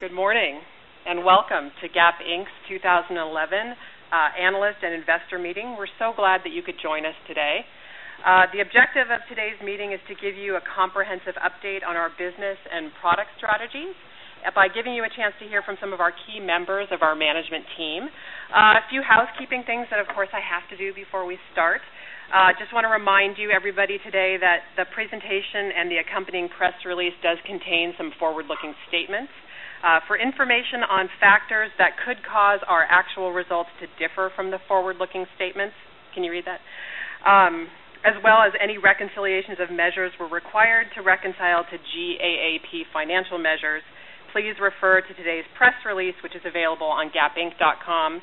Good morning and welcome to Gap Inc.'s 2011 Analyst and Investor Meeting. We're so glad that you could join us today. The objective of today's meeting is to give you a comprehensive update on our business and product strategies by giving you a chance to hear from some of our key members of our management team. A few housekeeping things that, of course, I have to do before we start. I just want to remind you, everybody, today that the presentation and the accompanying press release do contain some forward-looking statements. For information on factors that could cause our actual results to differ from the forward-looking statements, can you read that? As well as any reconciliations of measures we're required to reconcile to GAAP financial measures, please refer to today's press release, which is available on GapInc.com,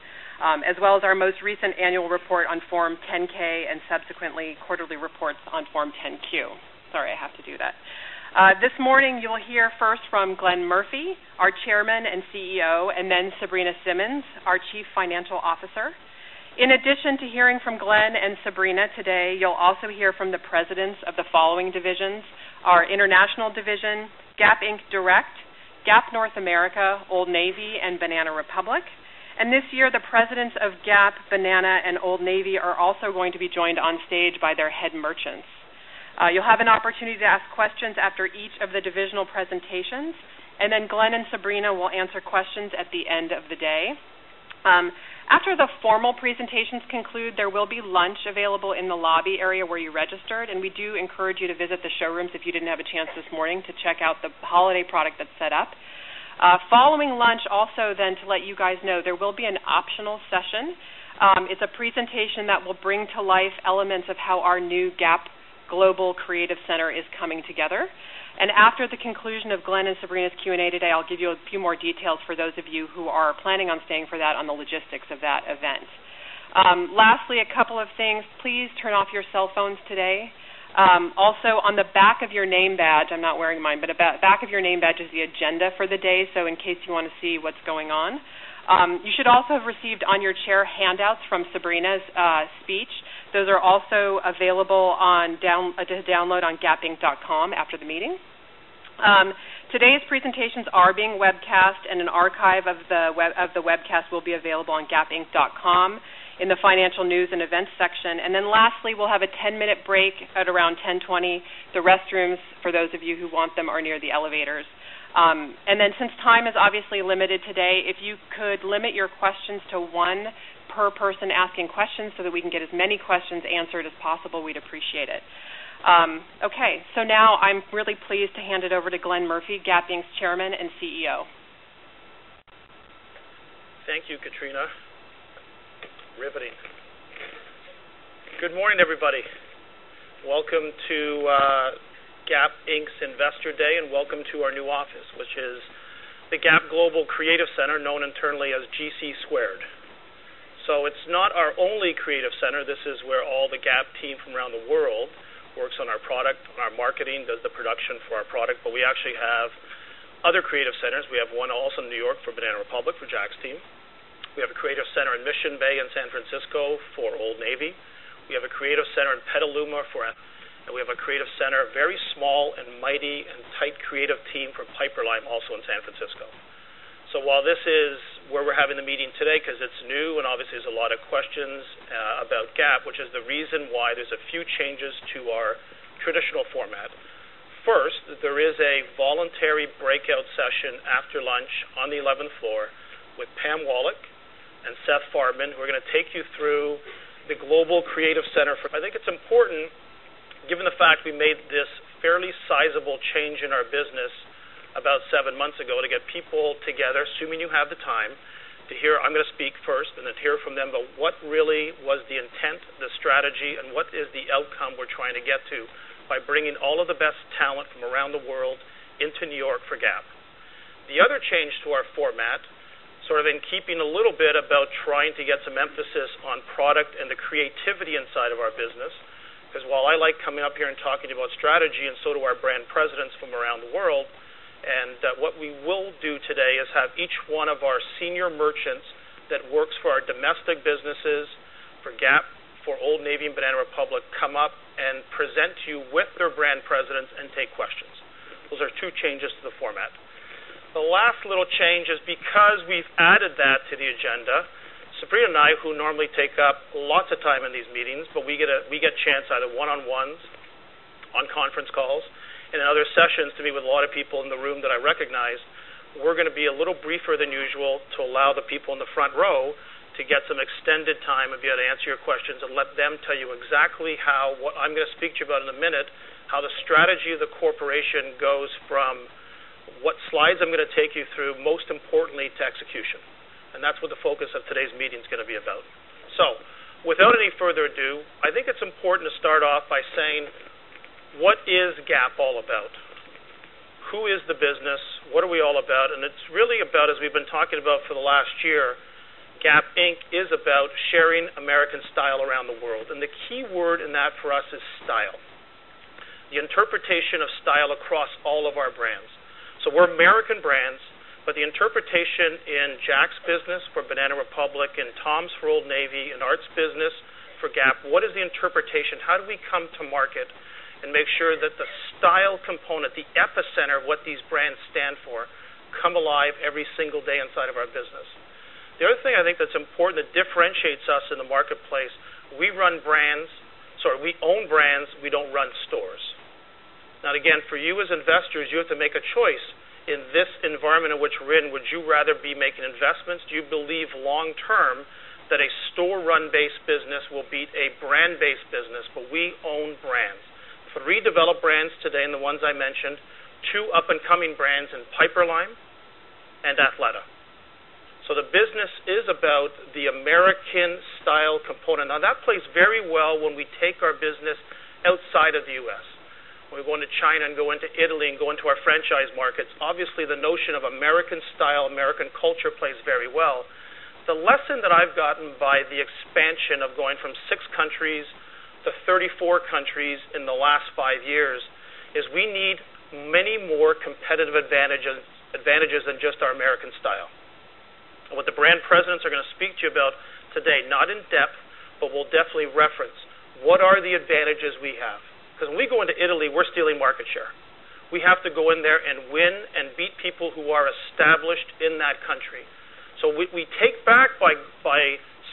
as well as our most recent annual report on Form 10-K and subsequent quarterly reports on Form 10-Q. Sorry, I have to do that. This morning, you'll hear first from Glenn Murphy, our Chairman and CEO, and then Sabrina Simmons, our Chief Financial Officer. In addition to hearing from Glenn and Sabrina today, you'll also hear from the Presidents of the following divisions: our International Division, Gap Inc. Direct, Gap North America, Old Navy, and Banana Republic. This year, the Presidents of Gap, Banana Republic, and Old Navy are also going to be joined on stage by their head merchants. You'll have an opportunity to ask questions after each of the divisional presentations, and then Glenn and Sabrina will answer questions at the end of the day. After the formal presentations conclude, there will be lunch available in the lobby area where you registered, and we do encourage you to visit the showrooms if you didn't have a chance this morning to check out the holiday product that's set up. Following lunch, also to let you know, there will be an optional session. It's a presentation that will bring to life elements of how our new Gap Global Creative Center is coming together. After the conclusion of Glenn and Sabrina's Q&A today, I'll give you a few more details for those of you who are planning on staying for that on the logistics of that event. Lastly, a couple of things. Please turn off your cell phones today. Also, on the back of your name badge, I'm not wearing mine, but the back of your name badge is the agenda for the day, so in case you want to see what's going on. You should also have received on your chair handouts from Sabrina's speech. Those are also available to download on GapInc.com after the meeting. Today's presentations are being webcast, and an archive of the webcast will be available on GapInc.com in the Financial News and Events section. Lastly, we'll have a 10-minute break at around 10:20 A.M. The restrooms, for those of you who want them, are near the elevators. Since time is obviously limited today, if you could limit your questions to one per person asking questions so that we can get as many questions answered as possible, we'd appreciate it. OK, now I'm really pleased to hand it over to Glenn Murphy, Gap Inc.'s Chairman and CEO. Thank you, Katrina. Good morning, everybody. Welcome to Gap Inc.'s Investor Day, and welcome to our new office, which is the Gap Global Creative Center, known internally as GC squared. It's not our only creative center. This is where all the Gap team from around the world works on our product, on our marketing, does the production for our product. We actually have other creative centers. We have one also in New York for Banana Republic for Jack's team. We have a creative center in Mission Bay in San Francisco for Old Navy. We have a creative center in Petaluma. We have a creative center, a very small and mighty and tight creative team from Piperlime also in San Francisco. While this is where we're having the meeting today because it's new and obviously there's a lot of questions about Gap, which is the reason why there's a few changes to our traditional format. First, there is a voluntary breakout session after lunch on the 11th floor with Pam Wallick and Seth Farman, who are going to take you through the Global Creative Center. I think it's important, given the fact we made this fairly sizable change in our business about seven months ago, to get people together, assuming you have the time, to hear I'm going to speak first and then hear from them about what really was the intent, the strategy, and what is the outcome we're trying to get to by bringing all of the best talent from around the world into New York for Gap. The other change to our format, in keeping a little bit about trying to get some emphasis on product and the creativity inside of our business, is that while I like coming up here and talking about strategy, and so do our brand presidents from around the world, what we will do today is have each one of our senior merchants that works for our domestic businesses for Gap, for Old Navy, and Banana Republic come up and present to you with their brand presidents and take questions. Those are two changes to the format. The last little change is because we've added that to the agenda. Sabrina and I, who normally take up lots of time in these meetings, but we get a chance either one-on-ones, on conference calls, and in other sessions to be with a lot of people in the room that I recognize, we're going to be a little briefer than usual to allow the people in the front row to get some extended time and be able to answer your questions and let them tell you exactly what I'm going to speak to you about in a minute, how the strategy of the corporation goes from what slides I'm going to take you through, most importantly, to execution. That's what the focus of today's meeting is going to be about. Without any further ado, I think it's important to start off by saying, what is Gap all about? Who is the business? What are we all about? It's really about, as we've been talking about for the last year, Gap Inc. is about sharing American style around the world. The key word in that for us is style, the interpretation of style across all of our brands. We're American brands, but the interpretation in Jack's business for Banana Republic and Tom's for Old Navy and Art's business for Gap, what is the interpretation? How do we come to market and make sure that the style component, the epicenter of what these brands stand for, come alive every single day inside of our business? The other thing I think that's important that differentiates us in the marketplace, we run brands, sorry, we own brands. We don't run stores. Now, again, for you as investors, you have to make a choice in this environment in which we're in. Would you rather be making investments? Do you believe long-term that a store-run-based business will beat a brand-based business? We own brands. Three developed brands today in the ones I mentioned, two up-and-coming brands in Piperlime and Athleta. The business is about the American style component. That plays very well when we take our business outside of the U.S. When we go into China and go into Italy and go into our franchise markets, obviously the notion of American style, American culture plays very well. The lesson that I've gotten by the expansion of going from six countries to 34 countries in the last five years is we need many more competitive advantages than just our American style. What the brand presidents are going to speak to you about today, not in depth, but we'll definitely reference, what are the advantages we have? Because when we go into Italy, we're stealing market share. We have to go in there and win and beat people who are established in that country. What we take back by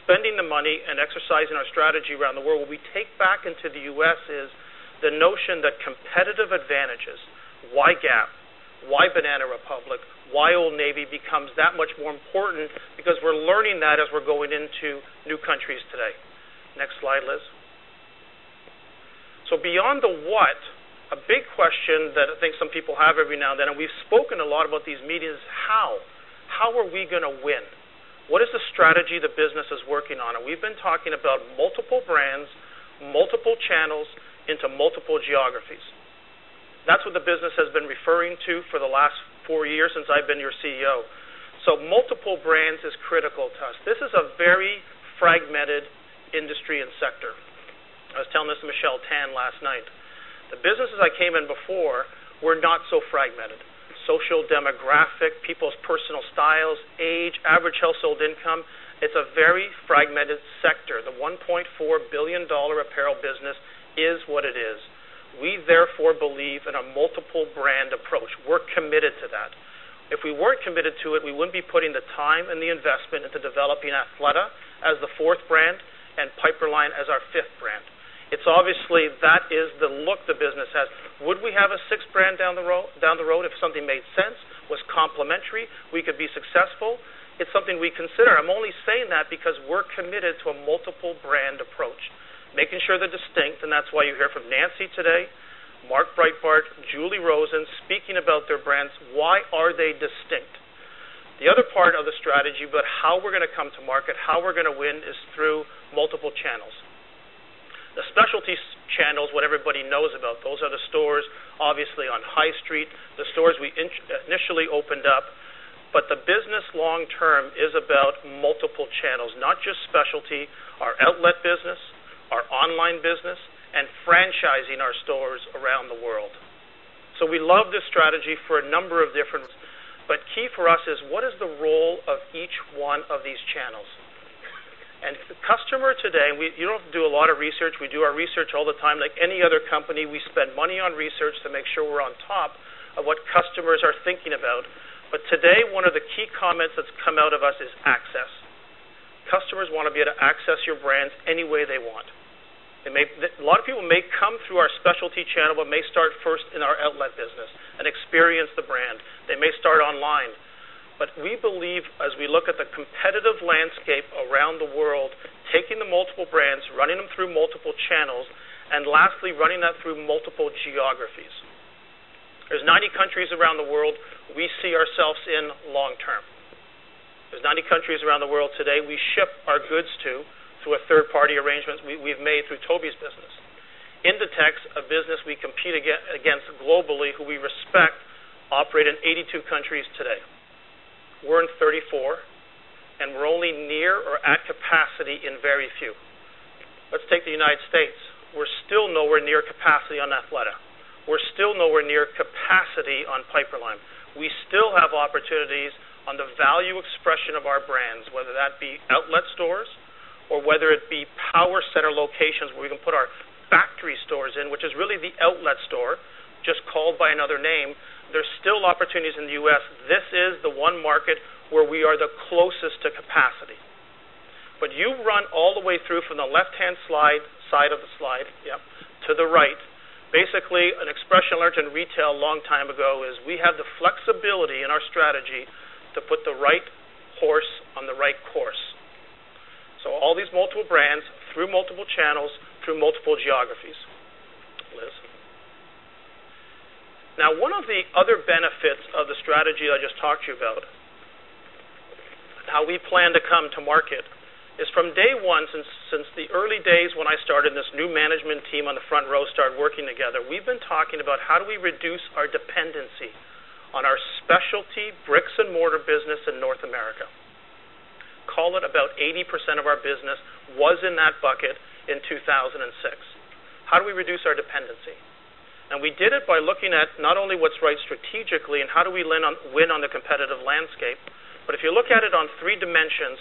spending the money and exercising our strategy around the world, what we take back into the U.S. is the notion that competitive advantages, why Gap, why Banana Republic, why Old Navy, becomes that much more important because we're learning that as we're going into new countries today. Next slide, Liz. Beyond the what, a big question that I think some people have every now and then, and we've spoken a lot about these meetings, is how? How are we going to win? What is the strategy the business is working on? We've been talking about multiple brands, multiple channels into multiple geographies. That's what the business has been referring to for the last four years since I've been your CEO. Multiple brands are critical to us. This is a very fragmented industry and sector. I was telling this to Michelle Tan last night. The businesses I came in before were not so fragmented. Social demographic, people's personal styles, age, average household income, it's a very fragmented sector. The $1.4 billion apparel business is what it is. We therefore believe in a multiple-brand approach. We're committed to that. If we weren't committed to it, we wouldn't be putting the time and the investment into developing Athleta as the fourth brand and Piperlime as our fifth brand. Obviously that is the look the business has. Would we have a sixth brand down the road if something made sense, was complementary, we could be successful? It's something we consider. I'm only saying that because we're committed to a multiple-brand approach, making sure they're distinct. That's why you hear from Nancy today, Mark Breitbart, Julie Rosen, speaking about their brands. Why are they distinct? The other part of the strategy, about how we're going to come to market, how we're going to win, is through multiple channels. The specialty channels, what everybody knows about, those are the stores obviously on High Street, the stores we initially opened up. The business long-term is about multiple channels, not just specialty, our outlet business, our online business, and franchising our stores around the world. We love this strategy for a number of different things. Key for us is what is the role of each one of these channels? Customer today, you don't have to do a lot of research. We do our research all the time. Like any other company, we spend money on research to make sure we're on top of what customers are thinking about. Today, one of the key comments that's come out of us is access. Customers want to be able to access your brands any way they want. A lot of people may come through our specialty channel, but may start first in our outlet business and experience the brand. They may start online. We believe, as we look at the competitive landscape around the world, taking the multiple brands, running them through multiple channels, and lastly, running that through multiple geographies. There are 90 countries around the world we see ourselves in long-term. There are 90 countries around the world today we ship our goods to through a third-party arrangement we've made through Toby's business. Inditex, a business we compete against globally, who we respect, operate in 82 countries today. We're in 34, and we're only near or at capacity in very few. Take the United States. We're still nowhere near capacity on Athleta. We're still nowhere near capacity on Piperlime. We still have opportunities on the value expression of our brands, whether that be outlet stores or whether it be power center locations where we can put our factory stores in, which is really the outlet store, just called by another name. There are still opportunities in the U.S. This is the one market where we are the closest to capacity. You run all the way through from the left-hand side of the slide, to the right. Basically, an expression I learned in retail a long time ago is we have the flexibility in our strategy to put the right horse on the right course. All these multiple brands through multiple channels, through multiple geographies. Liz. One of the other benefits of the strategy I just talked to you about, how we plan to come to market, is from day one, since the early days when I started this new management team on the front row started working together, we've been talking about how do we reduce our dependency on our specialty bricks-and-mortar business in North America. Call it about 80% of our business was in that bucket in 2006. How do we reduce our dependency? We did it by looking at not only what's right strategically and how do we win on the competitive landscape, but if you look at it on three dimensions,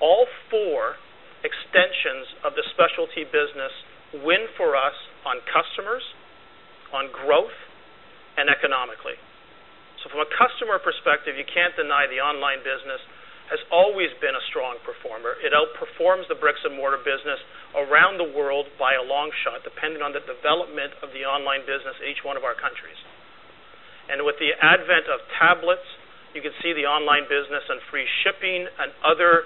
all four extensions of the specialty business win for us on customers, on growth, and economically. From a customer perspective, you can't deny the online business has always been a strong performer. It outperforms the bricks-and-mortar business around the world by a long shot, depending on the development of the online business in each one of our countries. With the advent of tablets, you can see the online business and free shipping and other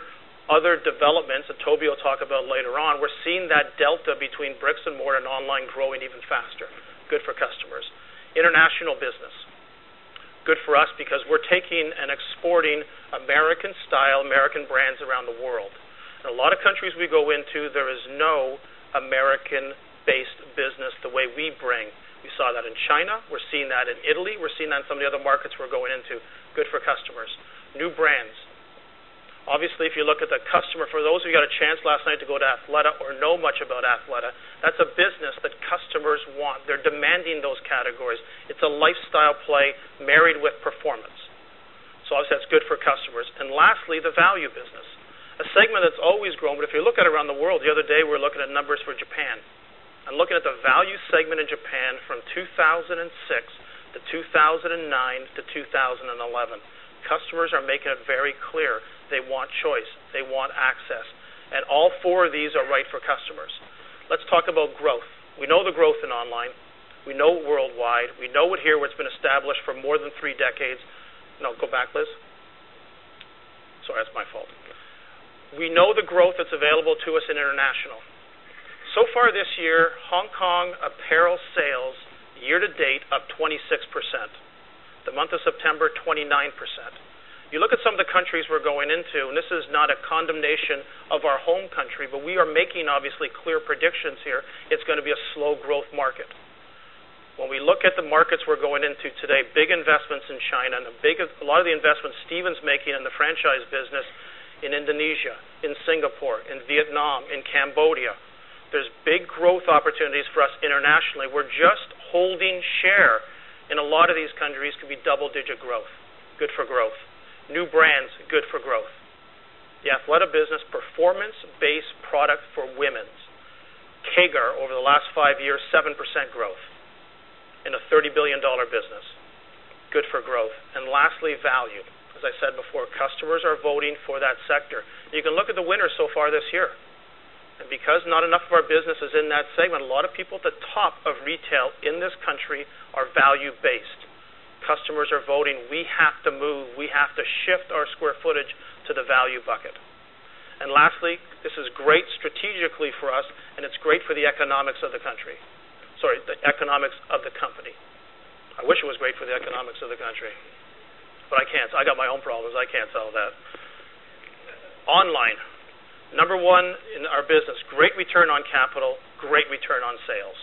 developments that Toby will talk about later on. We're seeing that delta between bricks-and-mortar and online growing even faster. Good for customers. International business. Good for us because we're taking and exporting American style, American brands around the world. In a lot of countries we go into, there is no American-based business the way we bring. We saw that in China. We're seeing that in Italy. We're seeing that in some of the other markets we're going into. Good for customers. New brands. Obviously, if you look at the customer, for those of you who got a chance last night to go to Athleta or know much about Athleta, that's a business that customers want. They're demanding those categories. It's a lifestyle play married with performance. Obviously, that's good for customers. Lastly, the value business, a segment that's always grown. If you look at it around the world, the other day we were looking at numbers for Japan. Looking at the value segment in Japan from 2006 to 2009 to 2011, customers are making it very clear they want choice, they want access. All four of these are right for customers. Let's talk about growth. We know the growth in online. We know worldwide. We know here what's been established for more than three decades. Go back, Liz. Sorry, that's my fault. We know the growth that's available to us in international. So far this year, Hong Kong apparel sales year to date up 26%. The month of September, 29%. You look at some of the countries we're going into, and this is not a condemnation of our home country, but we are making obviously clear predictions here. It's going to be a slow growth market. When we look at the markets we're going into today, big investments in China, and a lot of the investments Stephen's making in the franchise business in Indonesia, in Singapore, in Vietnam, in Cambodia, there's big growth opportunities for us internationally. We're just holding share in a lot of these countries could be double-digit growth. Good for growth. New brands, good for growth. Yeah, what a business. Performance-based product for women's. CAGR, over the last five years, 7% growth in a $30 billion business. Good for growth. Lastly, value. As I said before, customers are voting for that sector. You can look at the winners so far this year. Because not enough of our business is in that segment, a lot of people at the top of retail in this country are value-based. Customers are voting, we have to move, we have to shift our square footage to the value bucket. Lastly, this is great strategically for us, and it's great for the economics of the company. I wish it was great for the economics of the country. I can't. I got my own problems. I can't solve that. Online. Number one in our business, great return on capital, great return on sales.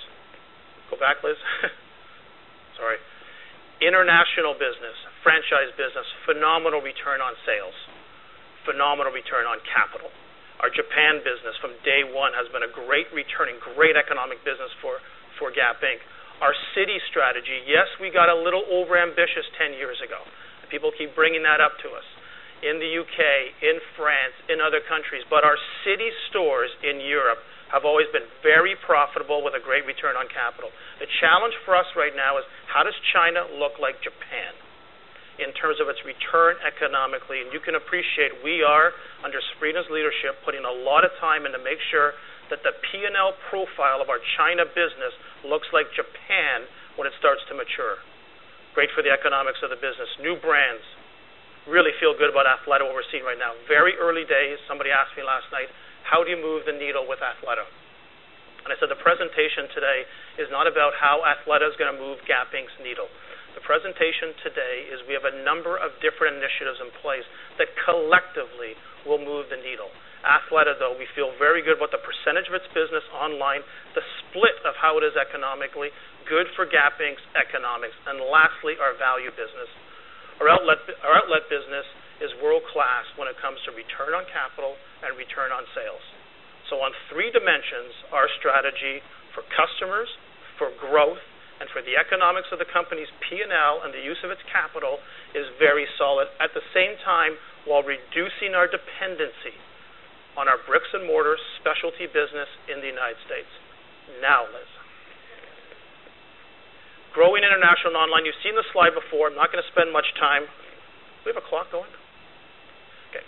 Go back, Liz. Sorry. International business, franchise business, phenomenal return on sales, phenomenal return on capital. Our Japan business from day one has been a great return and great economic business for Gap Inc. Our city strategy, yes, we got a little overambitious 10 years ago. People keep bringing that up to us in the U.K., in France, in other countries. Our city stores in Europe have always been very profitable with a great return on capital. The challenge for us right now is how does China look like Japan in terms of its return economically? You can appreciate we are, under Sabrina's leadership, putting a lot of time in to make sure that the P&L profile of our China business looks like Japan when it starts to mature. Great for the economics of the business. New brands. Really feel good about Athleta, what we're seeing right now. Very early days, somebody asked me last night, how do you move the needle with Athleta? I said the presentation today is not about how Athleta is going to move Gap Inc.'s needle. The presentation today is we have a number of different initiatives in place that collectively will move the needle. Athleta, though, we feel very good about the percentage of its business online, the split of how it is economically, good for Gap Inc.'s economics, and lastly, our value business. Our outlet business is world-class when it comes to return on capital and return on sales. On three dimensions, our strategy for customers, for growth, and for the economics of the company's P&L and the use of its capital is very solid at the same time while reducing our dependency on our bricks-and-mortar specialty business in the United States. Now, Liz. Growing international and online. You've seen the slide before. I'm not going to spend much time. We have a clock going? OK,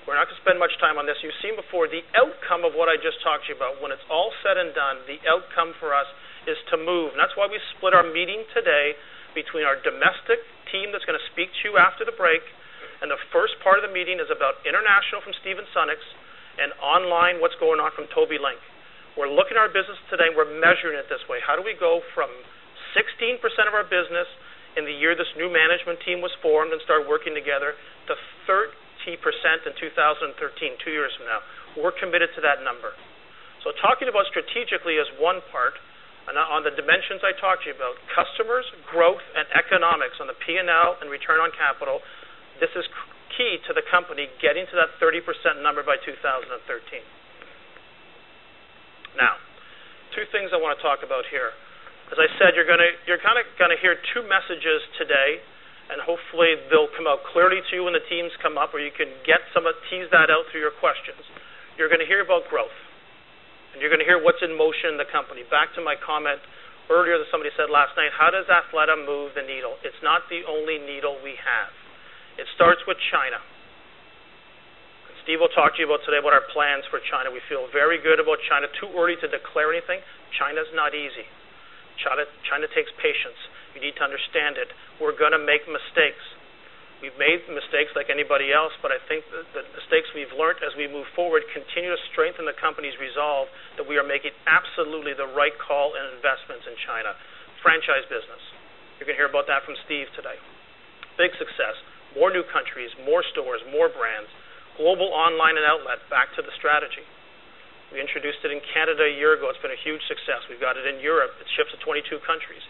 we're not going to spend much time on this. You've seen before the outcome of what I just talked to you about. When it's all said and done, the outcome for us is to move. That's why we split our meeting today between our domestic team that's going to speak to you after the break. The first part of the meeting is about international from Stephen Sunnucks and online what's going on from Toby Lenk. We're looking at our business today, and we're measuring it this way. How do we go from 16% of our business in the year this new management team was formed and started working together to 30% in 2013, two years from now? We're committed to that number. Talking about strategically is one part. On the dimensions I talked to you about, customers, growth, and economics on the P&L and return on capital, this is key to the company getting to that 30% number by 2013. Now, two things I want to talk about here. As I said, you're going to kind of hear two messages today, and hopefully they'll come out clearly to you when the teams come up, or you can tease that out through your questions. You're going to hear about growth, and you're going to hear what's in motion in the company. Back to my comment earlier that somebody said last night, how does Athleta move the needle? It's not the only needle we have. It starts with China. Steve will talk to you about today what our plans for China. We feel very good about China. Too early to declare anything. China is not easy. China takes patience. You need to understand it. We're going to make mistakes. We've made mistakes like anybody else, but I think the mistakes we've learned as we move forward continue to strengthen the company's resolve that we are making absolutely the right call in investments in China. Franchise business. You're going to hear about that from Steve today. Big success. More new countries, more stores, more brands. Global online and outlet, back to the strategy. We introduced it in Canada a year ago. It's been a huge success. We've got it in Europe. It ships to 22 countries.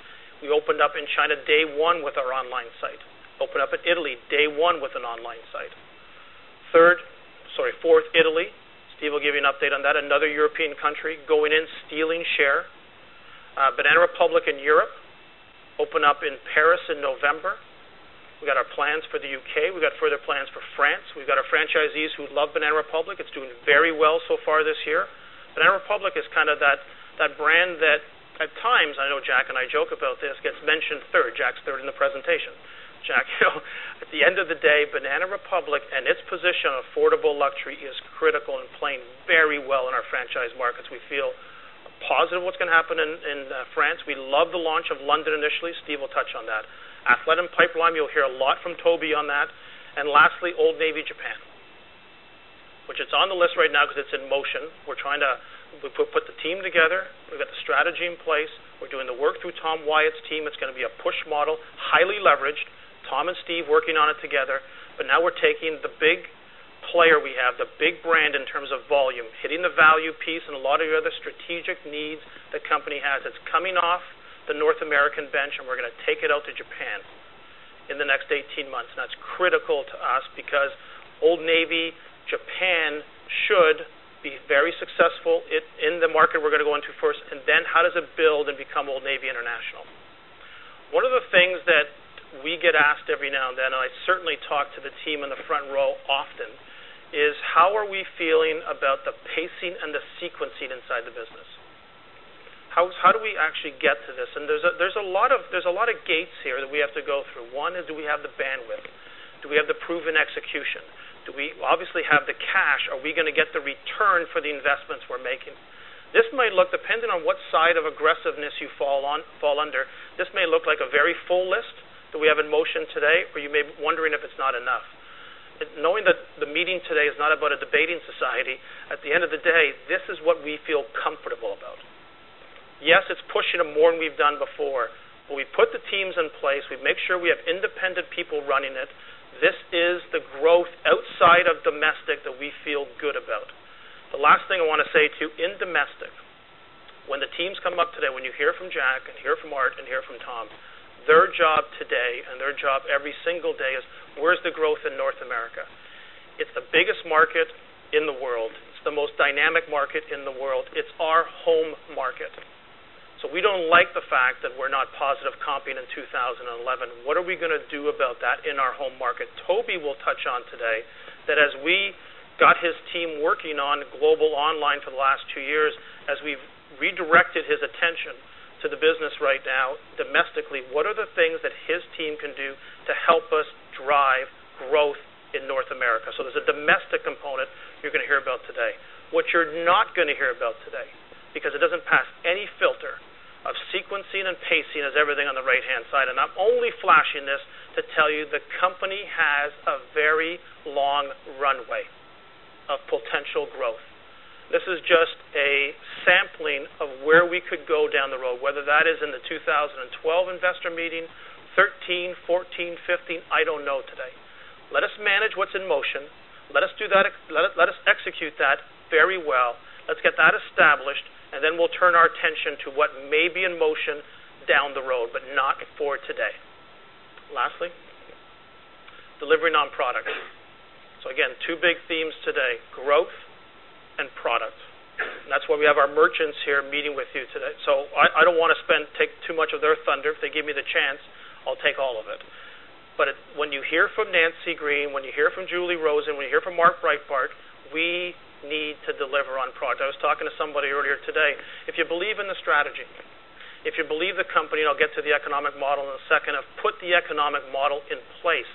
We opened up in China day one with our online site. Opened up in Italy day one with an online site. Fourth, Italy. Steve will give you an update on that. Another European country going in, stealing share. Banana Republic in Europe. Opened up in Paris in November. We've got our plans for the U.K. We've got further plans for France. We've got our franchisees who love Banana Republic. It's doing very well so far this year. Banana Republic is kind of that brand that at times, I know Jack and I joke about this, gets mentioned third. Jack's third in the presentation. Jack Calhoun. At the end of the day, Banana Republic and its position on affordable luxury is critical and playing very well in our franchise markets. We feel positive what's going to happen in France. We love the launch of London initially. Steve will touch on that. Athleta and Piperlime, you'll hear a lot from Toby on that. Lastly, Old Navy Japan, which it's on the list right now because it's in motion. We're trying to put the team together. We've got the strategy in place. We're doing the work through Tom Wyatt's team. It's going to be a push model, highly leveraged. Tom and Steve working on it together. Now we're taking the big player we have, the big brand in terms of volume, hitting the value piece and a lot of the other strategic needs the company has. It's coming off the North American bench, and we're going to take it out to Japan in the next 18 months. That's critical to us because Old Navy Japan should be very successful in the market we're going to go into first. Then how does it build and become Old Navy International? One of the things that we get asked every now and then, and I certainly talk to the team in the front row often, is how are we feeling about the pacing and the sequencing inside the business? How do we actually get to this? There's a lot of gates here that we have to go through. One is do we have the bandwidth? Do we have the proven execution? Do we obviously have the cash? Are we going to get the return for the investments we're making? This might look, depending on what side of aggressiveness you fall under, this may look like a very full list that we have in motion today, or you may be wondering if it's not enough. Knowing that the meeting today is not about a debating society, at the end of the day, this is what we feel comfortable about. Yes, it's pushing it more than we've done before. We put the teams in place. We make sure we have independent people running it. This is the growth outside of domestic that we feel good about. The last thing I want to say too, in domestic, when the teams come up today, when you hear from Jack and hear from Art and hear from Tom, their job today and their job every single day is where's the growth in North America? It's the biggest market in the world. It's the most dynamic market in the world. It's our home market. We don't like the fact that we're not positive comping in 2011. What are we going to do about that in our home market? Toby will touch on today that as we got his team working on global online for the last two years, as we've redirected his attention to the business right now domestically, what are the things that his team can do to help us drive growth in North America? There's a domestic component you're going to hear about today. What you're not going to hear about today, because it doesn't pass any filter of sequencing and pacing, is everything on the right-hand side. I'm only flashing this to tell you the company has a very long runway of potential growth. This is just a sampling of where we could go down the road, whether that is in the 2012 Investor Meeting, 2013, 2014, 2015. I don't know today. Let us manage what's in motion. Let us do that. Let us execute that very well. Let's get that established, and then we'll turn our attention to what may be in motion down the road, but not for today. Lastly, delivering on products. Again, two big themes today: growth and products. That's why we have our merchants here meeting with you today. I don't want to take too much of their thunder. If they give me the chance, I'll take all of it. When you hear from Nancy Green, when you hear from Julie Rosen, when you hear from Mark Breitbart, we need to deliver on product. I was talking to somebody earlier today. If you believe in the strategy, if you believe the company, and I'll get to the economic model in a second, have put the economic model in place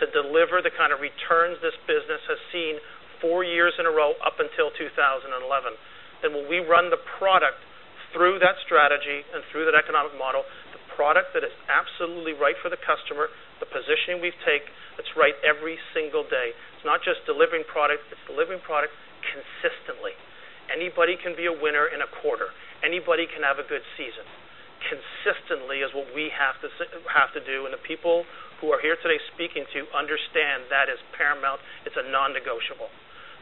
to deliver the kind of returns this business has seen four years in a row up until 2011, then when we run the product through that strategy and through that economic model, the product that is absolutely right for the customer, the positioning we take, it's right every single day. It's not just delivering product. It's delivering product consistently. Anybody can be a winner in a quarter. Anybody can have a good season. Consistently is what we have to do. The people who are here today speaking to understand that is paramount. It's a non-negotiable.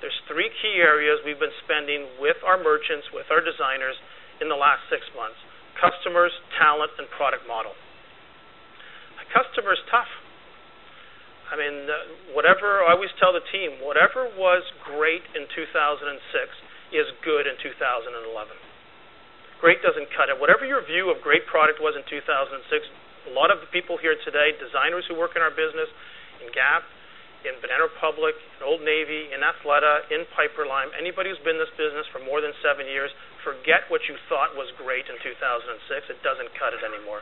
There are three key areas we've been spending with our merchants, with our designers in the last six months: customers, talent, and product model. Customer is tough. I mean, whatever I always tell the team, whatever was great in 2006 is good in 2011. Great doesn't cut it. Whatever your view of great product was in 2006, a lot of the people here today, designers who work in our business, in Gap, in Banana Republic, in Old Navy, in Athleta, in Piperlime, anybody who's been in this business for more than seven years, forget what you thought was great in 2006. It doesn't cut it anymore.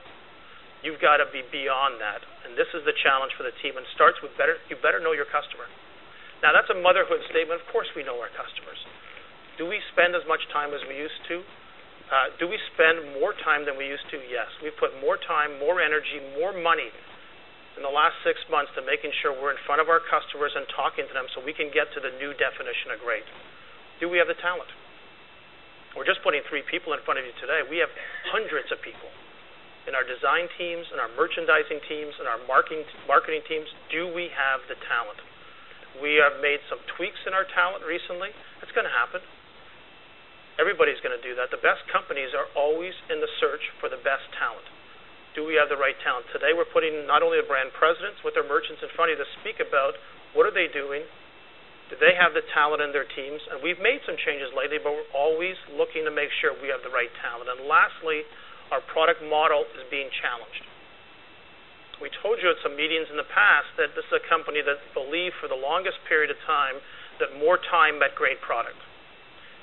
You've got to be beyond that. This is the challenge for the team, and it starts with you better know your customer. Now, that's a motherhood statement. Of course, we know our customers. Do we spend as much time as we used to? Do we spend more time than we used to? Yes. We put more time, more energy, more money in the last six months to making sure we're in front of our customers and talking to them so we can get to the new definition of great. Do we have the talent? We're just putting three people in front of you today. We have hundreds of people in our design teams, in our merchandising teams, in our marketing teams. Do we have the talent? We have made some tweaks in our talent recently. It's going to happen. Everybody's going to do that. The best companies are always in the search for the best talent. Do we have the right talent? Today, we're putting not only the Brand Presidents, but their merchants in front of you to speak about what are they doing. Do they have the talent in their teams? We've made some changes lately, but we're always looking to make sure we have the right talent. Lastly, our product model is being challenged. We told you at some meetings in the past that this is a company that believed for the longest period of time that more time meant great product.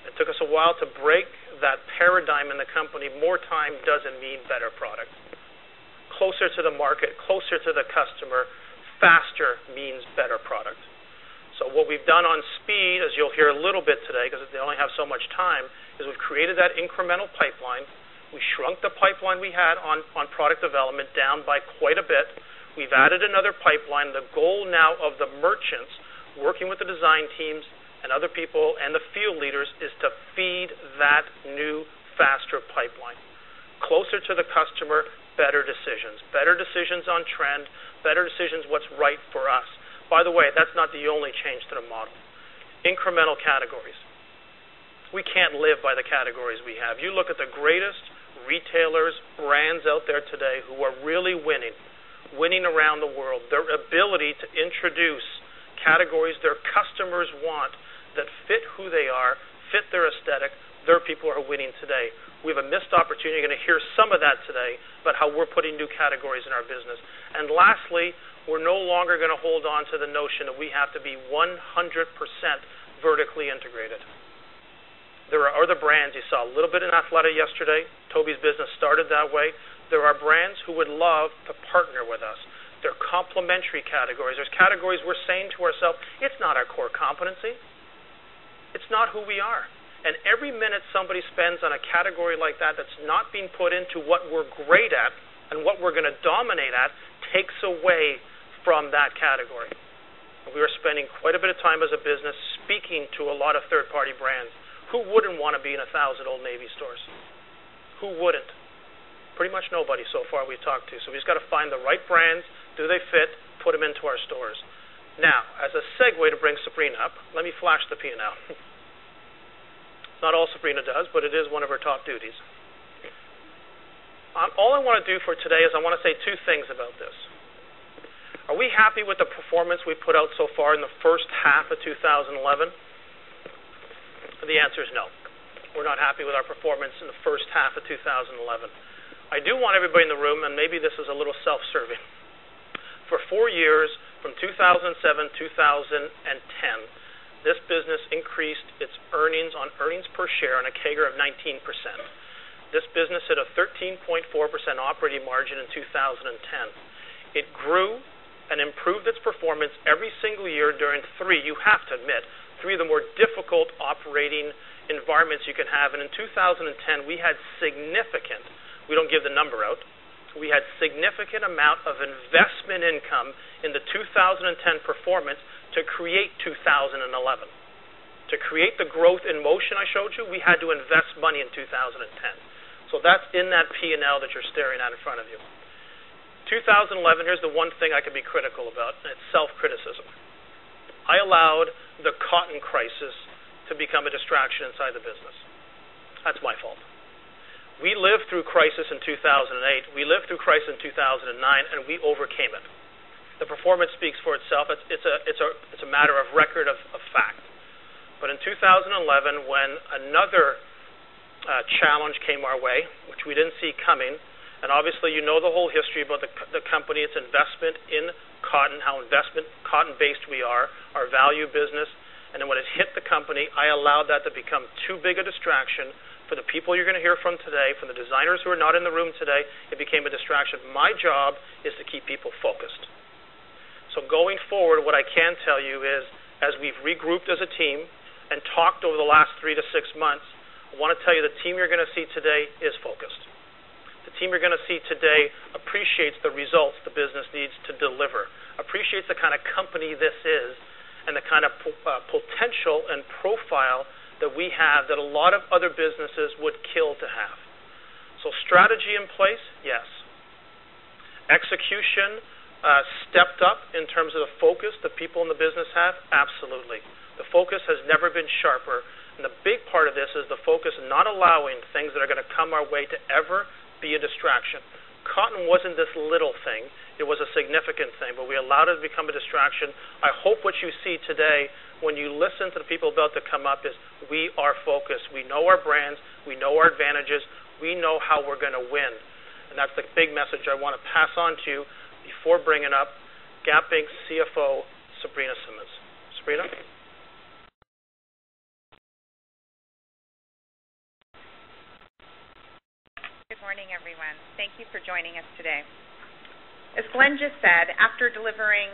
It took us a while to break that paradigm in the company. More time doesn't mean better product. Closer to the market, closer to the customer, faster means better product. What we've done on speed, as you'll hear a little bit today because they only have so much time, is we've created that incremental pipeline. We shrunk the pipeline we had on product development down by quite a bit. We've added another pipeline. The goal now of the merchants working with the design teams and other people and the field leaders is to feed that new faster pipeline. Closer to the customer, better decisions. Better decisions on trend. Better decisions what's right for us. By the way, that's not the only change to the model. Incremental categories. We can't live by the categories we have. You look at the greatest retailers, brands out there today who are really winning, winning around the world, their ability to introduce categories their customers want that fit who they are, fit their aesthetic, they're people who are winning today. We have a missed opportunity. You're going to hear some of that today about how we're putting new categories in our business. Lastly, we're no longer going to hold on to the notion that we have to be 100% vertically integrated. There are other brands. You saw a little bit in Athleta yesterday. Toby's business started that way. There are brands who would love to partner with us. There are complementary categories. There's categories we're saying to ourselves, it's not our core competency. It's not who we are. Every minute somebody spends on a category like that that's not being put into what we're great at and what we're going to dominate at takes away from that category. We are spending quite a bit of time as a business speaking to a lot of third-party brands. Who wouldn't want to be in 1,000 Old Navy store seats? Who wouldn't? Pretty much nobody so far we've talked to. We've just got to find the right brands. Do they fit? Put them into our stores. Now, as a segue to bring Sabrina up, let me flash the P&L. Not all Sabrina does, but it is one of her top duties. All I want to do for today is I want to say two things about this. Are we happy with the performance we put out so far in the first half of 2011? The answer is no. We're not happy with our performance in the first half of 2011. I do want everybody in the room, and maybe this is a little self-serving, for four years, from 2007 to 2010, this business increased its earnings on earnings per share on a CAGR of 19%. This business hit a 13.4% operating margin in 2010. It grew and improved its performance every single year during three, you have to admit, three of the more difficult operating environments you can have. In 2010, we had significant, we don't give the number out, we had a significant amount of investment income in the 2010 performance to create 2011. To create the growth in motion I showed you, we had to invest money in 2010. That's in that P&L that you're staring at in front of you. 2011, here's the one thing I can be critical about, and it's self-criticism. I allowed the cotton crisis to become a distraction inside the business. That's my fault. We lived through crisis in 2008. We lived through crisis in 2009, and we overcame it. The performance speaks for itself. It's a matter of record of fact. In 2011, when another challenge came our way, which we didn't see coming, and obviously you know the whole history about the company, its investment in cotton, how investment cotton-based we are, our value business, when it hit the company, I allowed that to become too big a distraction for the people you're going to hear from today, for the designers who are not in the room today. It became a distraction. My job is to keep people focused. Going forward, what I can tell you is as we've regrouped as a team and talked over the last three to six months, I want to tell you the team you're going to see today is focused. The team you're going to see today appreciates the results the business needs to deliver, appreciates the kind of company this is, and the kind of potential and profile that we have that a lot of other businesses would kill to have. Strategy in place, yes. Execution stepped up in terms of the focus that people in the business have, absolutely. The focus has never been sharper. A big part of this is the focus of not allowing things that are going to come our way to ever be a distraction. Cotton wasn't this little thing. It was a significant thing, but we allowed it to become a distraction. I hope what you see today when you listen to the people about to come up is we are focused. We know our brands. We know our advantages. We know how we're going to win. That's the big message I want to pass on to you before bringing up Gap Inc.'s CFO, Sabrina Simmons. Sabrina. Good morning, everyone. Thank you for joining us today. As Glenn just said, after delivering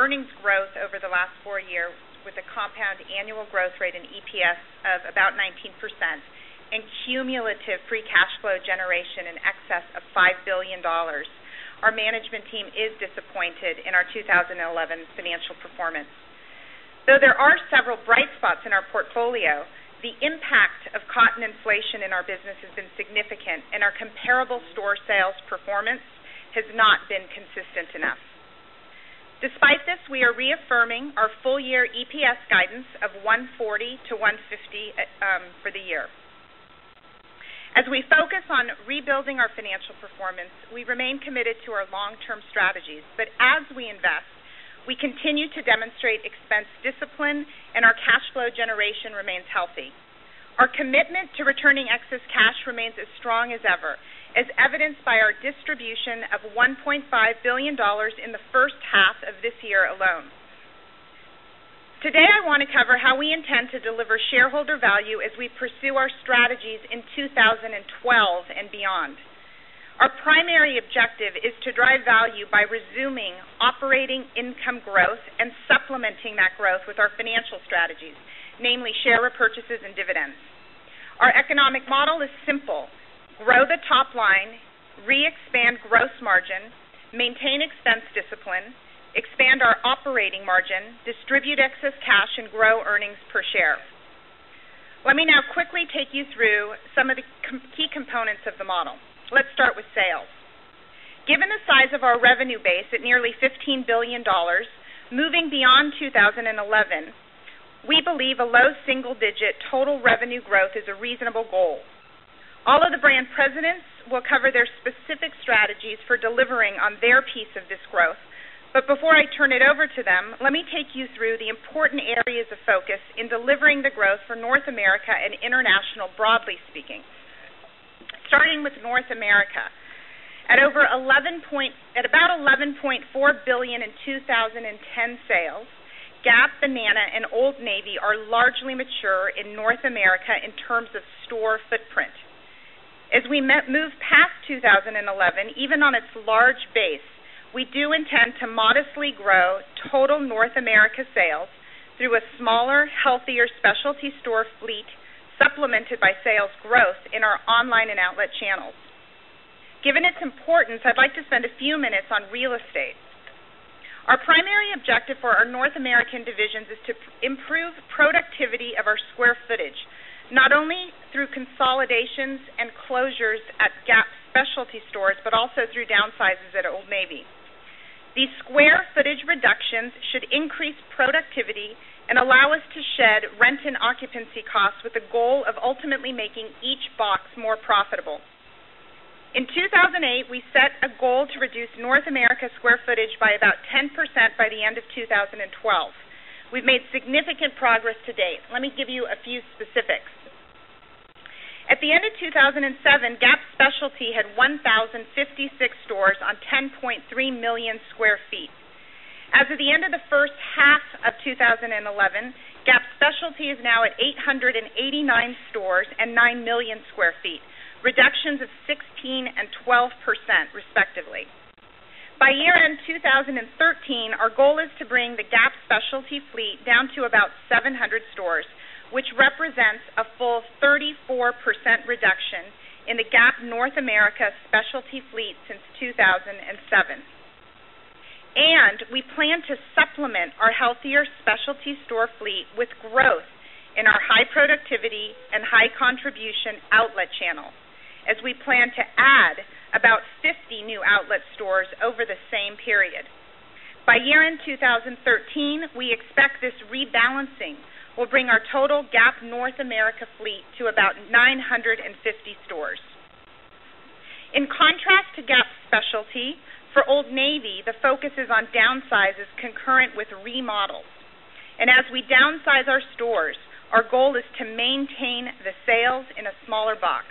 earnings growth over the last four years with a compound annual growth rate in EPS of about 19% and cumulative free cash flow generation in excess of $5 billion, our management team is disappointed in our 2011 financial performance. Though there are several bright spots in our portfolio, the impact of cotton inflation in our business has been significant, and our comparable store sales performance has not been consistent enough. Despite this, we are reaffirming our full-year EPS guidance of $1.40-$1.50 for the year. As we focus on rebuilding our financial performance, we remain committed to our long-term strategies. As we invest, we continue to demonstrate expense discipline, and our cash flow generation remains healthy. Our commitment to returning excess cash remains as strong as ever, as evidenced by our distribution of $1.5 billion in the first half of this year alone. Today, I want to cover how we intend to deliver shareholder value as we pursue our strategies in 2012 and beyond. Our primary objective is to drive value by resuming operating income growth and supplementing that growth with our financial strategies, namely share repurchases and dividends. Our economic model is simple: grow the top line, re-expand gross margin, maintain expense discipline, expand our operating margin, distribute excess cash, and grow earnings per share. Let me now quickly take you through some of the key components of the model. Let's start with sales. Given the size of our revenue base at nearly $15 billion, moving beyond 2011, we believe a low single-digit total revenue growth is a reasonable goal. All of the brand presidents will cover their specific strategies for delivering on their piece of this growth. Before I turn it over to them, let me take you through the important areas of focus in delivering the growth for North America and international, broadly speaking. Starting with North America, at about $11.4 billion in 2010 sales, Gap, Banana Republic, and Old Navy are largely mature in North America in terms of store footprint. As we move past 2011, even on its large base, we do intend to modestly grow total North America sales through a smaller, healthier specialty store fleet supplemented by sales growth in our online and outlet channels. Given its importance, I'd like to spend a few minutes on real estate. Our primary objective for our North American divisions is to improve the productivity of our square footage, not only through consolidations and closures at Gap Specialty stores, but also through downsizes at Old Navy. These square footage reductions should increase productivity and allow us to shed rent and occupancy costs with the goal of ultimately making each box more profitable. In 2008, we set a goal to reduce North America square footage by about 10% by the end of 2012. We've made significant progress to date. Let me give you a few specifics. At the end of 2007, Gap Specialty had 1,056 stores on 10.3 million sq ft. As of the end of the first half of 2011, Gap Specialty is now at 889 stores and 9 million sq ft, reductions of 16% and 12%, respectively. By year-end 2013, our goal is to bring the Gap Specialty fleet down to about 700 stores, which represents a full 34% reduction in the Gap North America specialty fleet since 2007. We plan to supplement our healthier specialty store fleet with growth in our high productivity and high contribution outlet channel, as we plan to add about 50 new outlet stores over the same period. By year-end 2013, we expect this rebalancing will bring our total Gap North America fleet to about 950 stores. In contrast to Gap Specialty, for Old Navy, the focus is on downsizes concurrent with remodels. As we downsize our stores, our goal is to maintain the sales in a smaller box.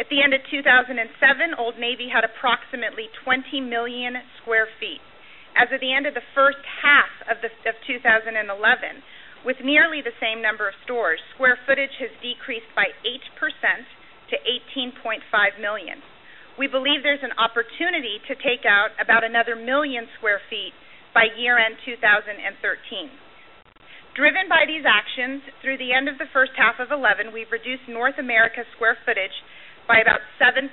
At the end of 2007, Old Navy had approximately 20 million sq ft. As of the end of the first half of 2011, with nearly the same number of stores, square footage has decreased by 8% to 18.5 million. We believe there's an opportunity to take out about another 1 million sq ft by year-end 2013. Driven by these actions, through the end of the first half of 2011, we've reduced North America square footage by about 7%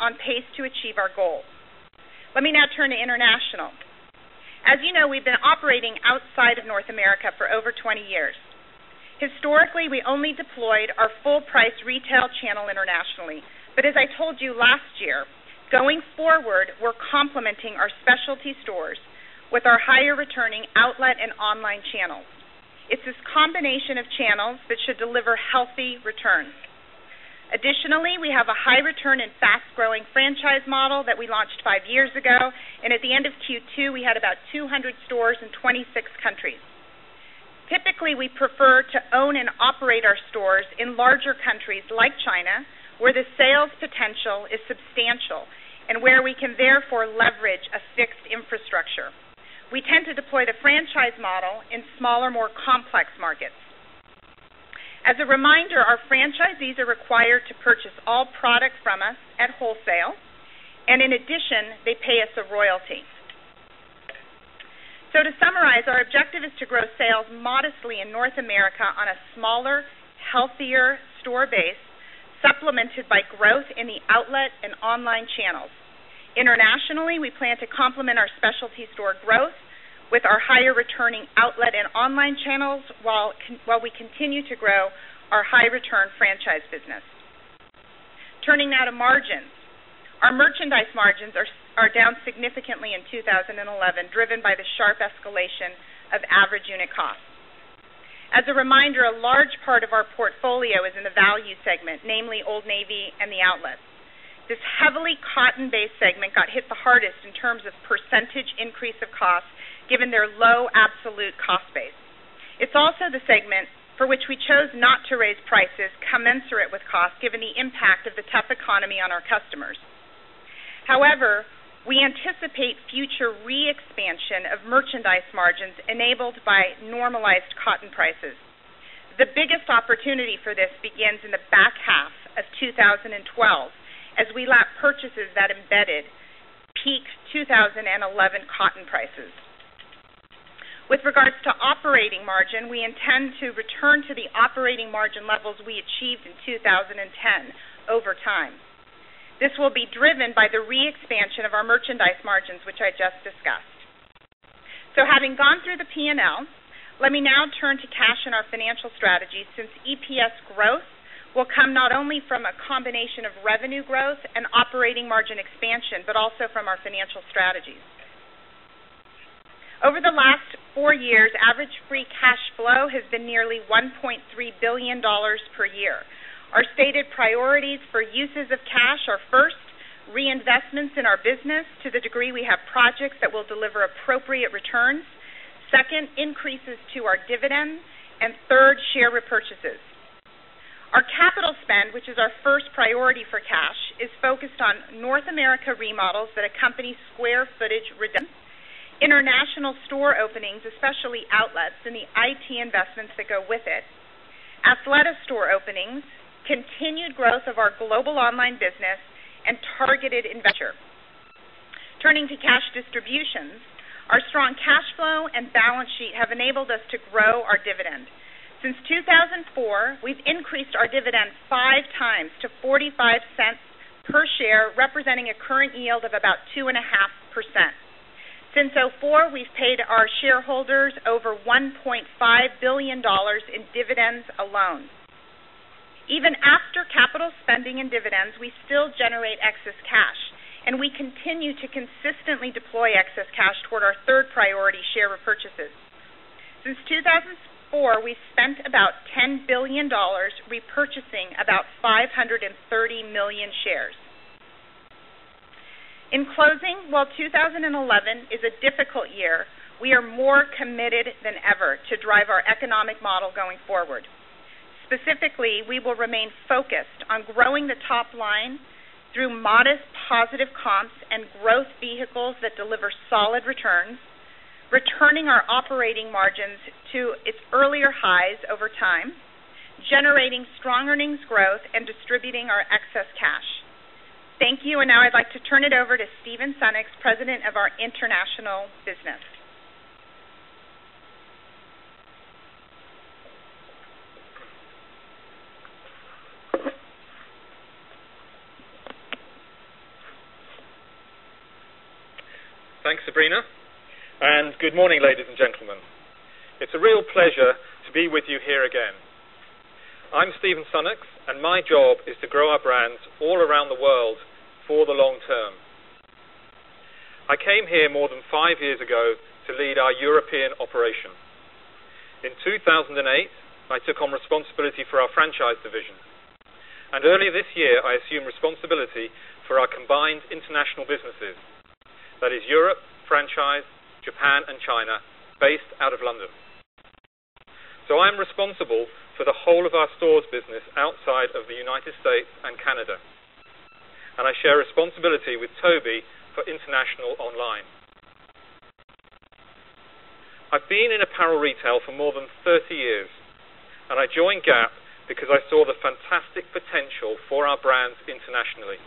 on pace to achieve our goal. Let me now turn to international. As you know, we've been operating outside of North America for over 20 years. Historically, we only deployed our full-price retail channel internationally. As I told you last year, going forward, we're complementing our specialty stores with our higher returning outlet and online channels. It's this combination of channels that should deliver healthy returns. Additionally, we have a high return and fast-growing franchise model that we launched five years ago. At the end of Q2, we had about 200 stores in 26 countries. Typically, we prefer to own and operate our stores in larger countries like China, where the sales potential is substantial and where we can therefore leverage a fixed infrastructure. We tend to deploy the franchise model in smaller, more complex markets. As a reminder, our franchisees are required to purchase all products from us at wholesale. In addition, they pay us a royalty. To summarize, our objective is to grow sales modestly in North America on a smaller, healthier store base, supplemented by growth in the outlet and online channels. Internationally, we plan to complement our specialty store growth with our higher returning outlet and online channels while we continue to grow our high-return franchise business. Turning now to margins. Our merchandise margins are down significantly in 2011, driven by the sharp escalation of average unit costs. As a reminder, a large part of our portfolio is in the value segment, namely Old Navy and the outlets. This heavily cotton-based segment got hit the hardest in terms of percentage increase of costs, given their low absolute cost base. It's also the segment for which we chose not to raise prices commensurate with costs, given the impact of the tough economy on our customers. However, we anticipate future re-expansion of merchandise margins enabled by normalized cotton prices. The biggest opportunity for this begins in the back half of 2012, as we lap purchases that embedded peak 2011 cotton prices. With regards to operating margin, we intend to return to the operating margin levels we achieved in 2010 over time. This will be driven by the re-expansion of our merchandise margins, which I just discussed. Having gone through the P&L, let me now turn to cash and our financial strategies, since EPS growth will come not only from a combination of revenue growth and operating margin expansion, but also from our financial strategies. Over the last four years, average free cash flow has been nearly $1.3 billion per year. Our stated priorities for uses of cash are first, reinvestments in our business to the degree we have projects that will deliver appropriate returns. Second, increases to our dividend. Third, share repurchases. Our capital spend, which is our first priority for cash, is focused on North America remodels that accompany square footage redemption, international store openings, especially outlets, and the IT investments that go with it, Athleta store openings, continued growth of our global online business, and targeted investments. Turning to cash distributions, our strong cash flow and balance sheet have enabled us to grow our dividend. Since 2004, we've increased our dividend five times to $0.45 per share, representing a current yield of about 2.5%. Since 2004, we've paid our shareholders over $1.5 billion in dividends alone. Even after capital spending and dividends, we still generate excess cash. We continue to consistently deploy excess cash toward our third priority, share repurchases. Since 2004, we spent about $10 billion repurchasing about 530 million shares. In closing, while 2011 is a difficult year, we are more committed than ever to drive our economic model going forward. Specifically, we will remain focused on growing the top line through modest positive comps and growth vehicles that deliver solid returns, returning our operating margins to its earlier highs over time, generating strong earnings growth, and distributing our excess cash. Thank you. Now I'd like to turn it over to Stephen Sunnucks, President of our International business. Thanks, Sabrina. Good morning, ladies and gentlemen. It's a real pleasure to be with you here again. I'm Stephen Sunnucks, and my job is to grow our brands all around the world for the long term. I came here more than five years ago to lead our European operation. In 2008, I took on responsibility for our franchise division. Early this year, I assumed responsibility for our combined international businesses, that is Europe, franchise, Japan, and China, based out of London. I'm responsible for the whole of our stores business outside of the United States and Canada. I share responsibility with Toby for international online. I've been in apparel retail for more than 30 years. I joined Gap because I saw the fantastic potential for our brands internationally.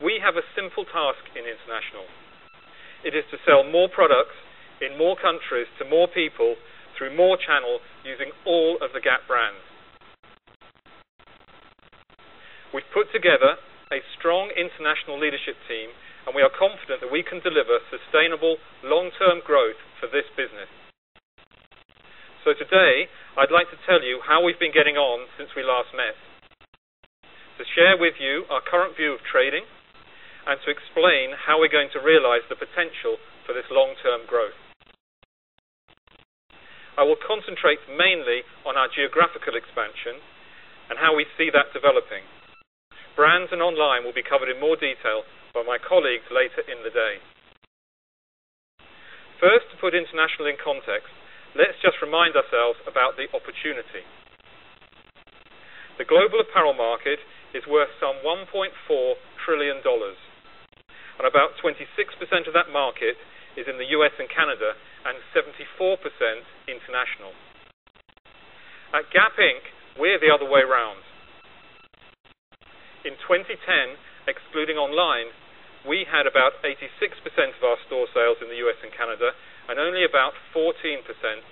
We have a simple task in international. It is to sell more products in more countries to more people through more channels using all of the Gap brand. We've put together a strong international leadership team, and we are confident that we can deliver sustainable long-term growth for this business. Today, I'd like to tell you how we've been getting on since we last met, to share with you our current view of trading, and to explain how we're going to realize the potential for this long-term growth. I will concentrate mainly on our geographical expansion and how we see that developing. Brands and online will be covered in more detail by my colleagues later in the day. First, to put international in context, let's just remind ourselves about the opportunity. The global apparel market is worth some $1.4 trillion. About 26% of that market is in the U.S. and Canada, and 74% international. At Gap Inc., we're the other way around. In 2010, excluding online, we had about 86% of our store sales in the U.S. and Canada, and only about 14%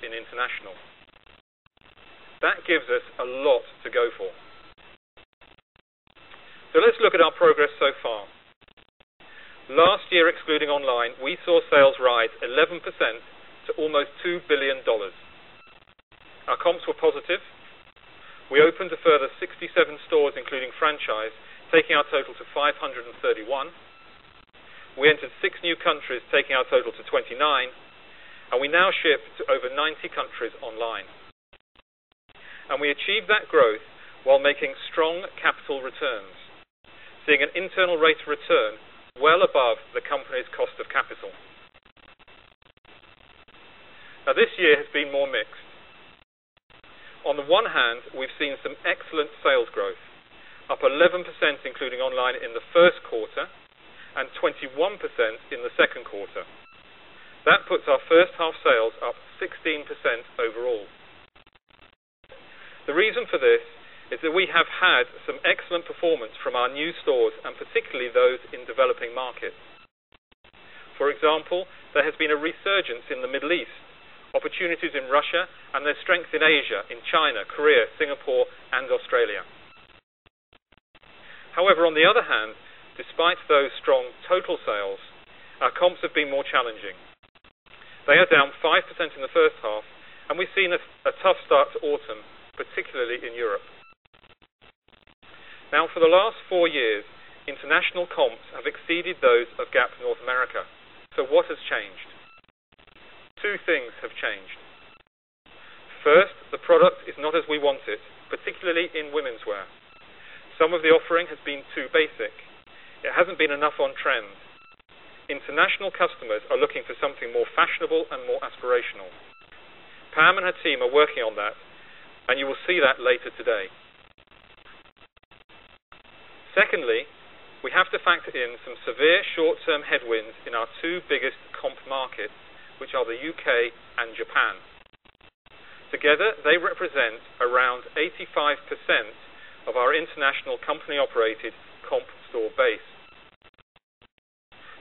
in international. That gives us a lot to go for. Let's look at our progress so far. Last year, excluding online, we saw sales rise 11% to almost $2 billion. Our comps were positive. We opened a further 67 stores, including franchise, taking our total to 531. We entered six new countries, taking our total to 29. We now ship to over 90 countries online. We achieved that growth while making strong capital returns, seeing an internal rate of return well above the company's cost of capital. This year has been more mixed. On the one hand, we've seen some excellent sales growth, up 11%, including online, in the first quarter, and 21% in the second quarter. That puts our first half sales up 16% overall. The reason for this is that we have had some excellent performance from our new stores, and particularly those in developing markets. For example, there has been a resurgence in the Middle East, opportunities in Russia, and there's strength in Asia, in China, Korea, Singapore, and Australia. However, on the other hand, despite those strong total sales, our comps have been more challenging. They are down 5% in the first half, and we've seen a tough start to autumn, particularly in Europe. Now, for the last four years, international comps have exceeded those of Gap North America. What has changed? Two things have changed. First, the product is not as we want it, particularly in women's wear. Some of the offering has been too basic. It hasn't been enough on trend. International customers are looking for something more fashionable and more aspirational. Pam and her team are working on that, and you will see that later today. Secondly, we have to factor in some severe short-term headwinds in our two biggest comp markets, which are the U.K. and Japan. Together, they represent around 85% of our international company-operated comp store base.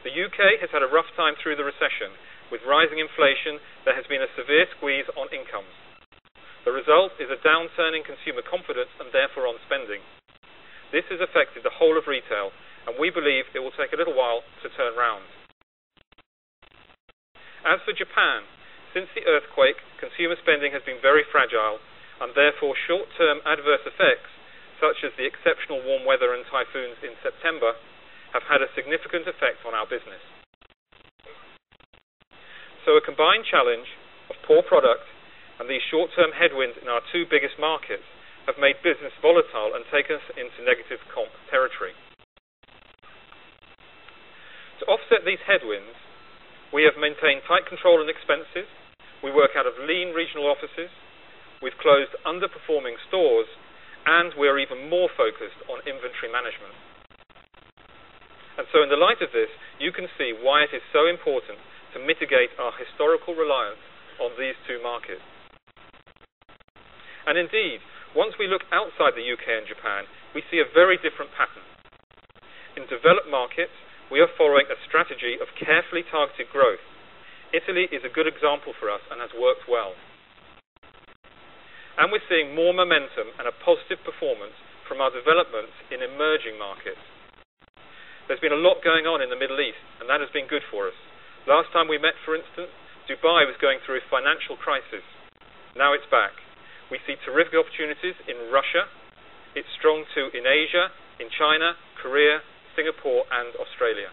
The U.K. has had a rough time through the recession. With rising inflation, there has been a severe squeeze on income. The result is a downturn in consumer confidence, and therefore on spending. This has affected the whole of retail, and we believe it will take a little while to turn around. As for Japan, since the earthquake, consumer spending has been very fragile, and therefore short-term adverse effects, such as the exceptional warm weather and typhoons in September, have had a significant effect on our business. A combined challenge of poor product and these short-term headwinds in our two biggest markets have made business volatile and taken us into negative comp territory. To offset these headwinds, we have maintained tight control on expenses. We work out of lean regional offices. We've closed underperforming stores, and we are even more focused on inventory management. In the light of this, you can see why it is so important to mitigate our historical reliance on these two markets. Indeed, once we look outside the U.K. and Japan, we see a very different pattern. In developed markets, we are following a strategy of carefully targeted growth. Italy is a good example for us and has worked well. We're seeing more momentum and a positive performance from our developments in emerging markets. There's been a lot going on in the Middle East, and that has been good for us. Last time we met, for instance, Dubai was going through a financial crisis. Now it's back. We see terrific opportunities in Russia. It's strong too in Asia, in China, Korea, Singapore, and Australia.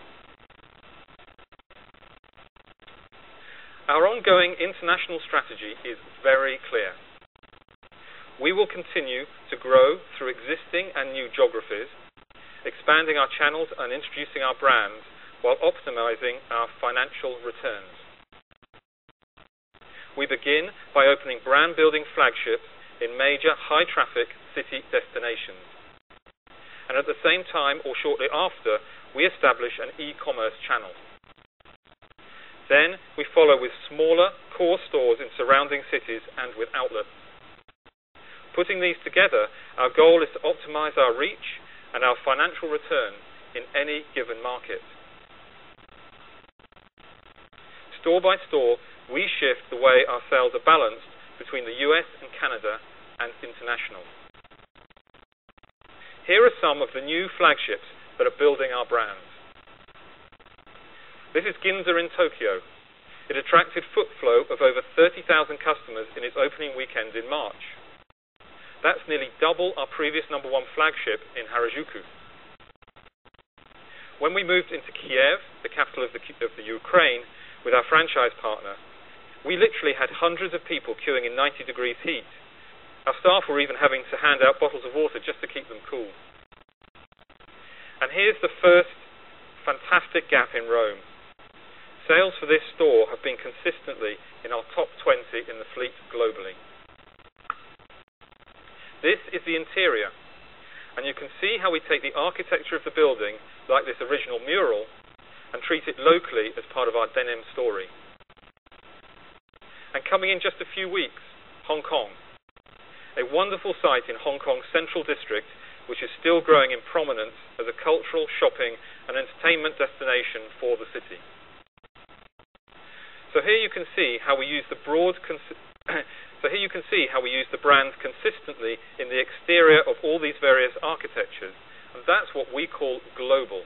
Our ongoing international strategy is very clear. We will continue to grow through existing and new geographies, expanding our channels and introducing our brands while optimizing our financial returns. We begin by opening brand-building flagships in major high-traffic city destinations. At the same time, or shortly after, we establish an e-commerce channel. We follow with smaller core stores in surrounding cities and with outlets. Putting these together, our goal is to optimize our reach and our financial return in any given market. Store by store, we shift the way our sales are balanced between the U.S. and Canada and international. Here are some of the new flagships that are building our brands. This is Ginza in Tokyo. It attracted a foot flow of over 30,000 customers in its opening weekend in March. That's nearly double our previous number one flagship in Harajuku. When we moved into Kyiv, the capital of Ukraine, with our franchise partner, we literally had hundreds of people queuing in 90° heat. Our staff were even having to hand out bottles of water just to keep them cool. Here's the first fantastic Gap in Rome. Sales for this store have been consistently in our top 20 in the fleet globally. This is the interior. You can see how we take the architecture of the building, like this original mural, and treat it locally as part of our denim story. Coming in just a few weeks, Hong Kong. A wonderful site in Hong Kong's central district, which is still growing in prominence as a cultural shopping and entertainment destination for the city. Here you can see how we use the brand consistently in the exterior of all these various architectures. That's what we call global.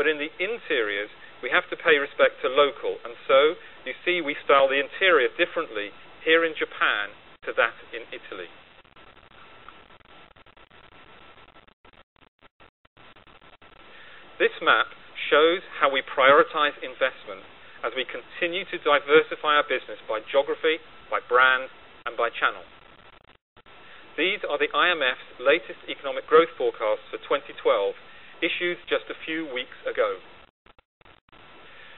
In the interiors, we have to pay respect to local. You see we style the interior differently here in Japan to that in Italy. This map shows how we prioritize investment as we continue to diversify our business by geography, by brand, and by channel. These are the IMF's latest economic growth forecasts for 2012, issued just a few weeks ago.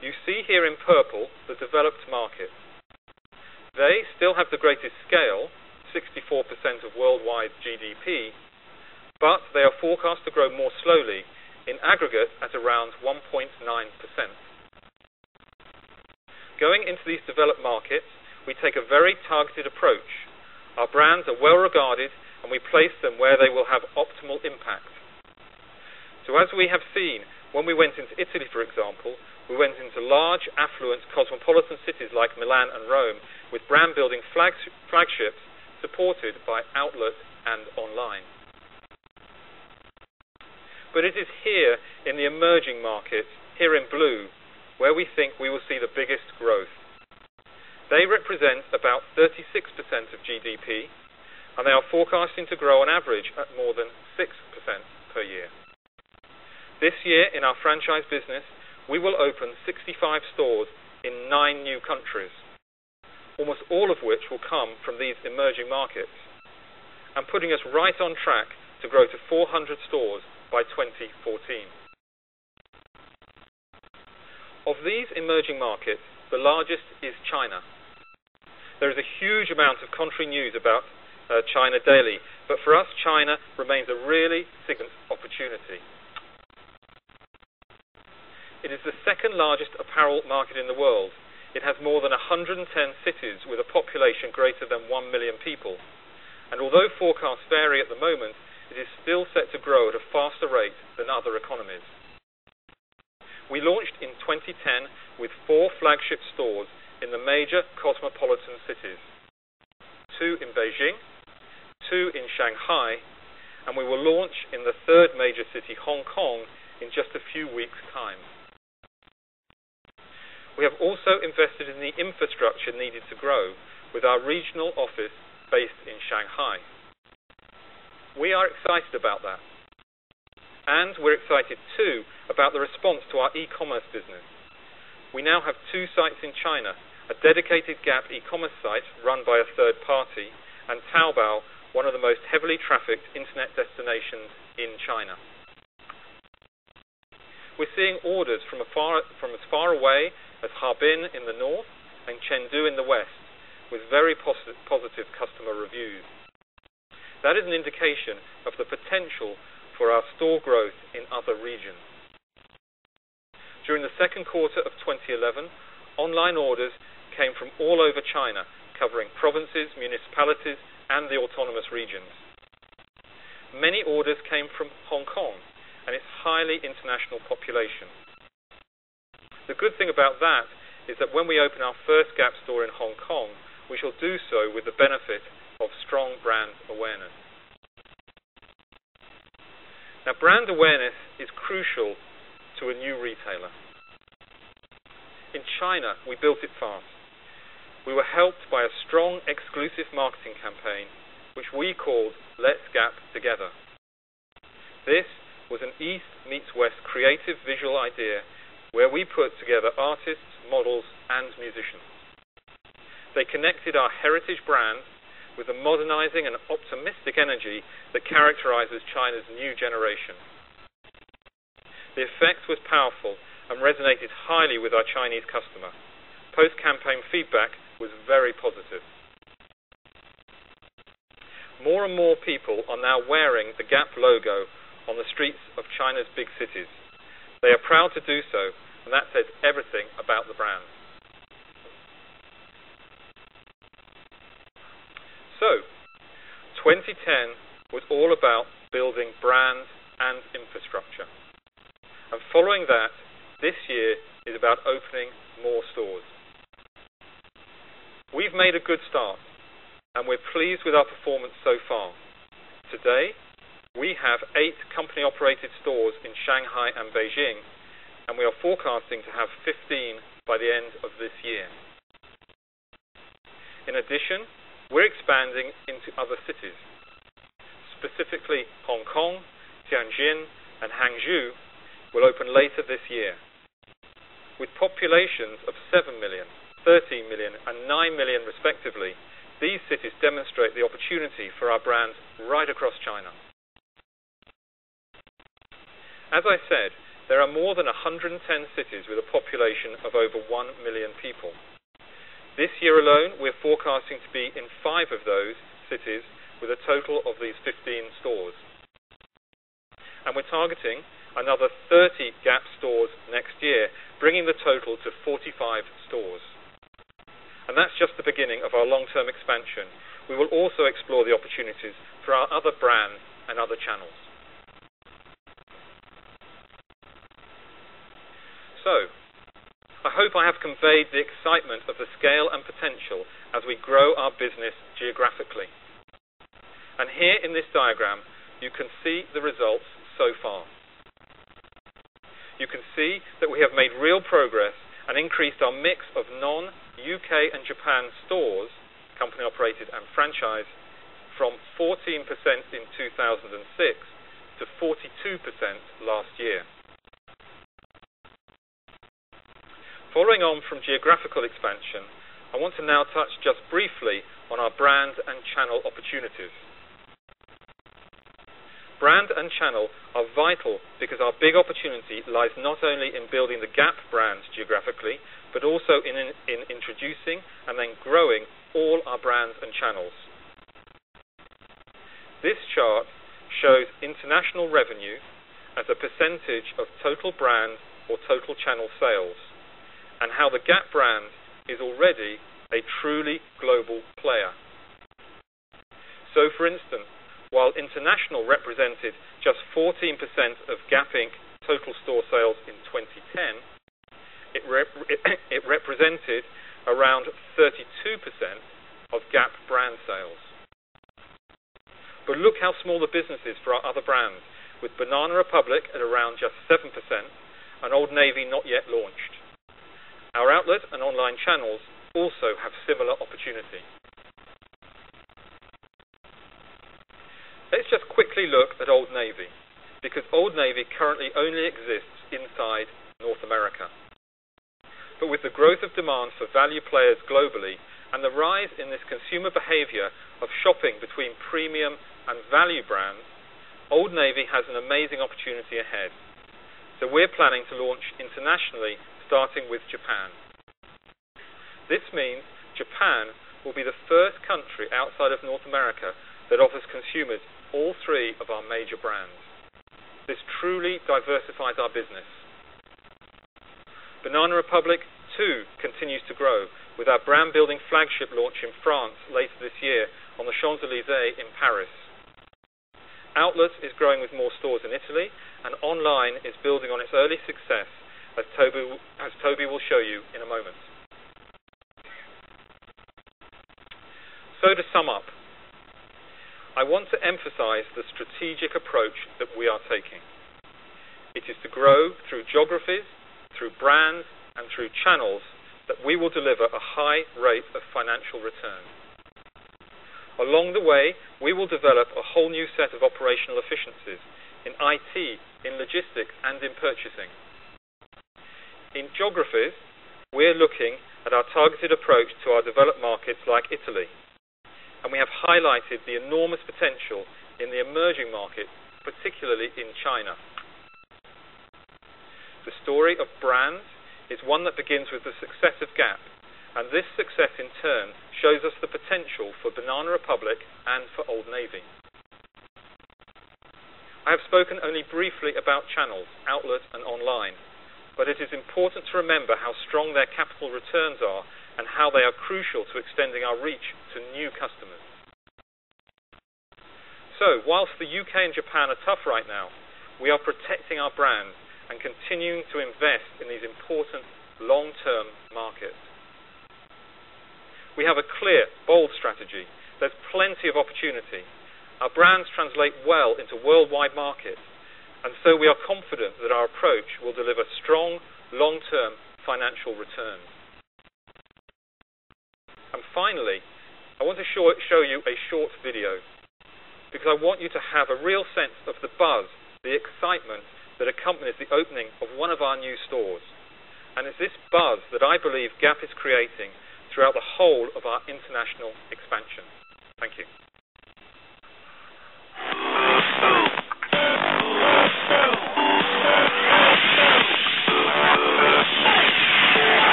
You see here in purple the developed market. They still have the greatest scale, 64% of worldwide GDP, but they are forecast to grow more slowly, in aggregate at around 1.9%. Going into these developed markets, we take a very targeted approach. Our brands are well regarded, and we place them where they will have optimal impact. As we have seen, when we went into Italy, for example, we went into large, affluent, cosmopolitan cities like Milan and Rome with brand-building flagships supported by outlets and online. It is here in the emerging markets, here in blue, where we think we will see the biggest growth. They represent about 36% of GDP, and they are forecasting to grow on average at more than 6% per year. This year, in our franchise business, we will open 65 stores in nine new countries, almost all of which will come from these emerging markets, and putting us right on track to grow to 400 stores by 2014. Of these emerging markets, the largest is China. There is a huge amount of country news about China daily. For us, China remains a really significant opportunity. It is the second largest apparel market in the world. It has more than 110 cities with a population greater than 1 million people. Although forecasts vary at the moment, it is still set to grow at a faster rate than other economies. We launched in 2010 with four flagship stores in the major cosmopolitan cities, two in Beijing, two in Shanghai, and we will launch in the third major city, Hong Kong, in just a few weeks' time. We have also invested in the infrastructure needed to grow with our regional office based in Shanghai. We are excited about that. We're excited too about the response to our e-commerce business. We now have two sites in China, a dedicated Gap e-commerce site run by a third party, and Taobao, one of the most heavily trafficked internet destinations in China. We're seeing orders from as far away as Harbin in the north and Chengdu in the west, with very positive customer reviews. That is an indication of the potential for our store growth in other regions. During the second quarter of 2011, online orders came from all over China, covering provinces, municipalities, and the autonomous regions. Many orders came from Hong Kong and its highly international population. The good thing about that is that when we open our first Gap store in Hong Kong, we shall do so with the benefit of strong brand awareness. Brand awareness is crucial to a new retailer. In China, we built it fast. We were helped by a strong, exclusive marketing campaign, which we called Let's Gap Together. This was an East meets West creative visual idea where we put together artists, models, and musicians. They connected our heritage brand with a modernizing and optimistic energy that characterizes China's new generation. The effect was powerful and resonated highly with our Chinese customer. Post-campaign feedback was very positive. More and more people are now wearing the Gap logo on the streets of China's big cities. They are proud to do so, and that says everything about the brand. 2010 was all about building brand and infrastructure. Following that, this year is about opening more stores. We've made a good start, and we're pleased with our performance so far. Today, we have eight company-operated stores in Shanghai and Beijing, and we are forecasting to have 15 by the end of this year. In addition, we're expanding into other cities. Specifically, Hong Kong, Tianjin, and Hangzhou will open later this year. With populations of 7 million, 13 million, and 9 million, respectively, these cities demonstrate the opportunity for our brand right across China. As I said, there are more than 110 cities with a population of over 1 million people. This year alone, we're forecasting to be in five of those cities with a total of these 15 stores. We're targeting another 30 Gap stores next year, bringing the total to 45 stores. That's just the beginning of our long-term expansion. We will also explore the opportunities for our other brand and other channels. I hope I have conveyed the excitement of the scale and potential as we grow our business geographically. Here in this diagram, you can see the results so far. You can see that we have made real progress and increased our mix of non-U.K. and Japan stores, company-operated and franchised, from 14% in 2006 to 42% last year. Following on from geographical expansion, I want to now touch just briefly on our brand and channel opportunities. Brand and channel are vital because our big opportunity lies not only in building the Gap brand geographically, but also in introducing and then growing all our brands and channels. This chart shows international revenue as a percentage of total brand or total channel sales, and how the Gap brand is already a truly global player. For instance, while international represented just 14% of Gap Inc. total store sales in 2010, it represented around 32% of Gap brand sales. Look how small the business is for our other brands, with Banana Republic at around just 7% and Old Navy not yet launched. Our outlets and online channels also have similar opportunity. Let's just quickly look at Old Navy because Old Navy currently only exists inside North America. With the growth of demand for value players globally and the rise in this consumer behavior of shopping between premium and value brands, Old Navy has an amazing opportunity ahead. We are planning to launch internationally, starting with Japan. This means Japan will be the first country outside of North America that offers consumers all three of our major brands. This truly diversifies our business. Banana Republic too continues to grow with our brand-building flagship launch in France later this year on the Champs-Élysées in Paris. Outlets are growing with more stores in Italy, and online is building on its early success, as Toby will show you in a moment. To sum up, I want to emphasize the strategic approach that we are taking. It is to grow through geographies, through brands, and through channels that we will deliver a high rate of financial return. Along the way, we will develop a whole new set of operational efficiencies in IT, in logistics, and in purchasing. In geographies, we are looking at our targeted approach to our developed markets like Italy. We have highlighted the enormous potential in the emerging market, particularly in China. The story of brand is one that begins with the success of Gap. This success, in turn, shows us the potential for Banana Republic and for Old Navy. I have spoken only briefly about channels, outlets, and online. It is important to remember how strong their capital returns are and how they are crucial to extending our reach to new customers. Whilst the U.K. and Japan are tough right now, we are protecting our brand and continuing to invest in these important long-term markets. We have a clear, bold strategy. There's plenty of opportunity. Our brands translate well into worldwide markets. We are confident that our approach will deliver strong long-term financial return. Finally, I want to show you a short video because I want you to have a real sense of the buzz, the excitement that accompanies the opening of one of our new stores. It's this buzz that I believe Gap is creating throughout the whole of our international expansion. Thank you.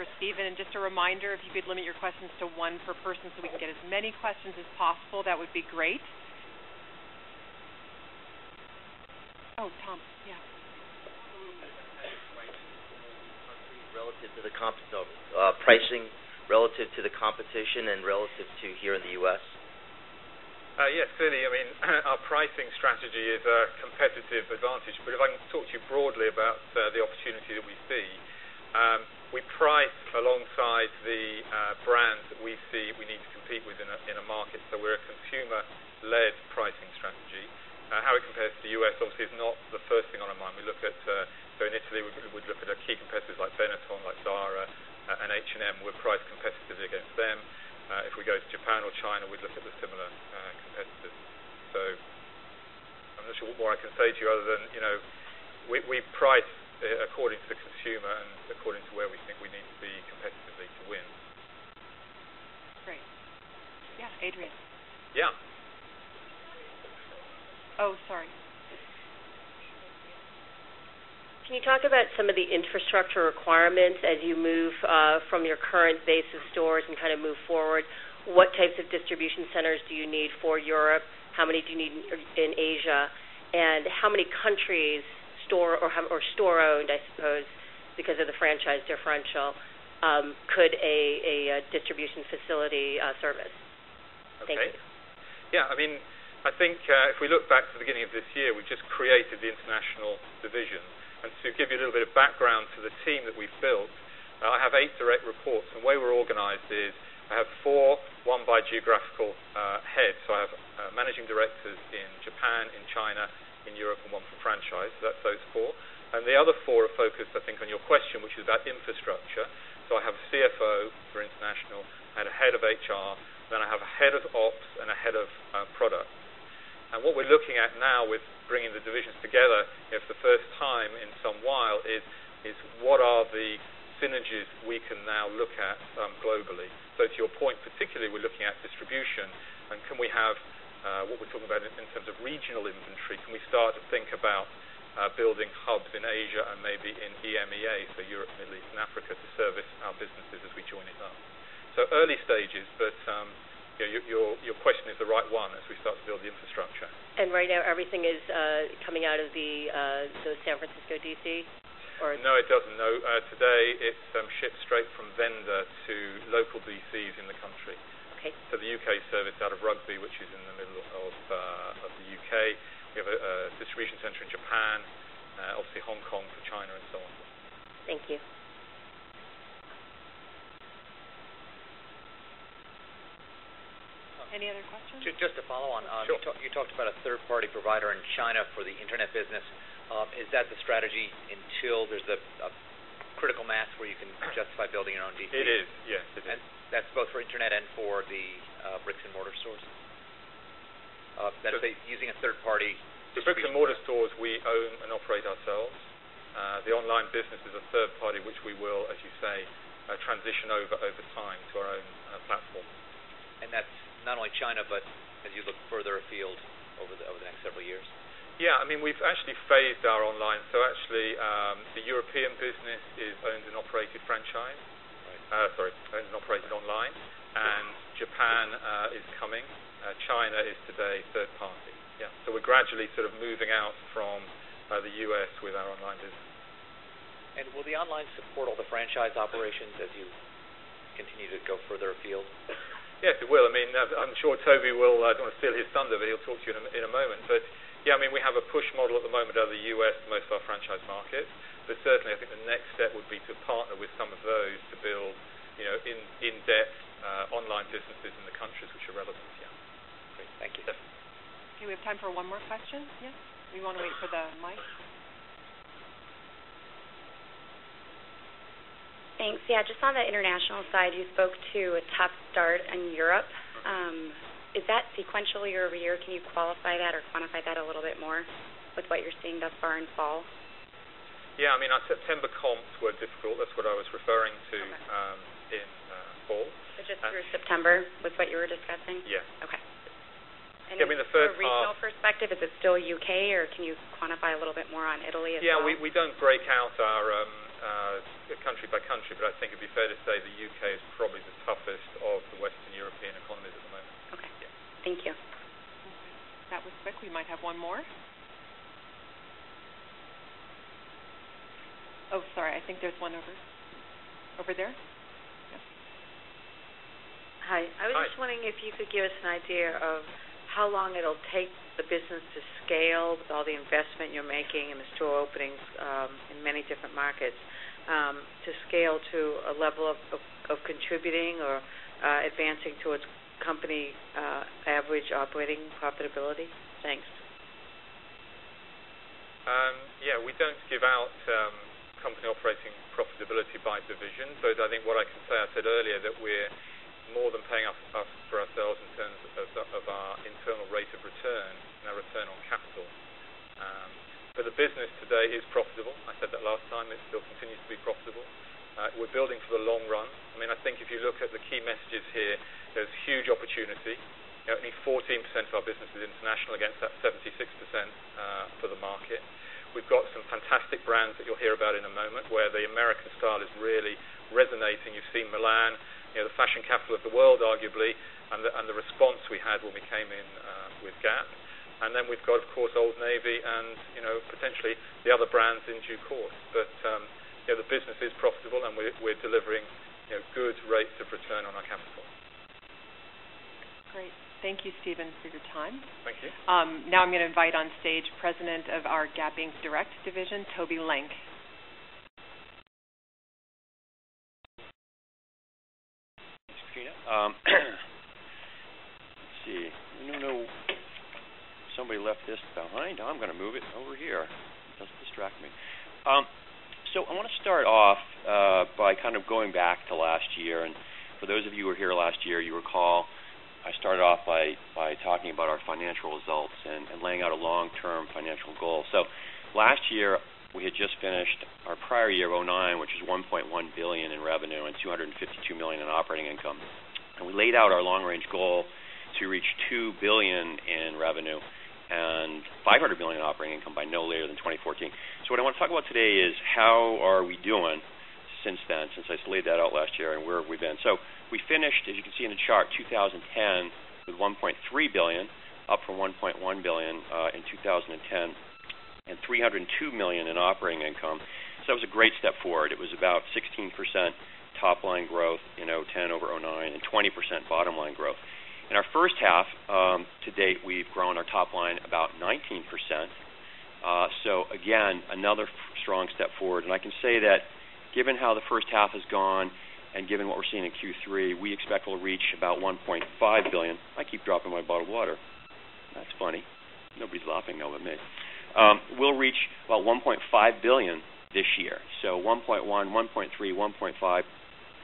What an incredible skill, what an incredible story experience. What just a massive team effort, as you see. I just want to say a huge, huge thank you to me and all of the leadership team, everyone who's been involved. Ciao Milano. Let's go for it you. Good morning, Sid. We're really, really thrilled. We had a great event last night, and we've got a great team here. A very nice launch to the customers. We have time for just a couple of questions for Stephen. Just a reminder, if you could limit your questions to one per person so we can get as many questions as possible, that would be great. Oh, Tom, yeah. Wait. I'll see relative to the comps, so pricing. Relative to the competition and relative to here in the U.S. Yeah, clearly, I mean, our pricing strategy is a competitive advantage. If I can talk to you broadly about the opportunity that we see, we price alongside the brand that we see we need to compete with in a market. We're a consumer-led pricing strategy. How it compares to the U.S. obviously is not the first thing on our mind. We look at, in Italy, we'd look at a key competitor like Benetton, like Zara, and H&M. We're priced competitively against them. If we go to Japan or China, we'd look at the similar competitors. I'm not sure what more I can say to you other than, you know, we price according to the consumer and according to where we think we need to be competitively to win. That's right. Yeah, Adrienne. Yeah. Oh, sorry. Can you talk about some of the infrastructure requirements as you move from your current base of stores and kind of move forward? What types of distribution centers do you need for Europe? How many do you need in Asia? How many countries, store or store-owned, I suppose, because of the franchise differential, could a distribution facility service? Okay. Yeah, I mean, I think if we look back to the beginning of this year, we just created the International division. To give you a little bit of background to the team that we've built, I have eight direct reports. The way we're organized is I have four, one by geographical head. I have Managing Directors in Japan, in China, in Europe, and one for Franchise. That's those four. The other four are focused, I think, on your question, which is about infrastructure. I have a CFO for International, I have a Head of HR, then I have a Head of Ops and a Head of Product. What we're looking at now with bringing the divisions together is, for the first time in some while, what are the synergies we can now look at globally? To your point, particularly we're looking at distribution. Can we have what we're talking about in terms of regional inventory? Can we start to think about building hubs in Asia and maybe in EMEA, so Europe, Middle East, and Africa, to service our businesses as we join it up? Early stages, but your question is the right one as we start to build the infrastructure. Right now, everything is coming out of the San Francisco DC? No, it doesn't. No, today it's shipped straight from vendor to local DCs in the country. Okay. The U.K. is serviced out of Rugby, which is in the middle of the U.K. We have a distribution center in Japan, obviously Hong Kong for China, and so on. Thank you. Any other questions? Just to follow on. Sure. You talked about a third-party provider in China for the internet business. Is that the strategy until there's a critical mass where you can justify building your own DC? It is. Yes, it is. Is that both for internet and for the bricks and mortar stores? Sure. That's using a third party. The bricks and mortar stores, we own and operate ourselves. The online business is a third party, which we will, as you say, transition over time to our own platform. That's not only China, but as you look further afield over the next several years? Yeah, I mean, we've actually phased our online. The European business is owned and operated online, and Japan is coming. China is today third party. We're gradually sort of moving out from the U.S. with our online business. Will the online support all the franchise operations as you continue to go further afield? Yes, it will. I mean, I'm sure Toby will, I don't want to steal his thunder, but he'll talk to you in a moment. We have a push model at the moment over the U.S., most of our franchise markets. Certainly, I think the next step would be to partner with some of those to build in-depth online businesses in the countries which are relevant. Yeah. Great. Thank you. Okay, we have time for one more question. Yes? We want to wait for the mic. Thanks. Yeah, just on the international side, you spoke to a tough start in Europe. Is that sequentially or every year? Can you qualify that or quantify that a little bit more with what you're seeing thus far in fall? Yeah, I mean, our September comps were difficult. That's what I was referring to in fall. Just through September with what you were discussing? Yeah. Okay. I mean, the third part. From a regional perspective, is it still U.K., or can you quantify a little bit more on Italy as well? Yeah, we don't break out our country by country, but I think it'd be fair to say the U.K. is probably the toughest of the Western European economies at the moment. Okay. Yeah. Thank you. That was quick. We might have one more. Oh, sorry. I think there's one over there. Yes. Hi, I was just wondering if you could give us an idea of how long it'll take the business to scale with all the investment you're making in the store openings in many different markets to scale to a level of contributing or advancing towards company average operating profitability. Thanks. Yeah, we don't give out company operating profitability by division. I think what I can say, I said earlier that we're more than paying off for ourselves in terms of our internal rate of return and our return on capital. The business today is profitable. I said that last time. It still continues to be profitable. We're building for the long run. I think if you look at the key messages here, there's huge opportunity. Only 14% of our business is international against that 76% for the market. We've got some fantastic brands that you'll hear about in a moment where the American style is really resonating. You've seen Milan, the fashion capital of the world, arguably, and the response we had when we came in with Gap. We've got, of course, Old Navy and potentially the other brands in due course. The business is profitable and we're delivering good rates of return on our capital. Great. Thank you, Stephen, for your time. Thank you. Now I'm going to invite on stage President of our Gap Inc. Direct division, Toby Lenk. Excuse me. Let's see. I don't know if somebody left this behind. I'm going to move it over here. It doesn't distract me. I want to start off by kind of going back to last year. For those of you who were here last year, you recall I started off by talking about our financial results and laying out a long-term financial goal. Last year, we had just finished our prior year of 2009, which was $1.1 billion in revenue and $252 million in operating income. We laid out our long-range goal to reach $2 billion in revenue and $500 million in operating income by no later than 2014. What I want to talk about today is how are we doing since then, since I laid that out last year and where have we been? We finished, as you can see in the chart, 2010 with $1.3 billion, up from $1.1 billion in 2009, and $302 million in operating income. That was a great step forward. It was about 16% top line growth in 2010 over 2009 and 20% bottom line growth. In our first half to date, we've grown our top line about 19%. Again, another strong step forward. I can say that given how the first half has gone and given what we're seeing in Q3, we expect we'll reach about $1.5 billion. I keep dropping my bottled water. That's funny. Nobody's laughing now at me. We'll reach about $1.5 billion this year. $1.1 billion, $1.3 billion, $1.5 billion,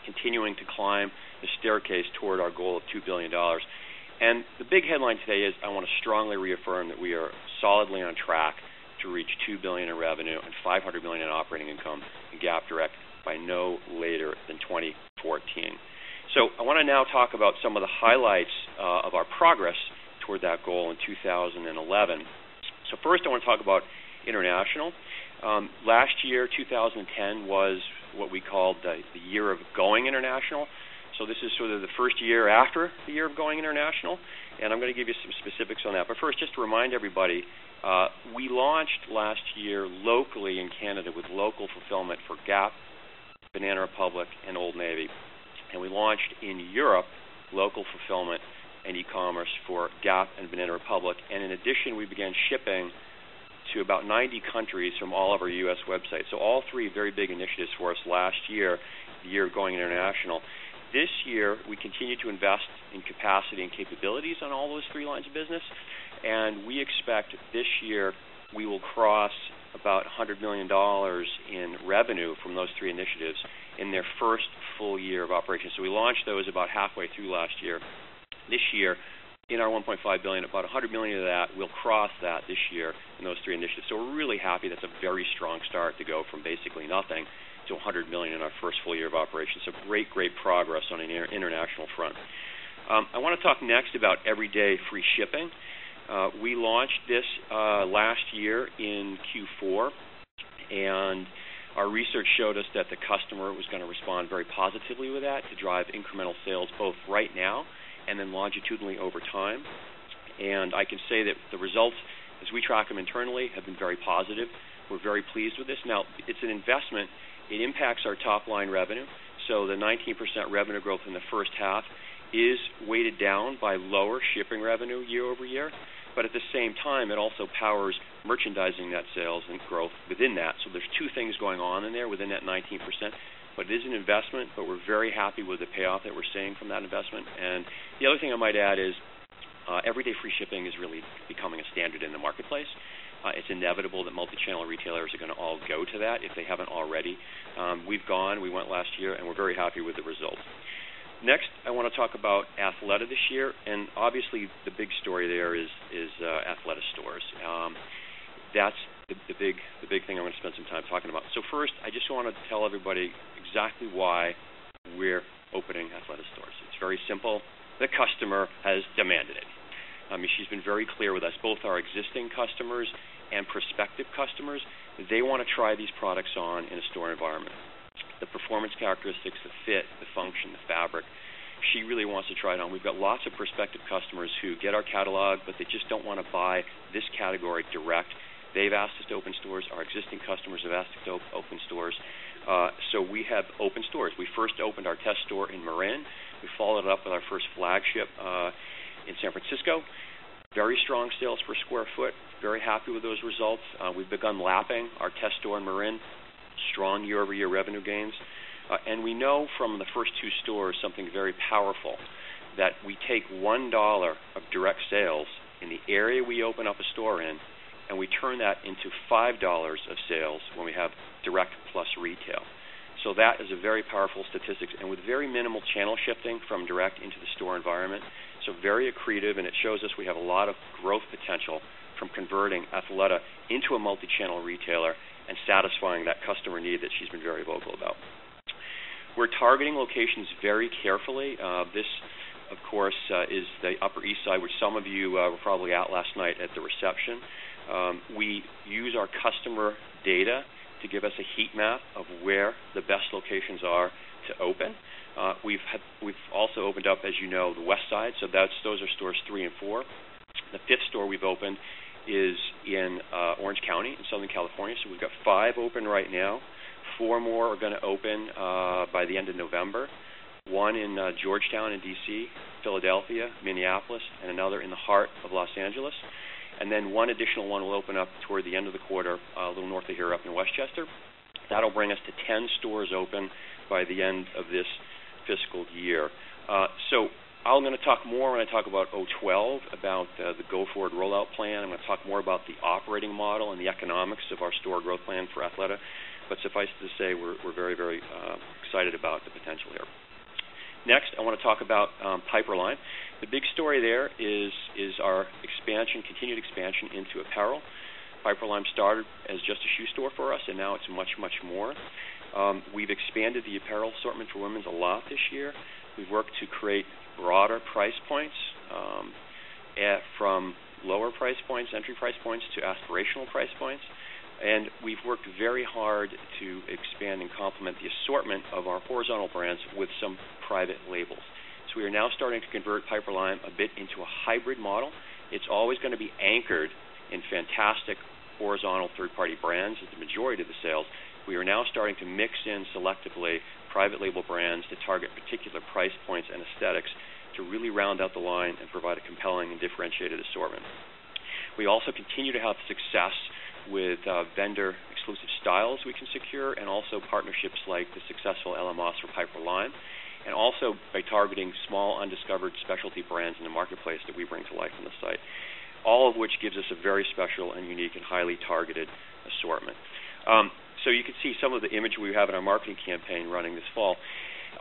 continuing to climb the staircase toward our goal of $2 billion. The big headline today is I want to strongly reaffirm that we are solidly on track to reach $2 billion in revenue and $500 million in operating income in Gap Inc. Direct by no later than 2014. I want to now talk about some of the highlights of our progress toward that goal in 2011. First, I want to talk about international. Last year, 2010 was what we called the year of going international. This is sort of the first year after the year of going international. I'm going to give you some specifics on that. First, just to remind everybody, we launched last year locally in Canada with local fulfillment for Gap, Banana Republic, and Old Navy. We launched in Europe local fulfillment and e-commerce for Gap and Banana Republic. In addition, we began shipping to about 90 countries from all of our U.S. websites. All three were very big initiatives for us last year, the year of going international. This year, we continue to invest in capacity and capabilities on all those three lines of business. We expect that this year we will cross about $100 million in revenue from those three initiatives in their first full year of operations. We launched those about halfway through last year. This year, in our $1.5 billion, about $100 million of that, we'll cross that this year in those three initiatives. We're really happy. That's a very strong start to go from basically nothing to $100 million in our first full year of operations. Great progress on an international front. I want to talk next about everyday free shipping. We launched this last year in Q4. Our research showed us that the customer was going to respond very positively with that to drive incremental sales both right now and then longitudinally over time. I can say that the results, as we track them internally, have been very positive. We're very pleased with this. It is an investment. It impacts our top line revenue. The 19% revenue growth in the first half is weighted down by lower shipping revenue year-over-year. At the same time, it also powers merchandising net sales and growth within that. There are two things going on in there within that 19%. It is an investment, but we're very happy with the payoff that we're seeing from that investment. The other thing I might add is everyday free shipping is really becoming a standard in the marketplace. It is inevitable that multi-channel retailers are going to all go to that if they haven't already. We've gone, we went last year, and we're very happy with the result. Next, I want to talk about Athleta this year. Obviously, the big story there is Athleta stores. That's the big thing I want to spend some time talking about. First, I just wanted to tell everybody exactly why we're opening Athleta stores. It's very simple. The customer has demanded it. She's been very clear with us. Both our existing customers and prospective customers, they want to try these products on in a store environment. The performance characteristics, the fit, the function, the fabric, she really wants to try it on. We've got lots of prospective customers who get our catalog, but they just don't want to buy this category direct. They've asked us to open stores. Our existing customers have asked us to open stores. We have opened stores. We first opened our test store in Marin. We followed it up with our first flagship in San Francisco. Very strong sales per square foot. Very happy with those results. We've begun lapping our test store in Marin. Strong year-over-year revenue gains. We know from the first two stores something very powerful, that we take $1 of direct sales in the area we open up a store in, and we turn that into $5 of sales when we have direct plus retail. That is a very powerful statistic. With very minimal channel shifting from direct into the store environment, it is very accretive, and it shows us we have a lot of growth potential from converting Athleta into a multi-channel retailer and satisfying that customer need that she's been very vocal about. We're targeting locations very carefully. This, of course, is the Upper East Side, which some of you were probably at last night at the reception. We use our customer data to give us a heat map of where the best locations are to open. We've also opened up, as you know, the West Side. Those are stores three and four. The fifth store we've opened is in Orange County in Southern California. We've got five open right now. Four more are going to open by the end of November. One in Georgetown in D.C., Philadelphia, Minneapolis, and another in the heart of Los Angeles. One additional one will open up toward the end of the quarter, a little north of here up in Westchester. That will bring us to 10 stores open by the end of this fiscal year. I'm going to talk more. I'm going to talk about 2012, about the GoForward rollout plan. I'm going to talk more about the operating model and the economics of our store growth plan for Athleta. Suffice to say, we're very, very excited about the potential here. Next, I want to talk about Piperlime. The big story there is our expansion, continued expansion into apparel. Piperlime started as just a shoe store for us, and now it's much, much more. We've expanded the apparel assortment for women's a lot this year. We've worked to create broader price points from lower price points, entry price points to aspirational price points. We've worked very hard to expand and complement the assortment of our horizontal brands with some private labels. We are now starting to convert Piperlime a bit into a hybrid model. It's always going to be anchored in fantastic horizontal third-party brands at the majority of the sales. We are now starting to mix in selectively private label brands to target particular price points and aesthetics to really round out the line and provide a compelling and differentiated assortment. We also continue to have success with vendor-exclusive styles we can secure and also partnerships like the successful LMOs from Piperlime, and also by targeting small undiscovered specialty brands in the marketplace that we bring to life on the site, all of which gives us a very special and unique and highly targeted assortment. You can see some of the image we have in our marketing campaign running this fall.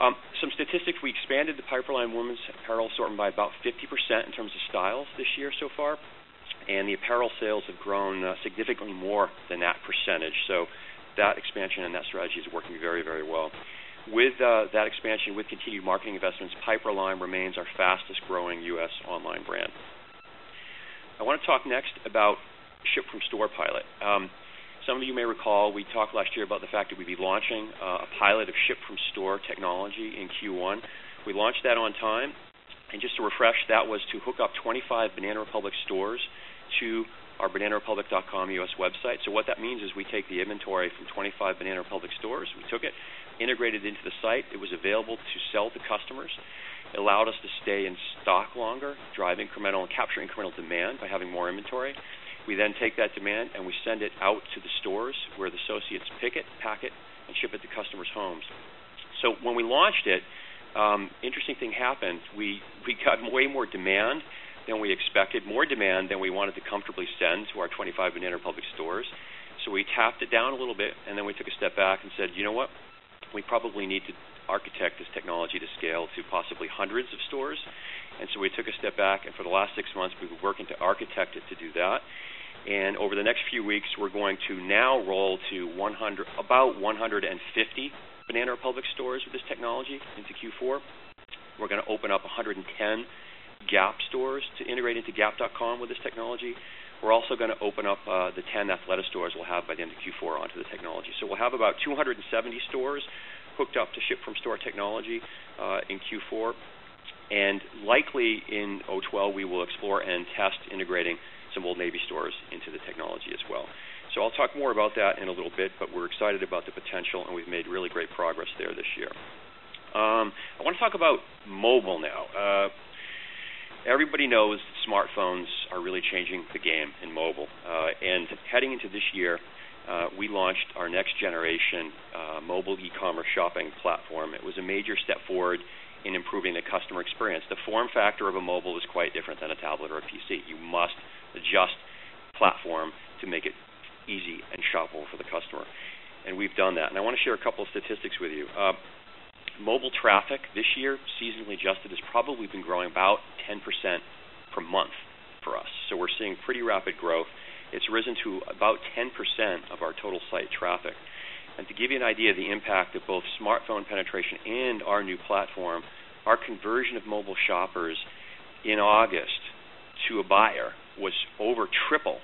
Some statistics, we expanded the Piperlime women's apparel assortment by about 50% in terms of styles this year so far. The apparel sales have grown significantly more than that percentage. That expansion and that strategy is working very, very well. With that expansion, with continued marketing investments, Piperlime remains our fastest growing U.S. online brand. I want to talk next about ship-from-store pilot. Some of you may recall we talked last year about the fact that we'd be launching a pilot of ship-from-store technology in Q1. We launched that on time. Just to refresh, that was to hook up 25 Banana Republic stores to our bananarepublic.com U.S. website. What that means is we take the inventory from 25 Banana Republic stores. We took it, integrated it into the site. It was available to sell to customers. It allowed us to stay in stock longer, drive incremental and capture incremental demand by having more inventory. We then take that demand and we send it out to the stores where the associates pick it, pack it, and ship it to customers' homes. When we launched it, an interesting thing happened. We got way more demand than we expected, more demand than we wanted to comfortably send to our 25 Banana Republic stores. We tapped it down a little bit, and then we took a step back and said, you know what? We probably need to architect this technology to scale to possibly hundreds of stores. We took a step back, and for the last six months, we've been working to architect it to do that. Over the next few weeks, we're going to now roll to about 150 Banana Republic stores with this technology into Q4. We're going to open up 110 Gap stores to integrate into Gap.com with this technology. We're also going to open up the 10 Athleta stores we'll have by the end of Q4 onto the technology. We'll have about 270 stores hooked up to ship-from-store technology in Q4. Likely in 2012, we will explore and test integrating some Old Navy stores into the technology as well. I'll talk more about that in a little bit, but we're excited about the potential, and we've made really great progress there this year. I want to talk about mobile now. Everybody knows smartphones are really changing the game in mobile. Heading into this year, we launched our next generation mobile e-commerce shopping platform. It was a major step forward in improving the customer experience. The form factor of a mobile is quite different than a tablet or a PC. You must adjust the platform to make it easy and shoppable for the customer. We've done that. I want to share a couple of statistics with you. Mobile traffic this year, seasonally adjusted, has probably been growing about 10% per month for us. We're seeing pretty rapid growth. It's risen to about 10% of our total site traffic. To give you an idea of the impact of both smartphone penetration and our new platform, our conversion of mobile shoppers in August to a buyer was over triple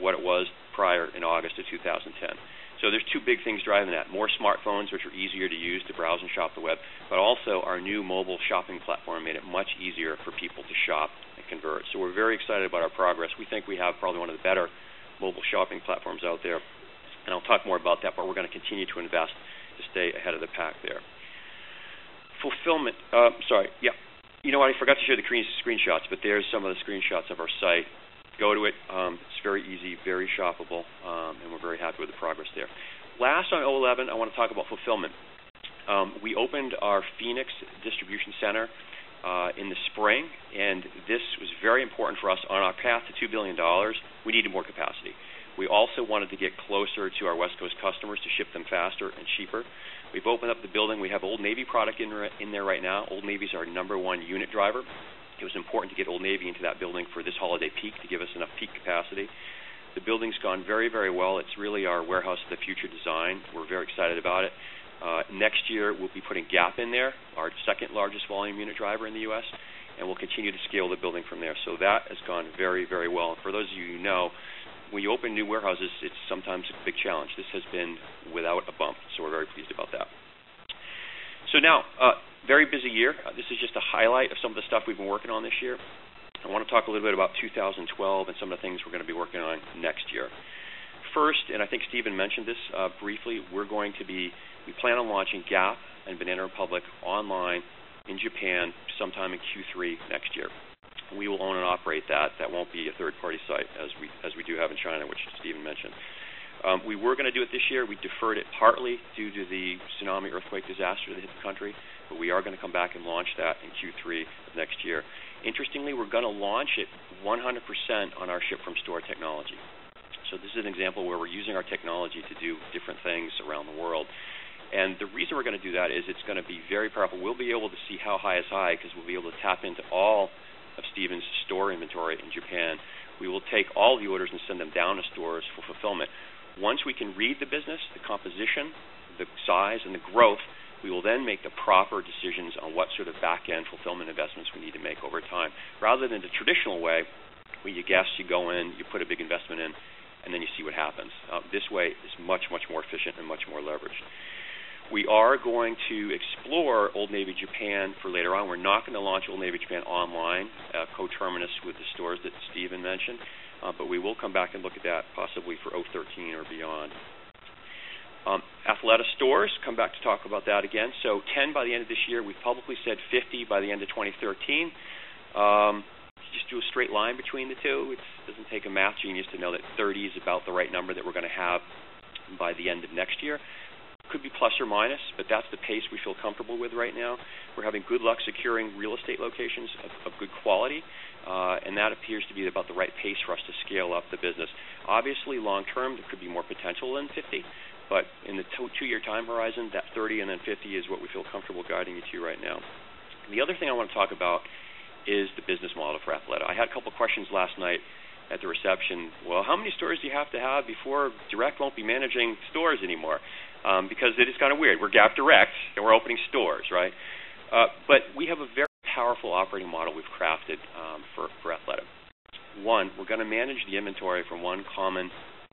what it was prior in August 2010. There are two big things driving that. More smartphones, which are easier to use to browse and shop the web, but also our new mobile shopping platform made it much easier for people to shop and convert. We're very excited about our progress. We think we have probably one of the better mobile shopping platforms out there. I'll talk more about that, but we're going to continue to invest to stay ahead of the pack there. Fulfillment. I forgot to show the screenshots, but there are some of the screenshots of our site. Go to it. It's very easy, very shoppable, and we're very happy with the progress there. Last on 2011, I want to talk about fulfillment. We opened our Phoenix distribution center in the spring, and this was very important for us on our path to $2 billion. We needed more capacity. We also wanted to get closer to our West Coast customers to ship them faster and cheaper. We've opened up the building. We have Old Navy product in there right now. Old Navy is our number one unit driver. It was important to get Old Navy into that building for this holiday peak to give us enough peak capacity. The building's gone very, very well. It's really our warehouse of the future design. We're very excited about it. Next year, we'll be putting Gap in there, our second largest volume unit driver in the U.S., and we'll continue to scale the building from there. That has gone very, very well. For those of you who know, when you open new warehouses, it's sometimes a big challenge. This has been without a bump. We're very pleased about that. Now, very busy year. This is just a highlight of some of the stuff we've been working on this year. I want to talk a little bit about 2012 and some of the things we're going to be working on next year. First, and I think Stephen mentioned this briefly, we plan on launching Gap and Banana Republic online in Japan sometime in Q3 next year. We will own and operate that. That won't be a third-party site as we do have in China, which Stephen mentioned. We were going to do it this year. We deferred it partly due to the tsunami earthquake disaster that hit the country, but we are going to come back and launch that in Q3 of next year. Interestingly, we're going to launch it 100% on our ship-from-store technology. This is an example where we're using our technology to do different things around the world. The reason we're going to do that is it's going to be very powerful. We'll be able to see how high is high because we'll be able to tap into all of Stephen's store inventory in Japan. We will take all of the orders and send them down to stores for fulfillment. Once we can read the business, the composition, the size, and the growth, we will then make the proper decisions on what sort of backend fulfillment investments we need to make over time. Rather than the traditional way, where you guess, you go in, you put a big investment in, and then you see what happens, this way, it's much, much more efficient and much more leveraged. We are going to explore Old Navy Japan for later on. We're not going to launch Old Navy Japan online, co-terminus with the stores that Stephen mentioned, but we will come back and look at that possibly for 2013 or beyond. Athleta stores, come back to talk about that again. 10 by the end of this year. We've publicly said 50 by the end of 2013. You just do a straight line between the two. It doesn't take a math genius to know that 30 is about the right number that we're going to have by the end of next year. Could be plus or minus, but that's the pace we feel comfortable with right now. We're having good luck securing real estate locations of good quality, and that appears to be about the right pace for us to scale up the business. Obviously, long term, there could be more potential than 50. In the two-year time horizon, that 30 and then 50 is what we feel comfortable guiding you to right now. The other thing I want to talk about is the business model for Athleta. I had a couple of questions last night at the reception. How many stores do you have to have before Direct will not be managing stores anymore? It is kind of weird. We're Gap Direct, and we're opening stores, right? We have a very powerful operating model we've crafted for Athleta. One, we're going to manage the inventory from one common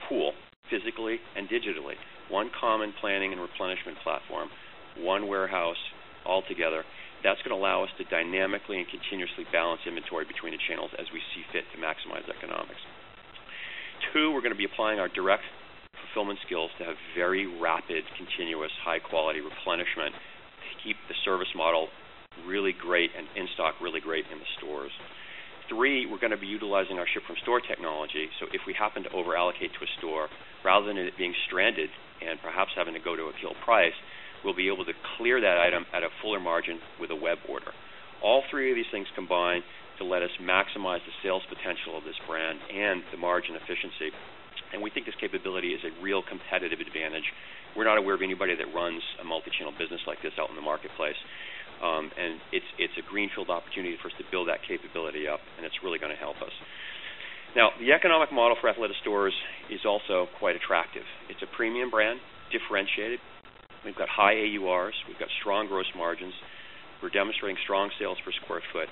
pool, physically and digitally. One common planning and replenishment platform, one warehouse altogether. That is going to allow us to dynamically and continuously balance inventory between the channels as we see fit to maximize economics. Two, we're going to be applying our direct fulfillment skills to have very rapid, continuous, high-quality replenishment to keep the service model really great and in stock really great in the stores. Three, we're going to be utilizing our ship-from-store technology. If we happen to overallocate to a store, rather than it being stranded and perhaps having to go to a kill price, we'll be able to clear that item at a fuller margin with a web order. All three of these things combine to let us maximize the sales potential of this brand and the margin efficiency. We think this capability is a real competitive advantage. We're not aware of anybody that runs a multi-channel business like this out in the marketplace. It is a greenfield opportunity for us to build that capability up, and it is really going to help us. The economic model for Athleta stores is also quite attractive. It is a premium brand, differentiated. We've got high AURs. We've got strong gross margins. We're demonstrating strong sales per square foot.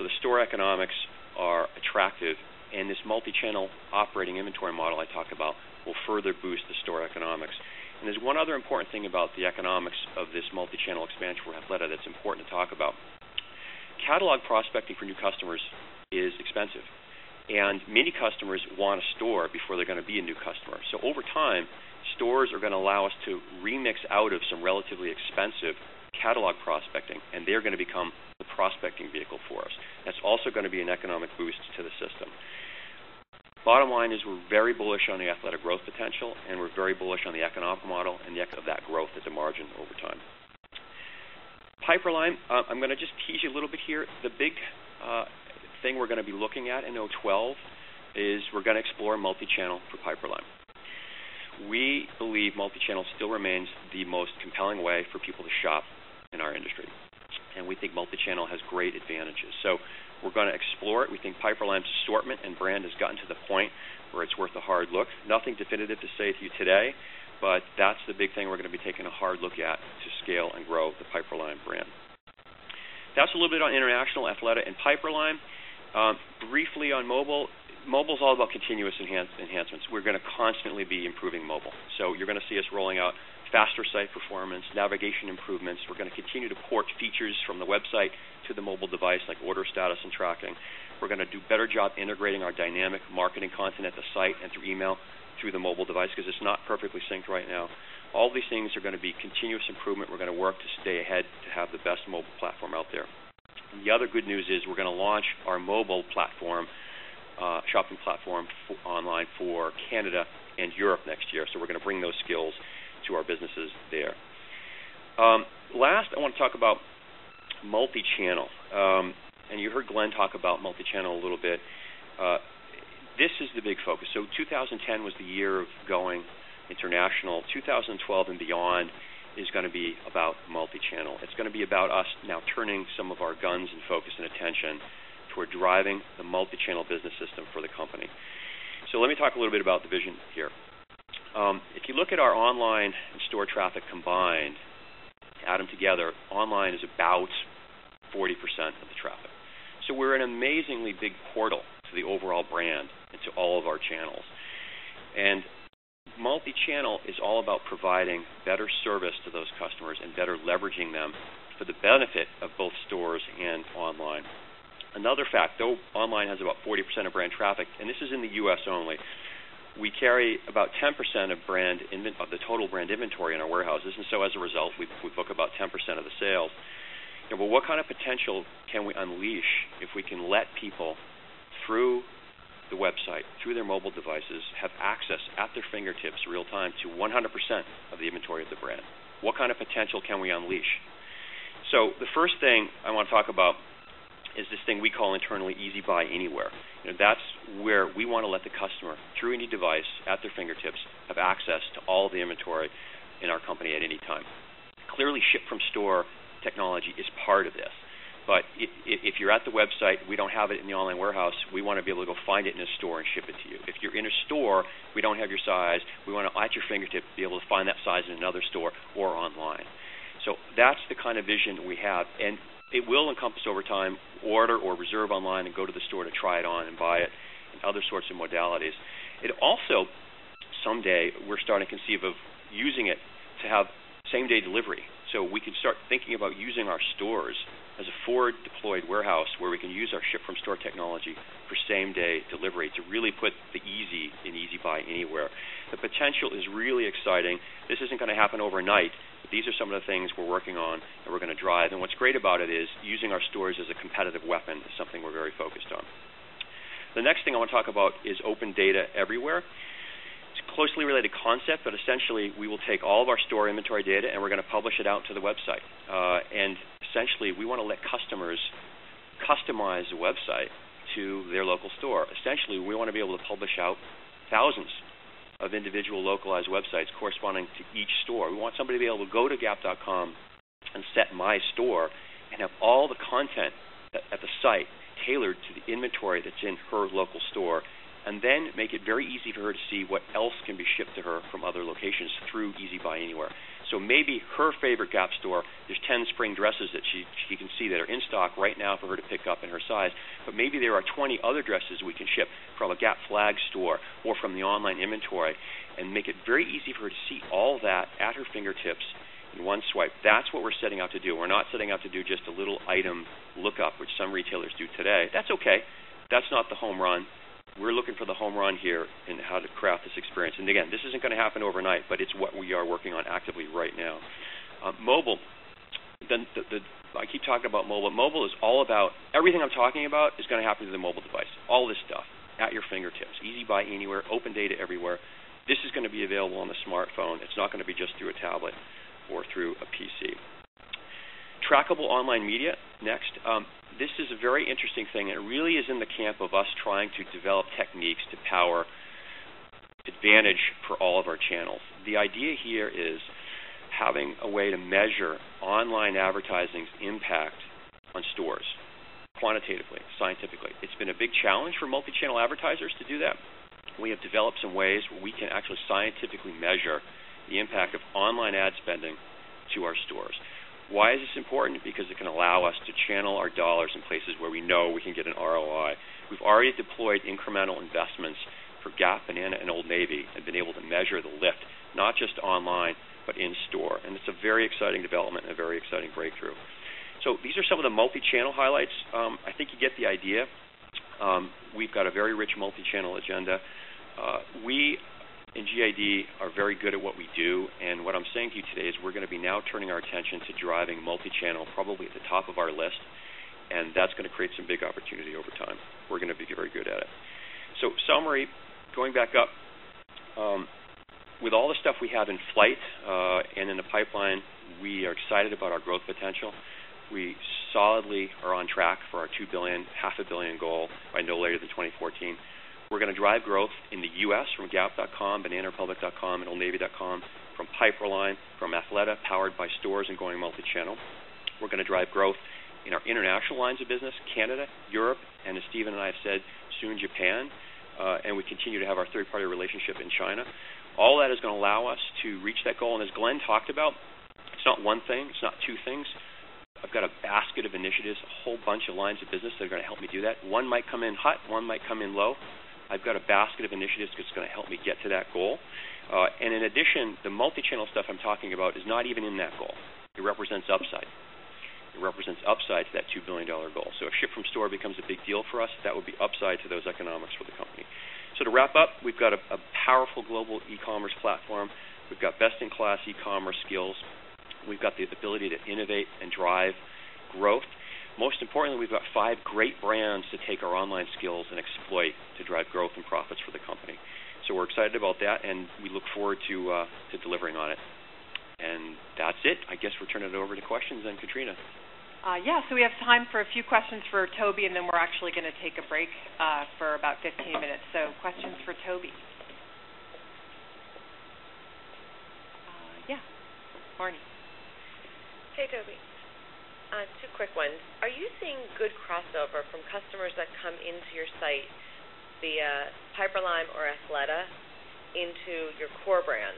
The store economics are attractive. This multi-channel operating inventory model I talked about will further boost the store economics. There is one other important thing about the economics of this multi-channel expansion for Athleta that is important to talk about. Catalog prospecting for new customers is expensive. Many customers want a store before they're going to be a new customer. Over time, stores are going to allow us to remix out of some relatively expensive catalog prospecting, and they're going to become the prospecting vehicle for us. That is also going to be an economic boost to the system. Bottom line is we're very bullish on the Athleta growth potential, and we're very bullish on the economic model and the impact of that growth at the margin over time. Piperlime, I'm going to just tease you a little bit here. The big thing we're going to be looking at in 2012 is we're going to explore multi-channel for Piperlime. We believe multi-channel still remains the most compelling way for people to shop in our industry. We think multi-channel has great advantages. We're going to explore it. We think Piperlime's assortment and brand has gotten to the point where it's worth a hard look. Nothing definitive to say to you today, but that's the big thing we're going to be taking a hard look at to scale and grow the Piperlime brand. That's a little bit on international, Athleta, and Piperlime. Briefly on mobile, mobile is all about continuous enhancements. We're going to constantly be improving mobile. You're going to see us rolling out faster site performance and navigation improvements. We're going to continue to port features from the website to the mobile device, like order status and tracking. We're going to do a better job integrating our dynamic marketing content at the site and through email through the mobile device because it's not perfectly synced right now. All of these things are going to be continuous improvement. We're going to work to stay ahead to have the best mobile platform out there. The other good news is we're going to launch our mobile platform, shopping platform online for Canada and Europe next year. We're going to bring those skills to our businesses there. Last, I want to talk about multi-channel. You heard Glenn talk about multi-channel a little bit. This is the big focus. 2010 was the year of going international. 2012 and beyond is going to be about multi-channel. It's going to be about us now turning some of our guns and focus and attention toward driving the multi-channel business system for the company. Let me talk a little bit about the vision here. If you look at our online and store traffic combined, add them together, online is about 40% of the traffic. We're an amazingly big portal to the overall brand and to all of our channels. Multi-channel is all about providing better service to those customers and better leveraging them for the benefit of both stores and online. Another fact, though, online has about 40% of brand traffic, and this is in the U.S. only. We carry about 10% of brand inventory, the total brand inventory in our warehouses. As a result, we book about 10% of the sales. What kind of potential can we unleash if we can let people through the website, through their mobile devices, have access at their fingertips real time to 100% of the inventory of the brand? What kind of potential can we unleash? The first thing I want to talk about is this thing we call internally Easy Buy Anywhere. That's where we want to let the customer, through any device at their fingertips, have access to all the inventory in our company at any time. Clearly, ship-from-store technology is part of this. If you're at the website, we don't have it in the online warehouse. We want to be able to go find it in a store and ship it to you. If you're in a store, we don't have your size. We want to, at your fingertips, be able to find that size in another store or online. That's the kind of vision we have. It will encompass over time, order or reserve online and go to the store to try it on and buy it and other sorts of modalities. It also, someday, we're starting to conceive of using it to have same-day delivery. We could start thinking about using our stores as a forward-deployed warehouse where we can use our ship-from-store technology for same-day delivery to really put the easy in Easy Buy Anywhere. The potential is really exciting. This isn't going to happen overnight. These are some of the things we're working on and we're going to drive. What's great about it is using our stores as a competitive weapon is something we're very focused on. The next thing I want to talk about is open data everywhere. It's a closely related concept, but essentially, we will take all of our store inventory data and we're going to publish it out to the website. Essentially, we want to let customers customize the website to their local store. Essentially, we want to be able to publish out thousands of individual localized websites corresponding to each store. We want somebody to be able to go to gap.com and set my store and have all the content at the site tailored to the inventory that's in her local store and then make it very easy for her to see what else can be shipped to her from other locations through Easy Buy Anywhere. Maybe her favorite Gap store, there's 10 spring dresses that she can see that are in stock right now for her to pick up in her size. Maybe there are 20 other dresses we can ship from a Gap flag store or from the online inventory and make it very easy for her to see all that at her fingertips in one swipe. That's what we're setting out to do. We're not setting out to do just a little item lookup, which some retailers do today. That's okay. That's not the home run. We're looking for the home run here in how to craft this experience. Again, this isn't going to happen overnight, but it's what we are working on actively right now. Mobile, then I keep talking about mobile. Mobile is all about everything I'm talking about is going to happen through the mobile device. All this stuff at your fingertips. Easy Buy Anywhere, open data everywhere. This is going to be available on a smartphone. It's not going to be just through a tablet or through a PC. Trackable online media. Next, this is a very interesting thing. It really is in the camp of us trying to develop techniques to power advantage for all of our channels. The idea here is having a way to measure online advertising's impact on stores quantitatively, scientifically. It's been a big challenge for multi-channel advertisers to do that. We have developed some ways where we can actually scientifically measure the impact of online ad spending to our stores. Why is this important? Because it can allow us to channel our dollars in places where we know we can get an ROI. We've already deployed incremental investments for Gap, Banana Republic, and Old Navy and been able to measure the lift, not just online, but in store. It's a very exciting development and a very exciting breakthrough. These are some of the multi-channel highlights. I think you get the idea. We've got a very rich multi-channel agenda. We in GID are very good at what we do. What I'm saying to you today is we're going to be now turning our attention to driving multi-channel probably at the top of our list. That's going to create some big opportunity over time. We're going to be very good at it. Summary, going back up, with all the stuff we have in flight and in the pipeline, we are excited about our growth potential. We solidly are on track for our $2 billion, half a billion goal, by no later than 2014. We're going to drive growth in the U.S. from Gap.com, Bananarepublic.com, and OldNavy.com, from Piperlime, from Athleta, powered by stores and going multi-channel. We're going to drive growth in our international lines of business, Canada, Europe, and as Stephen and I have said, soon Japan. We continue to have our third-party relationship in China. All that is going to allow us to reach that goal. As Glenn talked about, it's not one thing. It's not two things. I've got a basket of initiatives, a whole bunch of lines of business that are going to help me do that. One might come in hot, one might come in low. I've got a basket of initiatives that's going to help me get to that goal. In addition, the multi-channel stuff I'm talking about is not even in that goal. It represents upside. It represents upside to that $2 billion goal. If ship-from-store technology becomes a big deal for us, that would be upside to those economics for the company. To wrap up, we've got a powerful global e-commerce platform. We've got best-in-class e-commerce skills. We've got the ability to innovate and drive growth. Most importantly, we've got five great brands to take our online skills and exploit to drive growth and profits for the company. We're excited about that, and we look forward to delivering on it. That's it. I guess we'll turn it over to questions then, Katrina. Yeah. We have time for a few questions for Toby, and then we're actually going to take a break for about 15 minutes. Questions for Toby? Yeah. Marnie. Hey, Toby. Two quick ones. Are you seeing good crossover from customers that come into your site via Piperlime or Athleta into your core brand?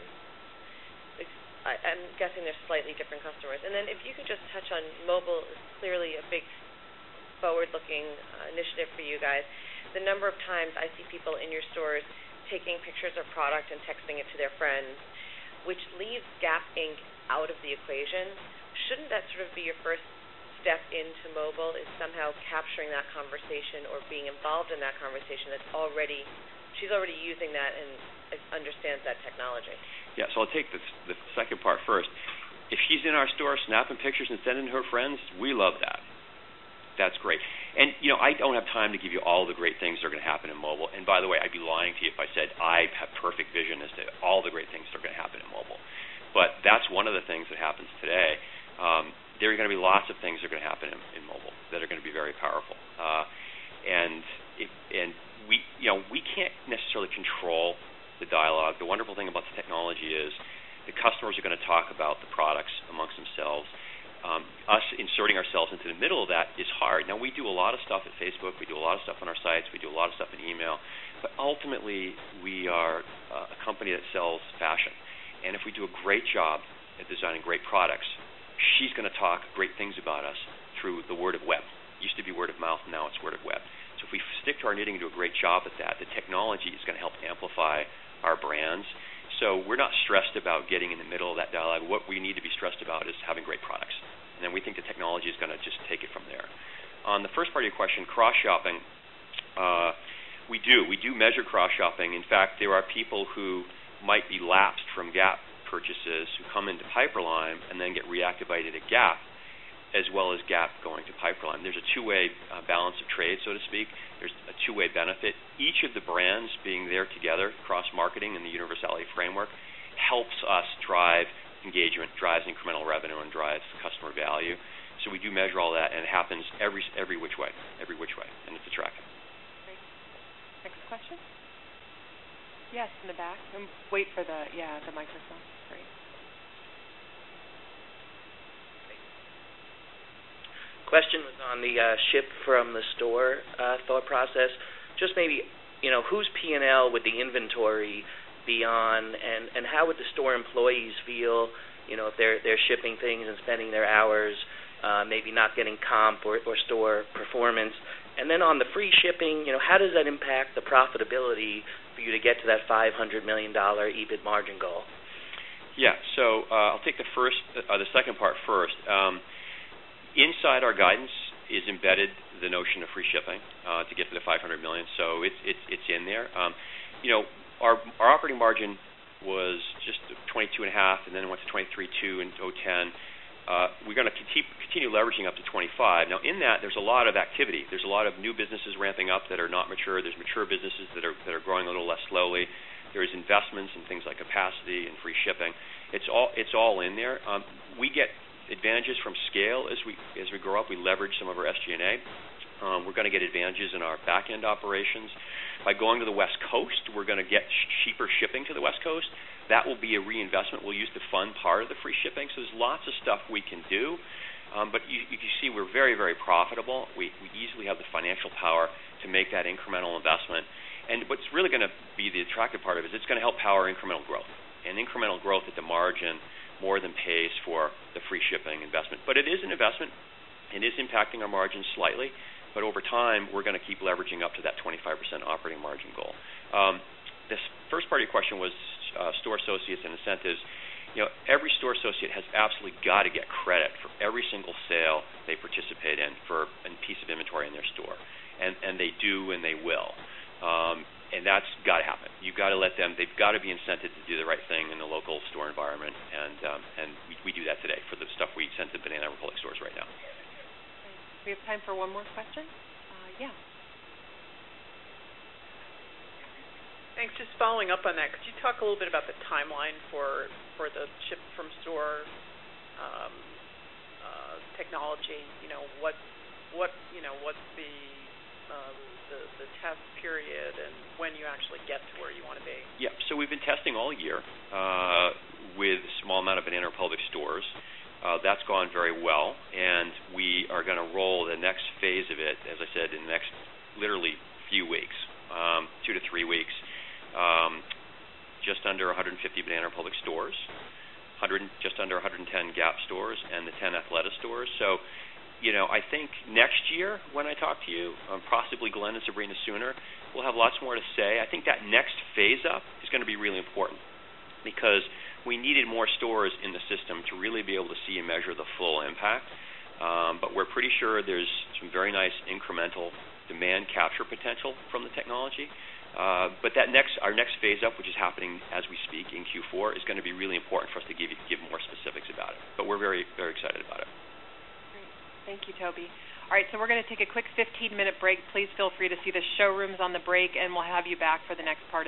I'm guessing they're slightly different customers. If you could just touch on mobile, it's clearly a big forward-looking initiative for you guys. The number of times I see people in your stores taking pictures of product and texting it to their friends, which leaves Gap Inc. out of the equation. Shouldn't that sort of be your first step into mobile, is somehow capturing that conversation or being involved in that conversation that's already, she's already using that and understands that technology? Yeah. I'll take the second part first. If she's in our store, snapping pictures and sending to her friends, we love that. That's great. I don't have time to give you all the great things that are going to happen in mobile. By the way, I'd be lying to you if I said I have perfect vision as to all the great things that are going to happen in mobile. That's one of the things that happens today. There are going to be lots of things that are going to happen in mobile that are going to be very powerful. We can't necessarily control the dialogue. The wonderful thing about the technology is the customers are going to talk about the products amongst themselves. Us inserting ourselves into the middle of that is hard. We do a lot of stuff at Facebook. We do a lot of stuff on our sites. We do a lot of stuff in email. Ultimately, we are a company that sells fashion. If we do a great job at designing great products, she's going to talk great things about us through the word of web. It used to be word of mouth. Now it's word of web. If we stick to our knitting and do a great job at that, the technology is going to help amplify our brands. We're not stressed about getting in the middle of that dialogue. What we need to be stressed about is having great products. We think the technology is going to just take it from there. On the first part of your question, cross-shopping, we do. We do measure cross-shopping. In fact, there are people who might be lapsed from Gap purchases who come into Piperlime and then get reactivated at Gap, as well as Gap going to Piperlime. There's a two-way balance of trade, so to speak. There's a two-way benefit. Each of the brands being there together across marketing and the universality framework helps us drive engagement, drives incremental revenue, and drives customer value. We do measure all that, and it happens every which way, every which way. It's attractive. Great. Next question? Yes, in the back. Wait for the mic system. Sorry. Question was on the ship-from-store technology thought process. Just maybe, you know, whose P&L would the inventory be on? How would the store employees feel, you know, if they're shipping things and spending their hours, maybe not getting comp or store performance? On the free shipping, you know, how does that impact the profitability for you to get to that $500 million EBIT margin goal? Yeah. I'll take the second part first. Inside our guidance is embedded the notion of free shipping to get to the $500 million. It's in there. Our operating margin was just 22.5%, and then it went to 23.2% in 2010. We're going to continue leveraging up to 25%. In that, there's a lot of activity. There's a lot of new businesses ramping up that are not mature. There are mature businesses that are growing a little less slowly. There are investments in things like capacity and free shipping. It's all in there. We get advantages from scale as we grow up. We leverage some of our SG&A. We're going to get advantages in our backend operations. By going to the West Coast, we're going to get cheaper shipping to the West Coast. That will be a reinvestment. We'll use the fun part of the free shipping. There are lots of things we can do. You can see we're very, very profitable. We easily have the financial power to make that incremental investment. What's really going to be the attractive part of it is it's going to help power incremental growth. Incremental growth at the margin more than pays for the free shipping investment. It is an investment. It is impacting our margins slightly. Over time, we're going to keep leveraging up to that 25% operating margin goal. The first part of your question was store associates and incentives. Every store associate has absolutely got to get credit for every single sale they participate in for a piece of inventory in their store. They do and they will. That's got to happen. You've got to let them, they've got to be incented to do the right thing in the local store environment. We do that today for the stuff we send to Banana Republic stores right now. We have time for one more question. Yeah. Thanks. Just following up on that, could you talk a little bit about the timeline for the ship-from-store technology? What's the test period, and when you actually get to where you want to be? Yeah. We have been testing all year with a small amount of Banana Republic stores. That has gone very well, and we are going to roll the next phase of it, as I said, in the next literally few weeks, two to three weeks, just under 150 Banana Republic stores, just under 110 Gap stores, and the 10 Athleta stores. I think next year when I talk to you, possibly Glenn and Sabrina sooner, we will have lots more to say. I think that next phase-up is going to be really important because we needed more stores in the system to really be able to see and measure the full impact. We are pretty sure there is some very nice incremental demand capture potential from the technology. That next phase-up, which is happening as we speak in Q4, is going to be really important for us to give you more specifics about it. We are very, very excited about it. Great. Thank you, Toby. All right. We are going to take a quick 15-minute break. Please feel free to see the showrooms on the break, and we'll have you back for the next part.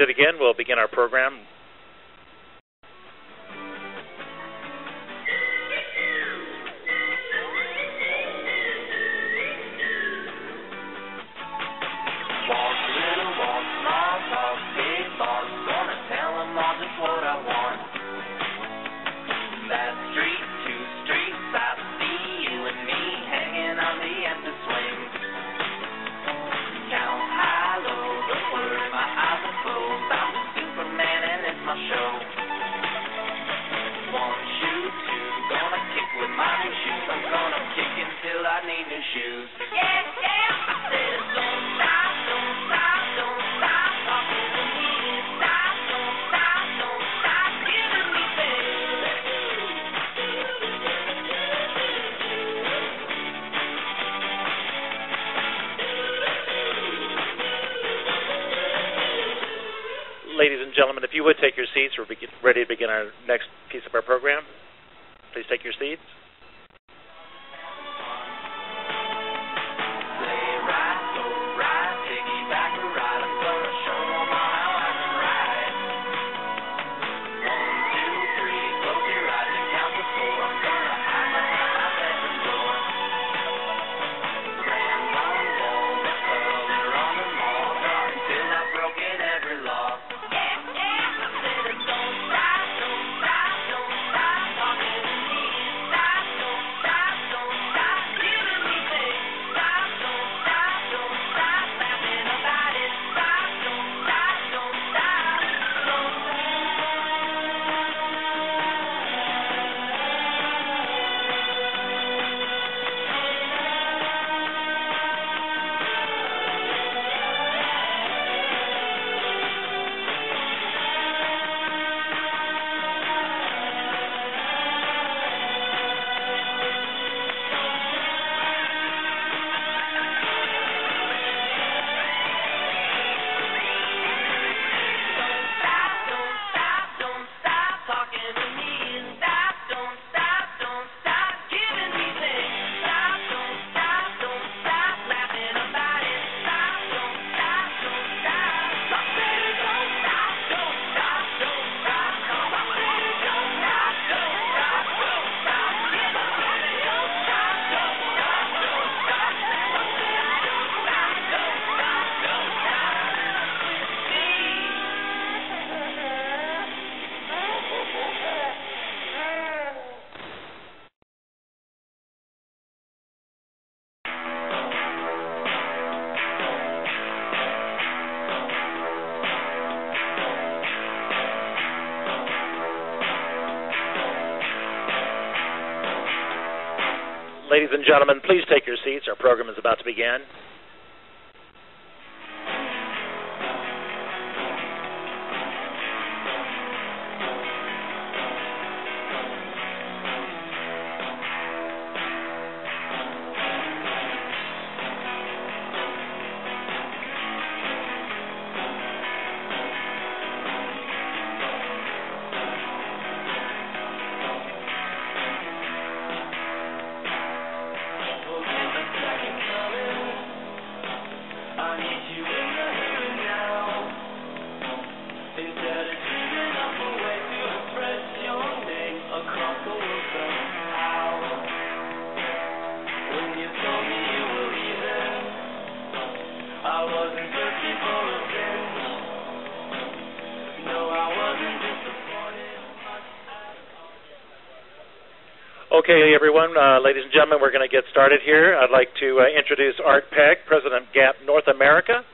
Ladies and gentlemen, if you go ahead and get seated again, we'll begin our program. Ladies and gentlemen, if you would take your seats, we'll be ready to begin our next piece of our program. Please take your seats. Ladies and gentlemen, please take your seats. Our program is about to begin. Okay, everyone, ladies and gentlemen, we're going to get started here. I'd like to introduce Art Peck, President Gap North America.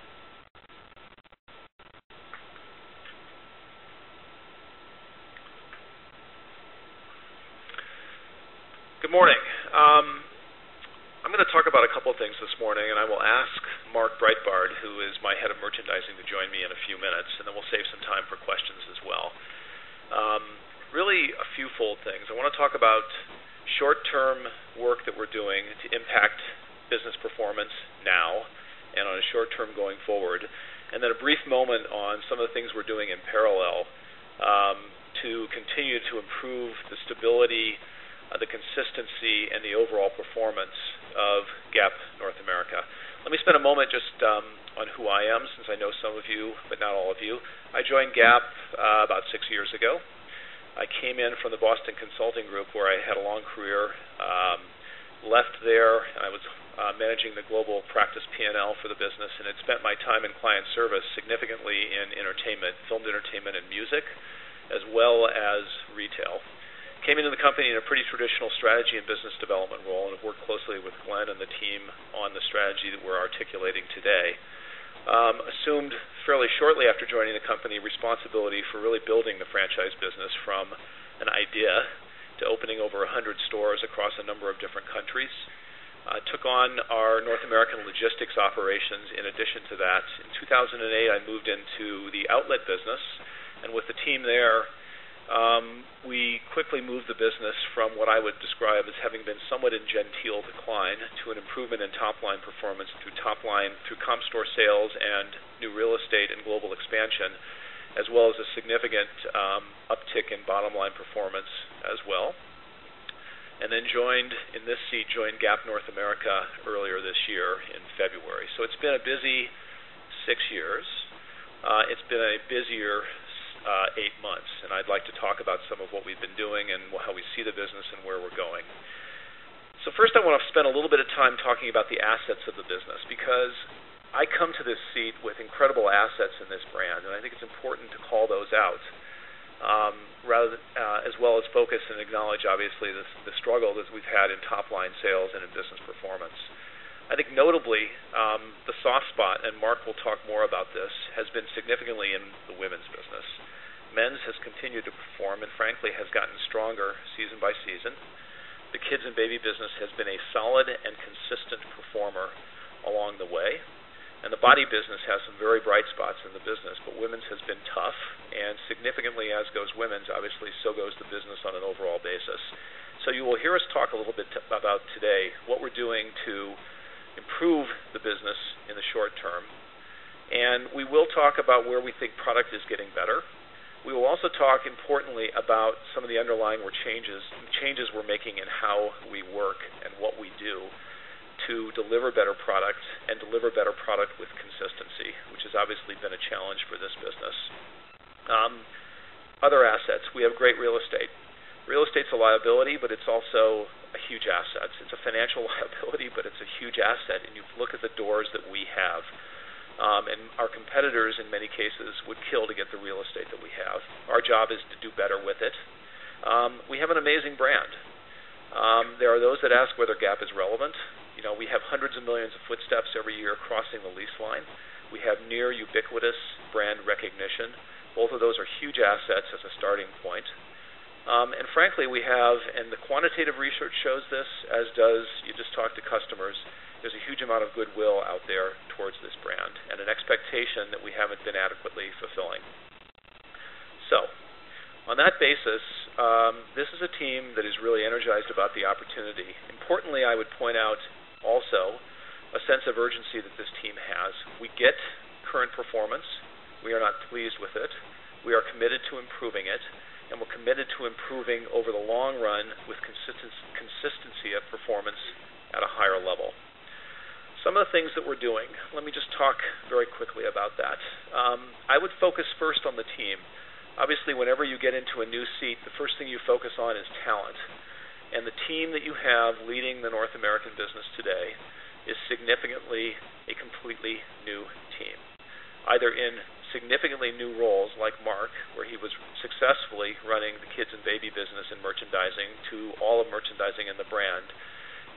On that basis, this is a team that is really energized about the opportunity. Importantly, I would point out also a sense of urgency that this team has. We get current performance. We are not pleased with it. We are committed to improving it. We're committed to improving over the long run with consistency of performance at a higher level. Some of the things that we're doing, let me just talk very quickly about that. I would focus first on the team. Obviously, whenever you get into a new seat, the first thing you focus on is talent. The team that you have leading the North American business today is significantly a completely new team, either in significantly new roles like Mark, where he was successfully running the kids and baby business in merchandising to all of merchandising in the brand,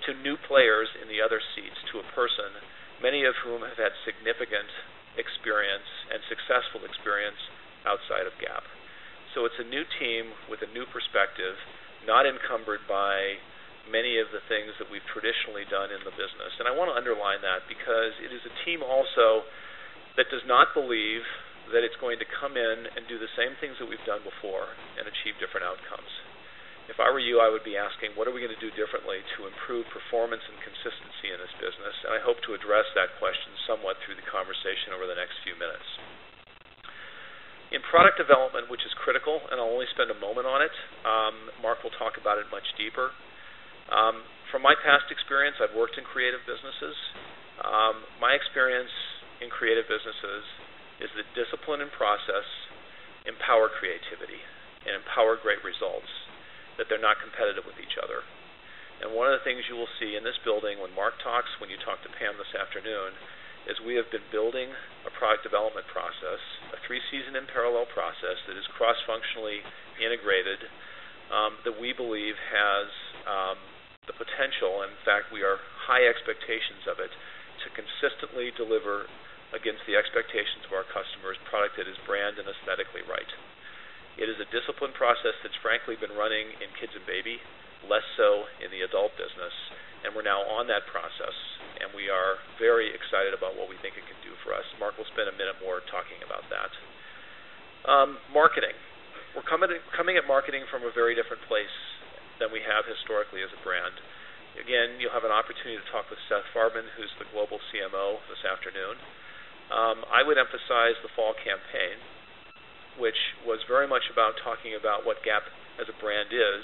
to new players in the other seats to a person, many of whom have had significant experience and successful experience outside of Gap. It is a new team with a new perspective, not encumbered by many of the things that we've traditionally done in the business. I want to underline that because it is a team also that does not believe that it's going to come in and do the same things that we've done before and achieve different outcomes. If I were you, I would be asking, what are we going to do differently to improve performance and consistency in this business? I hope to address that question somewhat through the conversation over the next few minutes. Product development, which is critical, and I'll only spend a moment on it. Mark will talk about it much deeper. From my past experience, I've worked in creative businesses. My experience in creative businesses is that discipline and process empower creativity and empower great results, that they're not competitive with each other. One of the things you will see in this building when Mark talks, when you talk to Pam this afternoon, is we have been building a product development process, a three-season, in-parallel process that is cross-functionally integrated, that we believe has the potential, and in fact, we have high expectations of it, to consistently deliver against the expectations of our customers, product that is brand and aesthetically right. It is a disciplined process that's frankly been running in Kids and Baby, less so in the Adult business. We're now on that process, and we are very excited about what we think it could do for us. Mark will spend a minute more talking about that. Marketing. We're coming at marketing from a very different place than we have historically as a brand. You'll have an opportunity to talk with Seth Farman, who's the Global CMO this afternoon. I would emphasize the fall campaign, which was very much about talking about what Gap as a brand is,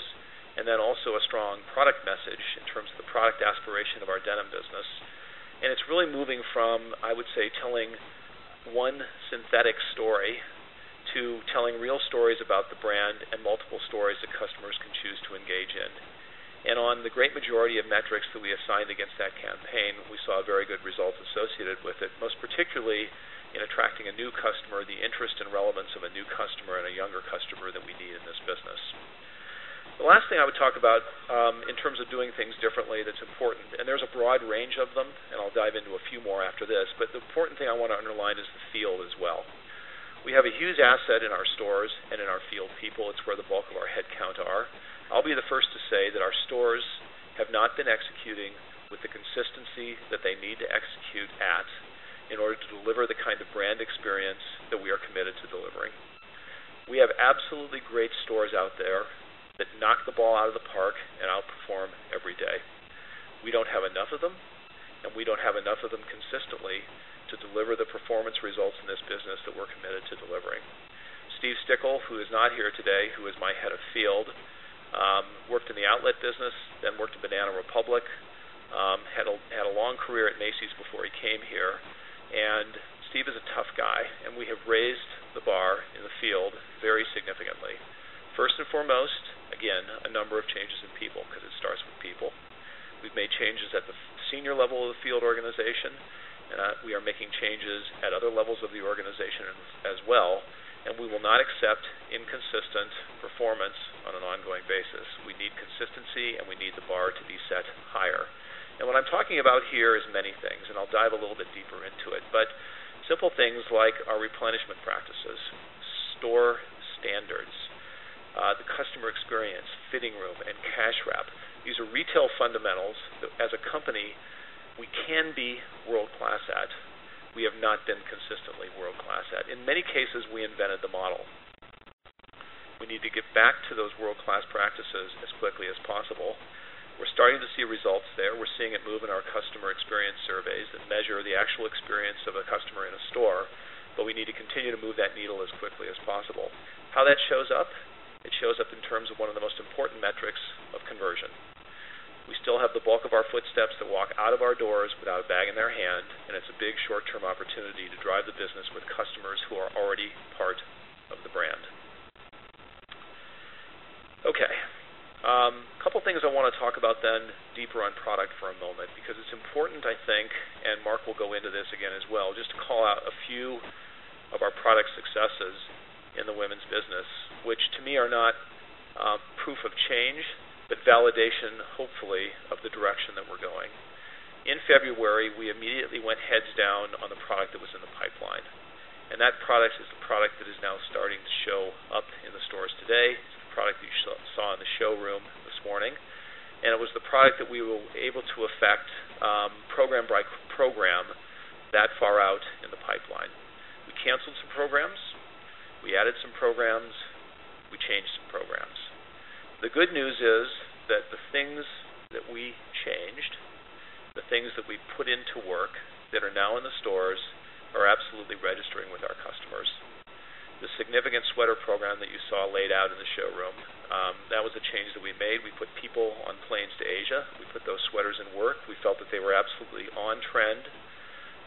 and then also a strong product message in terms of the product aspiration of our denim business. It's really moving from, I would say, telling one synthetic story to telling real stories about the brand and multiple stories that customers can choose to engage in. On the great majority of metrics that we assigned against that campaign, we saw very good results associated with it, most particularly in attracting a new customer, the interest and relevance of a new customer and a younger customer than we need in this business. The last thing I would talk about, in terms of doing things differently that's important, and there's a broad range of them, and I'll dive into a few more after this, but the important thing I want to underline is the field as well. We have a huge asset in our stores and in our field people. It's where the bulk of our headcount are. I'll be the first to say that our stores have not been executing with the consistency that they need to execute at in order to deliver the kind of brand experience that we are committed to delivering. We have absolutely great stores out there that knock the ball out of the park and outperform every day. We don't have enough of them, and we don't have enough of them consistently to deliver the performance results in this business that we're committed to delivering. Steve Stickel, who is not here today, who is my Head of Field, worked in the outlet business and worked at Banana Republic, had a long career at Macy's before he came here. Steve is a tough guy, and we have raised the bar in the field very significantly. First and foremost, a number of changes in people because it starts with people. We've made changes at the senior level of the field organization, and we are making changes at other levels of the organization as well. We will not accept inconsistent performance on an ongoing basis. We need consistency, and we need the bar to be set higher. What I'm talking about here is many things, and I'll dive a little bit deeper into it. Simple things like our replenishment practices, store standards, the customer experience, fitting room, and cash wrap, these are retail fundamentals that, as a company, we can be world-class at. We have not been consistently world-class at. In many cases, we invented the model. We need to get back to those world-class practices as quickly as possible. We're starting to see results there. We're seeing it move in our customer experience surveys that measure the actual experience of a customer in a store. We need to continue to move that needle as quickly as possible. How that shows up? It shows up in terms of one of the most important metrics of conversion. We still have the bulk of our footsteps that walk out of our doors without a bag in their hand, and it's a big short-term opportunity to drive the business with customers who are already part of the brand. A couple of things I want to talk about then deeper on product for a moment because it's important, I think, and Mark will go into this again as well, just to call out a few of our product successes in the women's business, which to me are not proof of change but validation, hopefully, of the direction that we're going. In February, we immediately went heads down on the product that was in the pipeline. That product is the product that is now starting to show up in the stores today. It's the product that you saw in the showroom this morning. It was the product that we were able to affect, program by program that far out in the pipeline. We canceled some programs. We added some programs. We changed some programs. The good news is that the things that we changed, the things that we put into work that are now in the stores are absolutely registering with our customers. The significant sweater program that you saw laid out in the showroom, that was a change that we made. We put people on planes to Asia. We put those sweaters in work. We felt that they were absolutely on trend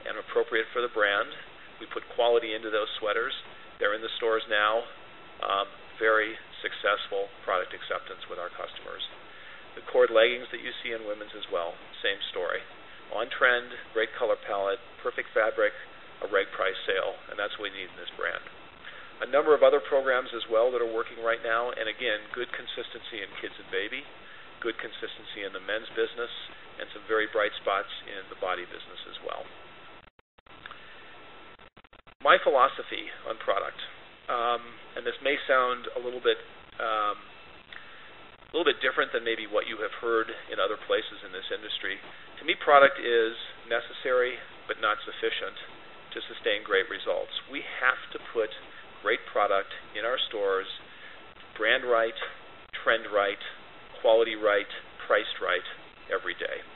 and appropriate for the brand. We put quality into those sweaters. They're in the stores now. Very successful product acceptance with our customers. The cord leggings that you see in women's as well, same story. On trend, great color palette, perfect fabric, a right price sale, and that's what we need in this brand. A number of other programs as well that are working right now. Again, good consistency in Kids and Baby, good consistency in the Men's business, and some very bright spots in the Body business as well. My philosophy on product, and this may sound a little bit, a little bit different than maybe what you have heard in other places in this industry. To me, product is necessary but not sufficient to sustain great results. We have to put great product in our stores, brand right, trend right, quality right, priced right every day.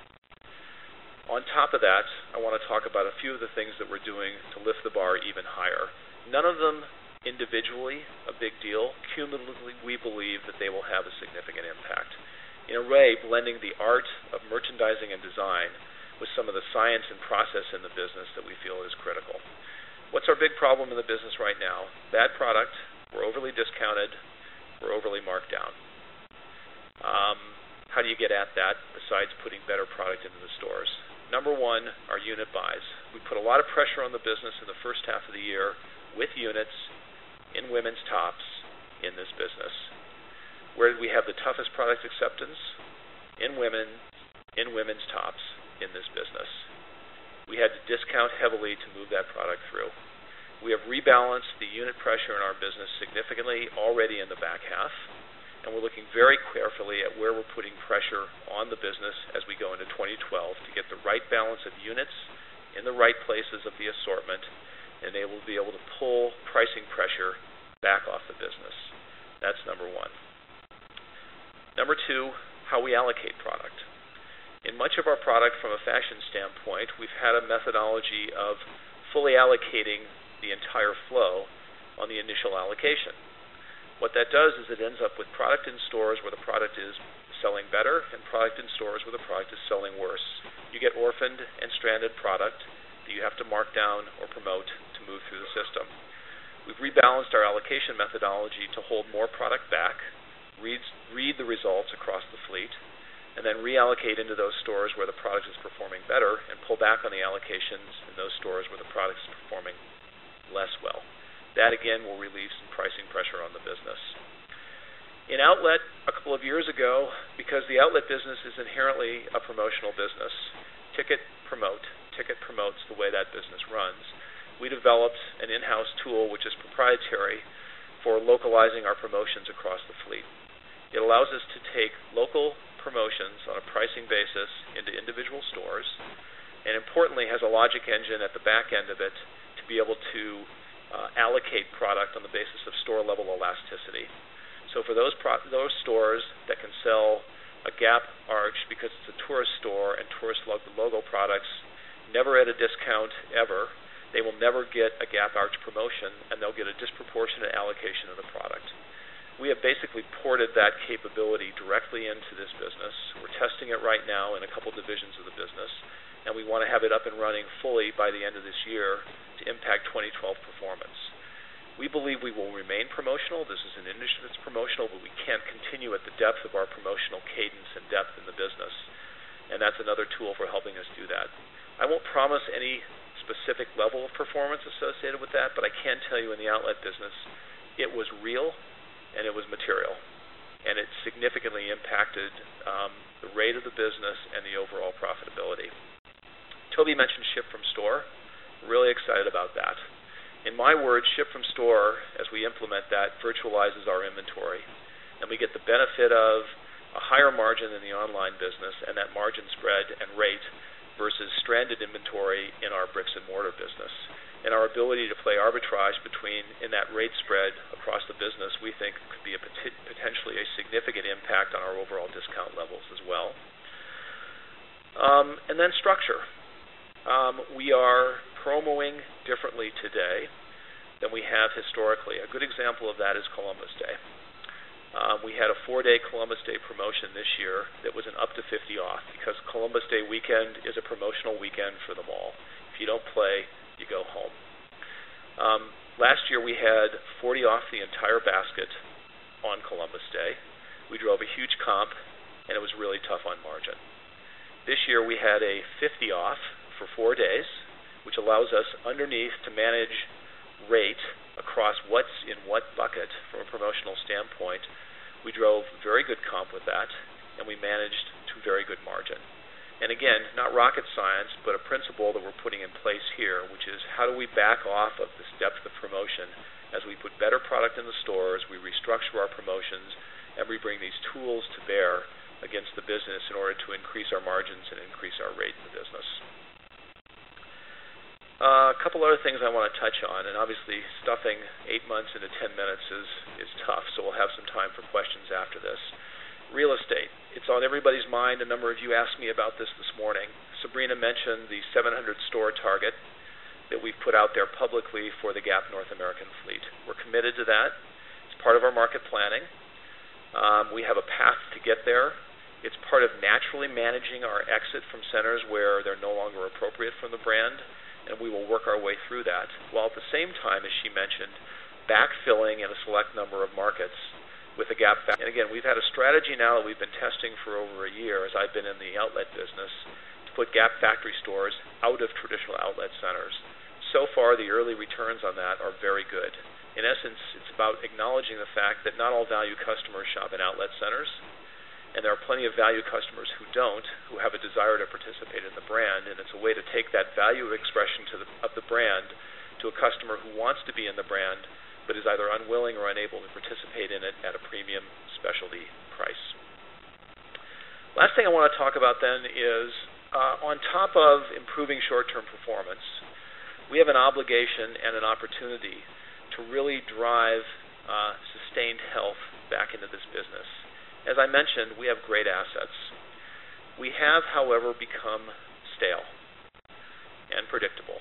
On top of that, I want to talk about a few of the things that we're doing to lift the bar even higher. None of them individually a big deal. Cumulatively, we believe that they will have a significant impact. In a way, blending the art of merchandising and design with some of the science and process in the business that we feel is critical. What's our big problem in the business right now? Bad product. We're overly discounted. We're overly marked down. How do you get at that besides putting better product into the stores? Number one, our unit buys. We put a lot of pressure on the business in the first half of the year with units in women's tops in this business. Where did we have the toughest product acceptance? In Women, in women's tops in this business. We had to discount heavily to move that product through. We have rebalanced the unit pressure in our business significantly already in the back half. We're looking very carefully at where we're putting pressure on the business as we go into 2012 to get the right balance of units in the right places of the assortment, and they will be able to pull pricing pressure back off the business. That's number one. Number two, how we allocate product. In much of our product from a fashion standpoint, we've had a methodology of fully allocating the entire flow on the initial allocation. What that does is it ends up with product in stores where the product is selling better and product in stores where the product is selling worse. You get orphaned and stranded product that you have to mark down or promote to move through the system. We've rebalanced our allocation methodology to hold more product back, read the results across the fleet, and then reallocate into those stores where the product is performing better and pull back on the allocations in those stores where the product is performing less well. That, again, will release some pricing pressure on the business. In outlet, a couple of years ago, because the outlet business is inherently a promotional business, ticket promote, ticket promotes the way that business runs, we developed an in-house tool, which is proprietary for localizing our promotions across the fleet. It allows us to take local promotions on a pricing basis into individual stores and, importantly, has a logic engine at the back end of it to be able to allocate product on the basis of store-level elasticity. For those stores that can sell a Gap arch because it's a tourist store and tourist logo products, never at a discount ever, they will never get a Gap arch promotion, and they'll get a disproportionate allocation of the product. We have basically ported that capability directly into this business. We're testing it right now in a couple of divisions of the business, and we want to have it up and running fully by the end of this year to impact 2012 performance. We believe we will remain promotional. This is an industry that's promotional, but we can't continue at the depth of our promotional cadence and depth in the business. That's another tool for helping us do that. I won't promise any specific level of performance associated with that, but I can tell you in the outlet business, it was real, and it was material. It significantly impacted the rate of the business and the overall profitability. Toby mentioned ship-from-store. Really excited about that. In my words, ship-from-store, as we implement that, virtualizes our inventory. We get the benefit of a higher margin in the online business and that margin spread and rate versus stranded inventory in our bricks and mortar business. Our ability to play arbitrage between in that rate spread across the business, we think could be potentially a significant impact on our overall discount levels as well. We are promo-ing differently today than we have historically. A good example of that is Columbus Day. We had a four-day Columbus Day promotion this year that was an up-to-50% off because Columbus Day weekend is a promotional weekend for the mall. If you don't play, you go home. Last year, we had 40% off the entire basket on Columbus Day. We drove a huge comp, and it was really tough on margin. This year, we had a 50% off for four days, which allows us underneath to manage rate across what's in what bucket from a promotional standpoint. We drove very good comp with that, and we managed to very good margin. Not rocket science, but a principle that we're putting in place here, which is how do we back off of this depth of promotion as we put better product in the stores, we restructure our promotions, and we bring these tools to bear against the business in order to increase our margins and increase our rate in the business. A couple of other things I want to touch on. Obviously, stuffing 8 months into 10 minutes is tough. We'll have some time for questions after this. Real estate. It's on everybody's mind. A number of you asked me about this this morning. Sabrina mentioned the 700-store target that we've put out there publicly for the Gap North America fleet. We're committed to that. It's part of our market planning. We have a path to get there. It's part of naturally managing our exit from centers where they're no longer appropriate from the brand, and we will work our way through that. At the same time, as she mentioned, backfilling in a select number of markets with a Gap. We've had a strategy now that we've been testing for over a year as I've been in the outlet business to put Gap factory stores out of traditional outlet centers. So far, the early returns on that are very good. In essence, it's about acknowledging the fact that not all value customers shop in outlet centers. There are plenty of value customers who don't, who have a desire to participate in the brand. It's a way to take that value expression of the brand to a customer who wants to be in the brand but is either unwilling or unable to participate in it at a premium specialty price. Last thing I want to talk about then is, on top of improving short-term performance, we have an obligation and an opportunity to really drive sustained health back into this business. As I mentioned, we have great assets. We have, however, become stale and predictable.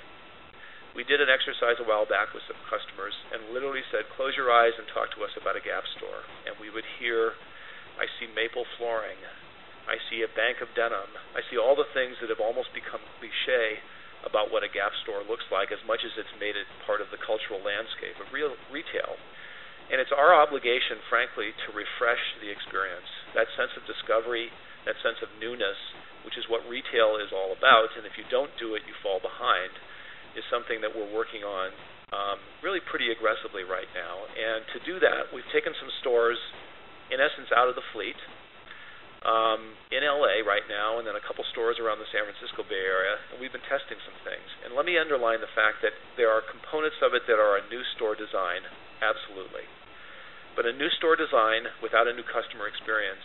We did an exercise a while back with some customers and literally said, "Close your eyes and talk to us about a Gap store." We would hear, "I see maple flooring. I see a bank of denim. I see all the things that have almost become cliché about what a Gap store looks like as much as it's made it part of the cultural landscape of real retail." It's our obligation, frankly, to refresh the experience. That sense of discovery, that sense of newness, which is what retail is all about, and if you don't do it, you fall behind, is something that we're working on, really pretty aggressively right now. To do that, we've taken some stores, in essence, out of the fleet, in L.A. right now, and then a couple of stores around the San Francisco Bay Area. We've been testing some things. Let me underline the fact that there are components of it that are a new store design, absolutely. A new store design without a new customer experience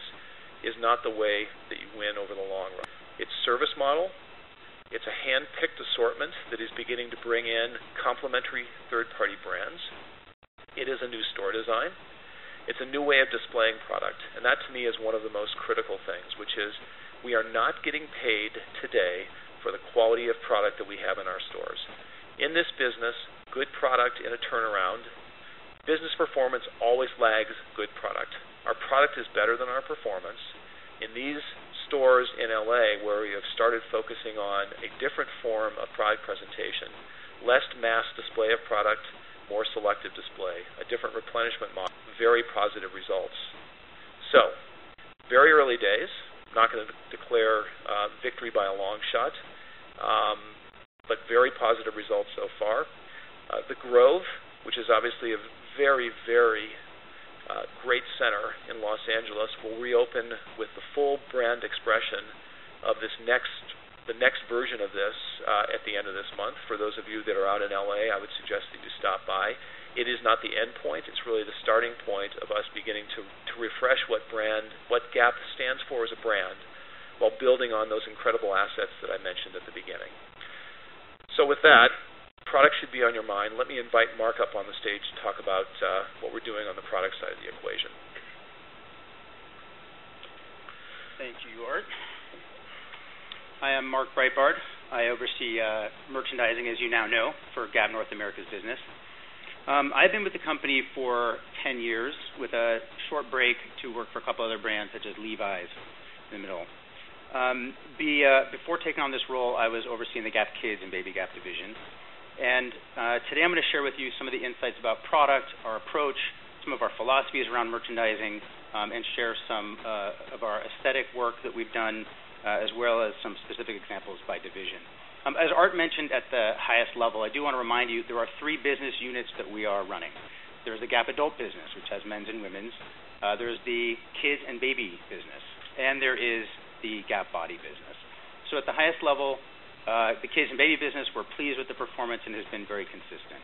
is not the way that you win over the long run. It's a service model. It's a hand-picked assortment that is beginning to bring in complementary third-party brands. It is a new store design. It's a new way of displaying product. That, to me, is one of the most critical things, which is we are not getting paid today for the quality of product that we have in our stores. In this business, good product in a turnaround, business performance always lags good product. Our product is better than our performance. In these stores in L.A., where we have started focusing on a different form of product presentation, less mass display of product, more selective display, a different replenishment model, very positive results. Very early days, not going to declare victory by a long shot, but very positive results so far. The Grove, which is obviously a very, very great center in Los Angeles, will reopen with the full brand expression of this next version of this, at the end of this month. For those of you that are out in L.A., I would suggest that you stop by. It is not the endpoint. It's really the starting point of us beginning to refresh what Gap stands for as a brand while building on those incredible assets that I mentioned at the beginning. With that, product should be on your mind. Let me invite Mark up on the stage to talk about what we're doing on the product side of the equation. Thank you, Art. I am Mark Breitbart. I oversee merchandising, as you now know, for Gap North America's business. I've been with the company for 10 years with a short break to work for a couple of other brands such as Levi's in the middle. Before taking on this role, I was overseeing the Gap Kids and Baby Gap division. Today I'm going to share with you some of the insights about product, our approach, some of our philosophies around merchandising, and share some of our aesthetic work that we've done, as well as some specific examples by division. As Art mentioned at the highest level, I do want to remind you there are three business units that we are running. There's the Gap adult business, which has men's and women's, there's the Kids and Baby business, and there is the Gap Body business. At the highest level, the Kids and Baby business, we're pleased with the performance and has been very consistent.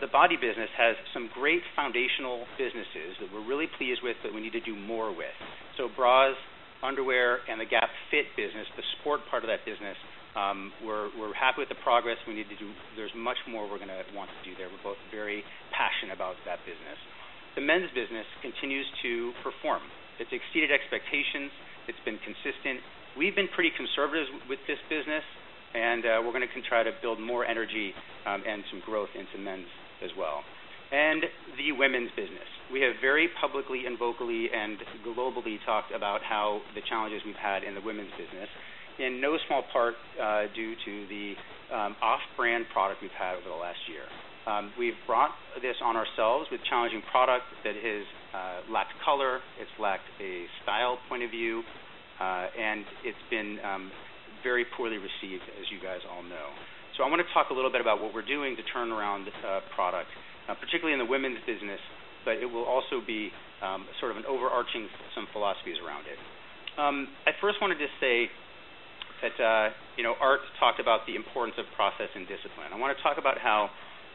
The Body business has some great foundational businesses that we're really pleased with that we need to do more with. Bras, underwear, and the Gap fit business, the sport part of that business, we're happy with the progress. There's much more we're going to want to do there. We're both very passionate about that business. The men's business continues to perform. It's exceeded expectations. It's been consistent. We've been pretty conservative with this business, and we're going to try to build more energy and some growth into men's as well. The women's business, we have very publicly and vocally and globally talked about how the challenges we've had in the women's business, in no small part, due to the off-brand product we've had over the last year. We've brought this on ourselves with challenging product that has lacked color. It's lacked a style point of view, and it's been very poorly received, as you guys all know. I want to talk a little bit about what we're doing to turn around product, particularly in the women's business, but it will also be sort of an overarching some philosophies around it. I first wanted to say that, you know, Art talked about the importance of process and discipline. I want to talk about how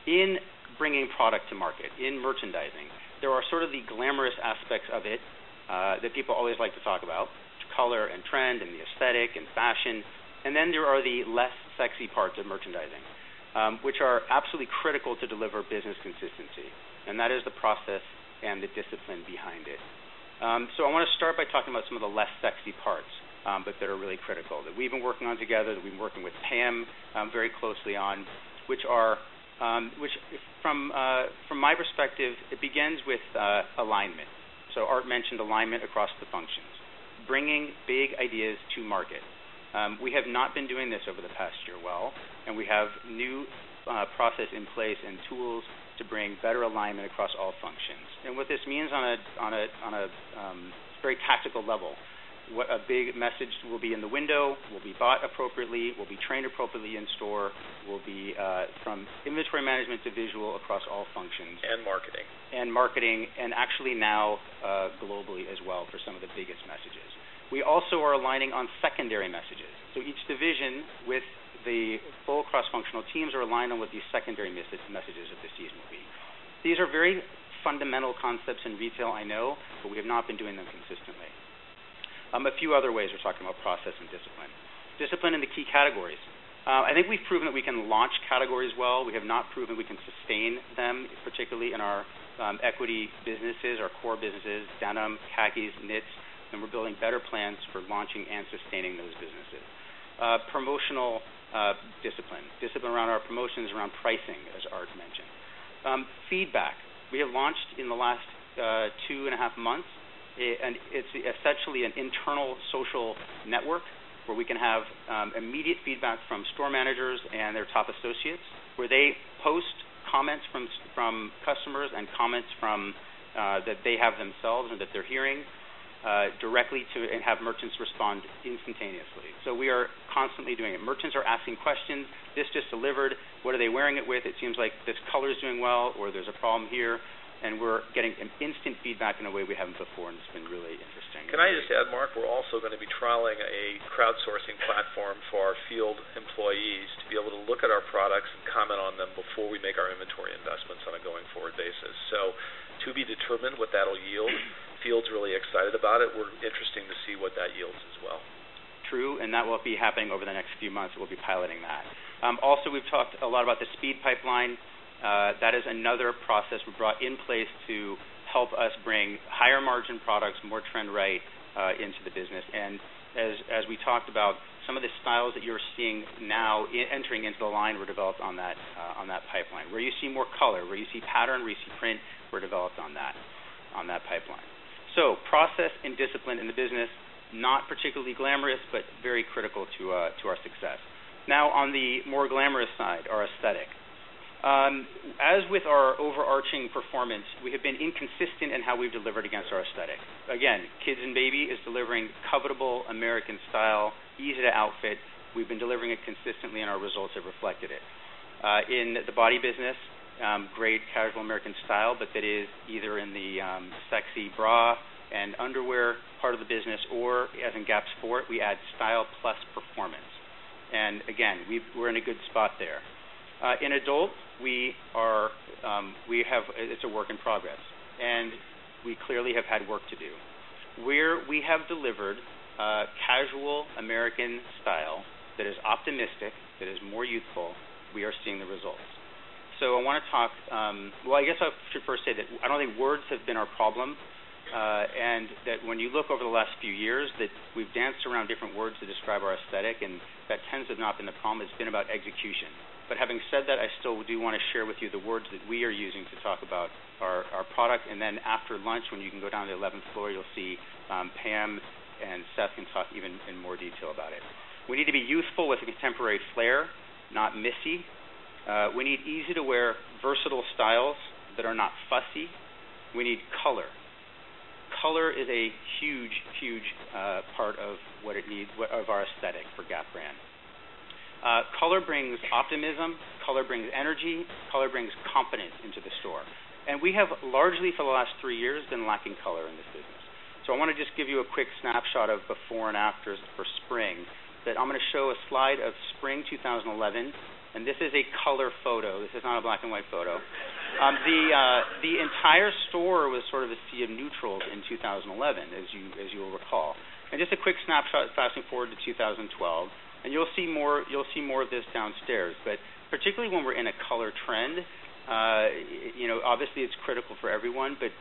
in bringing product to market, in merchandising, there are sort of the glamorous aspects of it, that people always like to talk about, color and trend and the aesthetic and fashion. There are the less sexy parts of merchandising, which are absolutely critical to deliver business consistency. That is the process and the discipline behind it. I want to start by talking about some of the less sexy parts, but that are really critical that we've been working on together, that we've been working with Pam very closely on, which from my perspective, begins with alignment. Art mentioned alignment across the functions, bringing big ideas to market. We have not been doing this over the past year well, and we have new process in place and tools to bring better alignment across all functions. What this means on a very tactical level, what a big message will be in the window, will be bought appropriately, will be trained appropriately in store, from inventory management to visual across all functions. And marketing. Marketing, and actually now, globally as well for some of the biggest messages. We also are aligning on secondary messages. Each division with the full cross-functional teams are aligned on what these secondary messages of the season will be. These are very fundamental concepts in retail, I know, but we have not been doing them consistently. A few other ways we're talking about process and discipline: discipline in the key categories. I think we've proven that we can launch categories well. We have not proven we can sustain them, particularly in our equity businesses, our core businesses, denim, khakis, knits, and we're building better plans for launching and sustaining those businesses. Promotional discipline, discipline around our promotions, around pricing, as Art mentioned. Feedback. We have launched in the last two and a half months, and it's essentially an internal social network where we can have immediate feedback from store managers and their top associates, where they post comments from customers and comments that they have themselves and that they're hearing, directly to and have merchants respond instantaneously. We are constantly doing it. Merchants are asking questions. This just delivered. What are they wearing it with? It seems like this color is doing well, or there's a problem here. We're getting instant feedback in a way we haven't before, and it's been really interesting. Can I just add, Mark, we're also going to be trialing a crowdsourcing platform for our field employees to be able to look at our products, comment on them before we make our inventory investments on a going forward basis. To be determined what that'll yield, field's really excited about it. We're interested to see what that yields as well. True, and that will be happening over the next few months. We'll be piloting that. Also, we've talked a lot about the speed pipeline. That is another process we brought in place to help us bring higher margin products, more trend right, into the business. As we talked about, some of the styles that you're seeing now entering into the line were developed on that pipeline. Where you see more color, where you see pattern, where you see print, were developed on that pipeline. Process and discipline in the business, not particularly glamorous, but very critical to our success. Now, on the more glamorous side, our aesthetic. As with our overarching performance, we have been inconsistent in how we've delivered against our aesthetic. Again, kids and baby is delivering covetable American style, easy to outfit. We've been delivering it consistently, and our results have reflected it. In the body business, great casual American style, but that is either in the sexy bra and underwear part of the business, or as in Gap sport, we add style plus performance. Again, we're in a good spot there. In adult, we have, it's a work in progress. We clearly have had work to do. Where we have delivered casual American style that is optimistic, that is more youthful, we are seeing the results. I want to talk, I guess I should first say that I don't think words have been our problem, and that when you look over the last few years, we've danced around different words to describe our aesthetic, and that tends to have not been the problem. It's been about execution. Having said that, I still do want to share with you the words that we are using to talk about our product. After lunch, when you can go down to the 11th floor, you'll see, Pam and Seth can talk even in more detail about it. We need to be youthful with a contemporary flair, not missy. We need easy-to-wear, versatile styles that are not fussy. We need color. Color is a huge, huge part of what it needs, of our aesthetic for Gap brand. Color brings optimism. Color brings energy. Color brings confidence into the store. We have largely, for the last three years, been lacking color in this business. I want to just give you a quick snapshot of before and after for spring that I'm going to show a slide of spring 2011. This is a color photo. This is not a black and white photo. The entire store was sort of a sea of neutrals in 2011, as you will recall. Just a quick snapshot, fast forwarding to 2012. You'll see more of this downstairs. Particularly when we're in a color trend, obviously, it's critical for everyone, but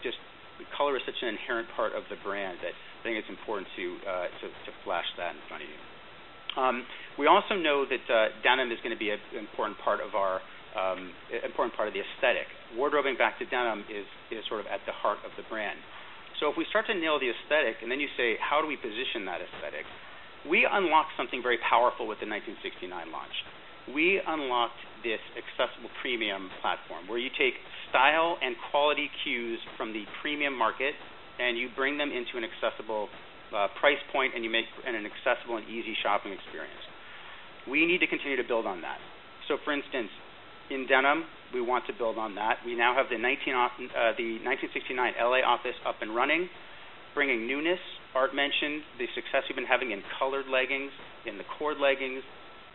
color is such an inherent part of the brand that I think it's important to flash that in front of you. We also know that denim is going to be an important part of our aesthetic. Wardrobe and back to denim is sort of at the heart of the brand. If we start to nail the aesthetic, and then you say, how do we position that aesthetic? We unlocked something very powerful with the 1969 launch. We unlocked this accessible premium platform where you take style and quality cues from the premium market, and you bring them into an accessible price point, and you make an accessible and easy shopping experience. We need to continue to build on that. For instance, in denim, we want to build on that. We now have the 1969 L.A. office up and running, bringing newness. Art mentioned the success we've been having in colored leggings, in the cord leggings,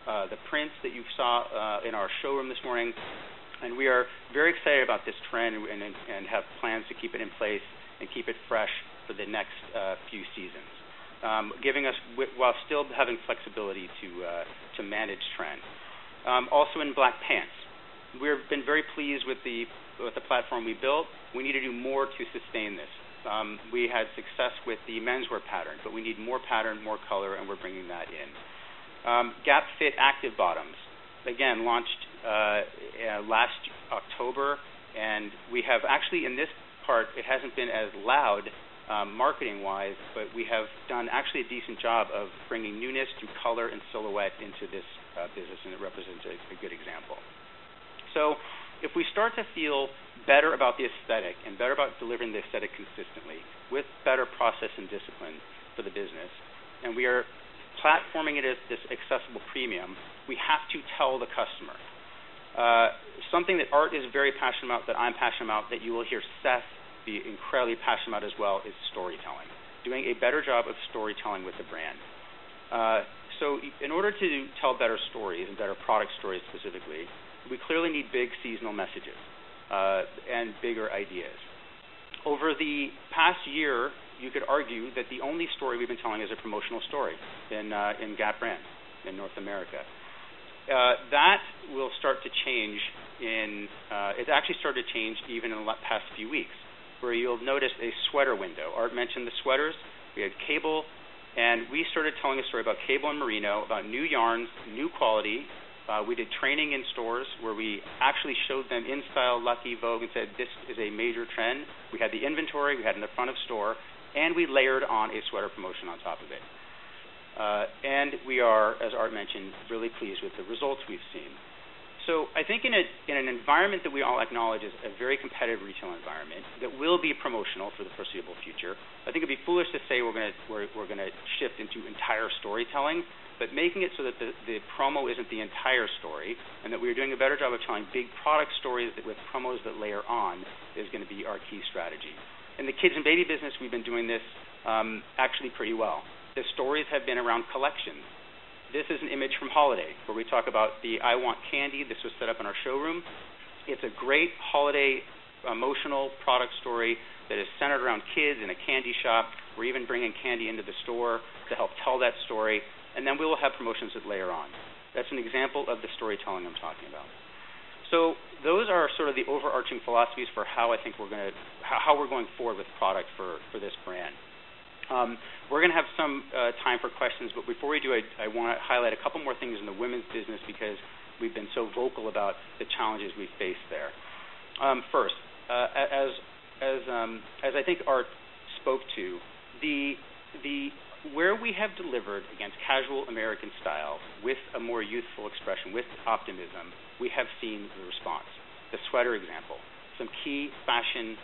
the prints that you saw in our showroom this morning. We are very excited about this trend and have plans to keep it in place and keep it fresh for the next few seasons, giving us, while still having flexibility to manage trend. Also in black pants, we've been very pleased with the platform we built. We need to do more to sustain this. We had success with the menswear pattern, but we need more pattern, more color, and we're bringing that in. GapFit active bottoms, again, launched last October. In this part, it hasn't been as loud, marketing-wise, but we have done actually a decent job of bringing newness through color and silhouette into this business, and it represents a good example. If we start to feel better about the aesthetic and better about delivering the aesthetic consistently with better process and discipline for the business, and we are platforming it as this accessible premium, we have to tell the customer. Something that Art is very passionate about, that I'm passionate about, that you will hear Seth be incredibly passionate about as well, is storytelling. Doing a better job of storytelling with the brand. In order to tell better stories and better product stories specifically, we clearly need big seasonal messages and bigger ideas. Over the past year, you could argue that the only story we've been telling is a promotional story in Gap brand in North America. That will start to change. It's actually started to change even in the past few weeks, where you'll notice a sweater window. Art mentioned the sweaters. We had cable, and we started telling a story about cable and merino, about new yarns, new quality. We did training in stores where we actually showed them in Style, Lucky, Vogue, and said, "This is a major trend." We had the inventory, we had it in the front of store, and we layered on a sweater promotion on top of it. We are, as Art mentioned, really pleased with the results we've seen. I think in an environment that we all acknowledge is a very competitive retail environment that will be promotional for the foreseeable future, it would be foolish to say we're going to shift into entire storytelling, but making it so that the promo isn't the entire story and that we are doing a better job of telling big product stories with promos that layer on is going to be our key strategy. In the kids and baby business, we've been doing this actually pretty well. The stories have been around collection. This is an image from Holiday where we talk about the "I want candy." This was set up in our showroom. It's a great holiday emotional product story that is centered around kids in a candy shop. We're even bringing candy into the store to help tell that story. We will have promotions that layer on. That's an example of the storytelling I'm talking about. Those are sort of the overarching philosophies for how I think we're going forward with product for this brand. We're going to have some time for questions, but before we do, I want to highlight a couple more things in the women's business because we've been so vocal about the challenges we've faced there. First, as I think Art spoke to, where we have delivered against casual American style with a more youthful expression with optimism, we have seen the response. The sweater example, some key fashion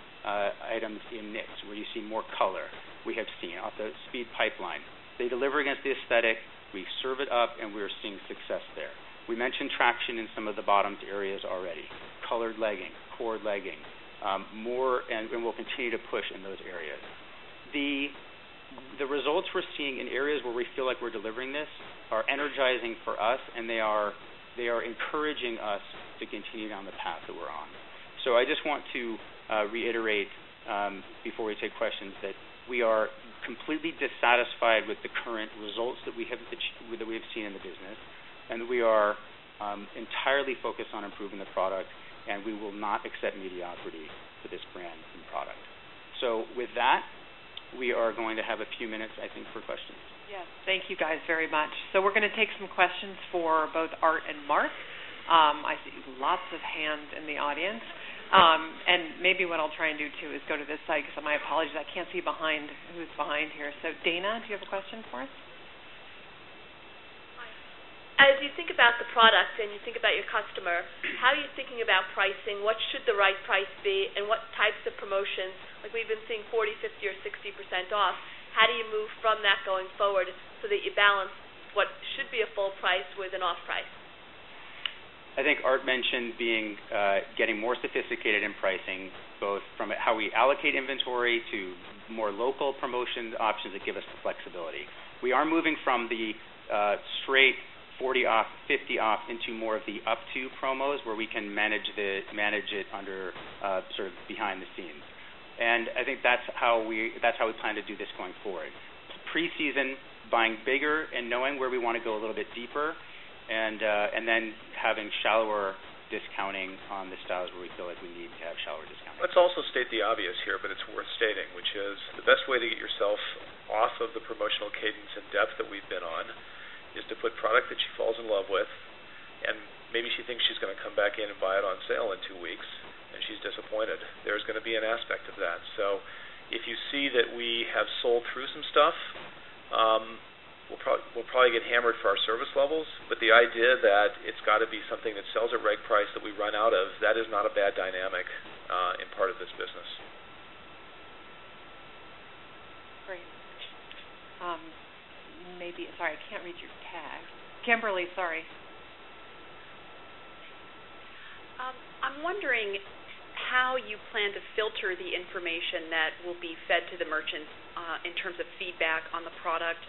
items in knits where you see more color. We have seen off the speed pipeline. They deliver against the aesthetic. We serve it up, and we're seeing success there. We mentioned traction in some of the bottomed areas already. Colored legging, cord legging, more, and we'll continue to push in those areas. The results we're seeing in areas where we feel like we're delivering this are energizing for us, and they are encouraging us to continue down the path that we're on. I just want to reiterate, before we take questions, that we are completely dissatisfied with the current results that we have seen in the business, and that we are entirely focused on improving the product, and we will not accept mediocrity for this brand and product. With that, we are going to have a few minutes, I think, for questions. Yeah. Thank you guys very much. We're going to take some questions for both Art and Mark. I see lots of hands in the audience. Maybe what I'll try and do too is go to this side because my apologies, I can't see who's behind here. Dana, do you have a question for us? Hi. As you think about the product and you think about your customer, how are you thinking about pricing? What should the right price be? What types of promotions? Like we've been seeing 40%, 50%, or 60% off. How do you move from that going forward so that you balance what should be a full price with an off price? I think Art mentioned getting more sophisticated in pricing, both from how we allocate inventory to more local promotion options that give us the flexibility. We are moving from the straight 40% off, 50% off into more of the up to promos where we can manage it under, sort of behind the scenes. I think that's how we plan to do this going forward. Preseason buying bigger and knowing where we want to go a little bit deeper, and then having shallower discounting on the styles where we feel like we need to have shallower discounts. Let's also state the obvious here, but it's worth stating, which is the best way to get yourself off of the promotional cadence and depth that we've been on is to put product that she falls in love with, and maybe she thinks she's going to come back in and buy it on sale in two weeks, and she's disappointed. There's going to be an aspect of that. If you see that we have sold through some stuff, we'll probably get hammered for our service levels, but the idea that it's got to be something that sells at right price that we run out of, that is not a bad dynamic, in part of this business. Sorry. Maybe sorry. I can't read your tag. Kimberly, sorry. I'm wondering how you plan to filter the information that will be fed to the merchants, in terms of feedback on the product.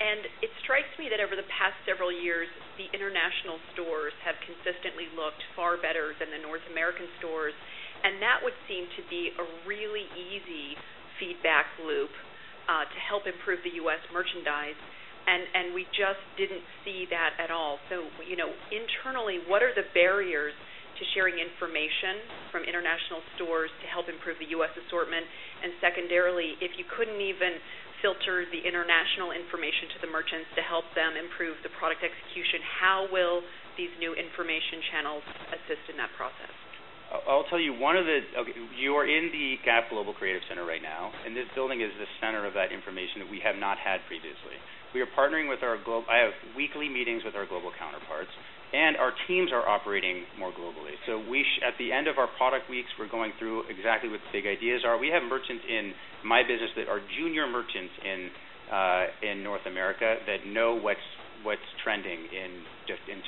It strikes me that over the past several years, the international stores have consistently looked far better than the North American stores. That would seem to be a really easy feedback loop to help improve the U.S. merchandise. We just didn't see that at all. Internally, what are the barriers to sharing information from international stores to help improve the U.S. assortment? Secondarily, if you couldn't even filter the international information to the merchants to help them improve the product execution, how will these new information channels assist in that process? You are in the Gap Global Creative Center right now. This building is the center of that information that we have not had previously. We are partnering with our global counterparts. I have weekly meetings with our global counterparts, and our teams are operating more globally. At the end of our product weeks, we're going through exactly what the big ideas are. We have merchants in my business that are junior merchants in North America that know what's trending in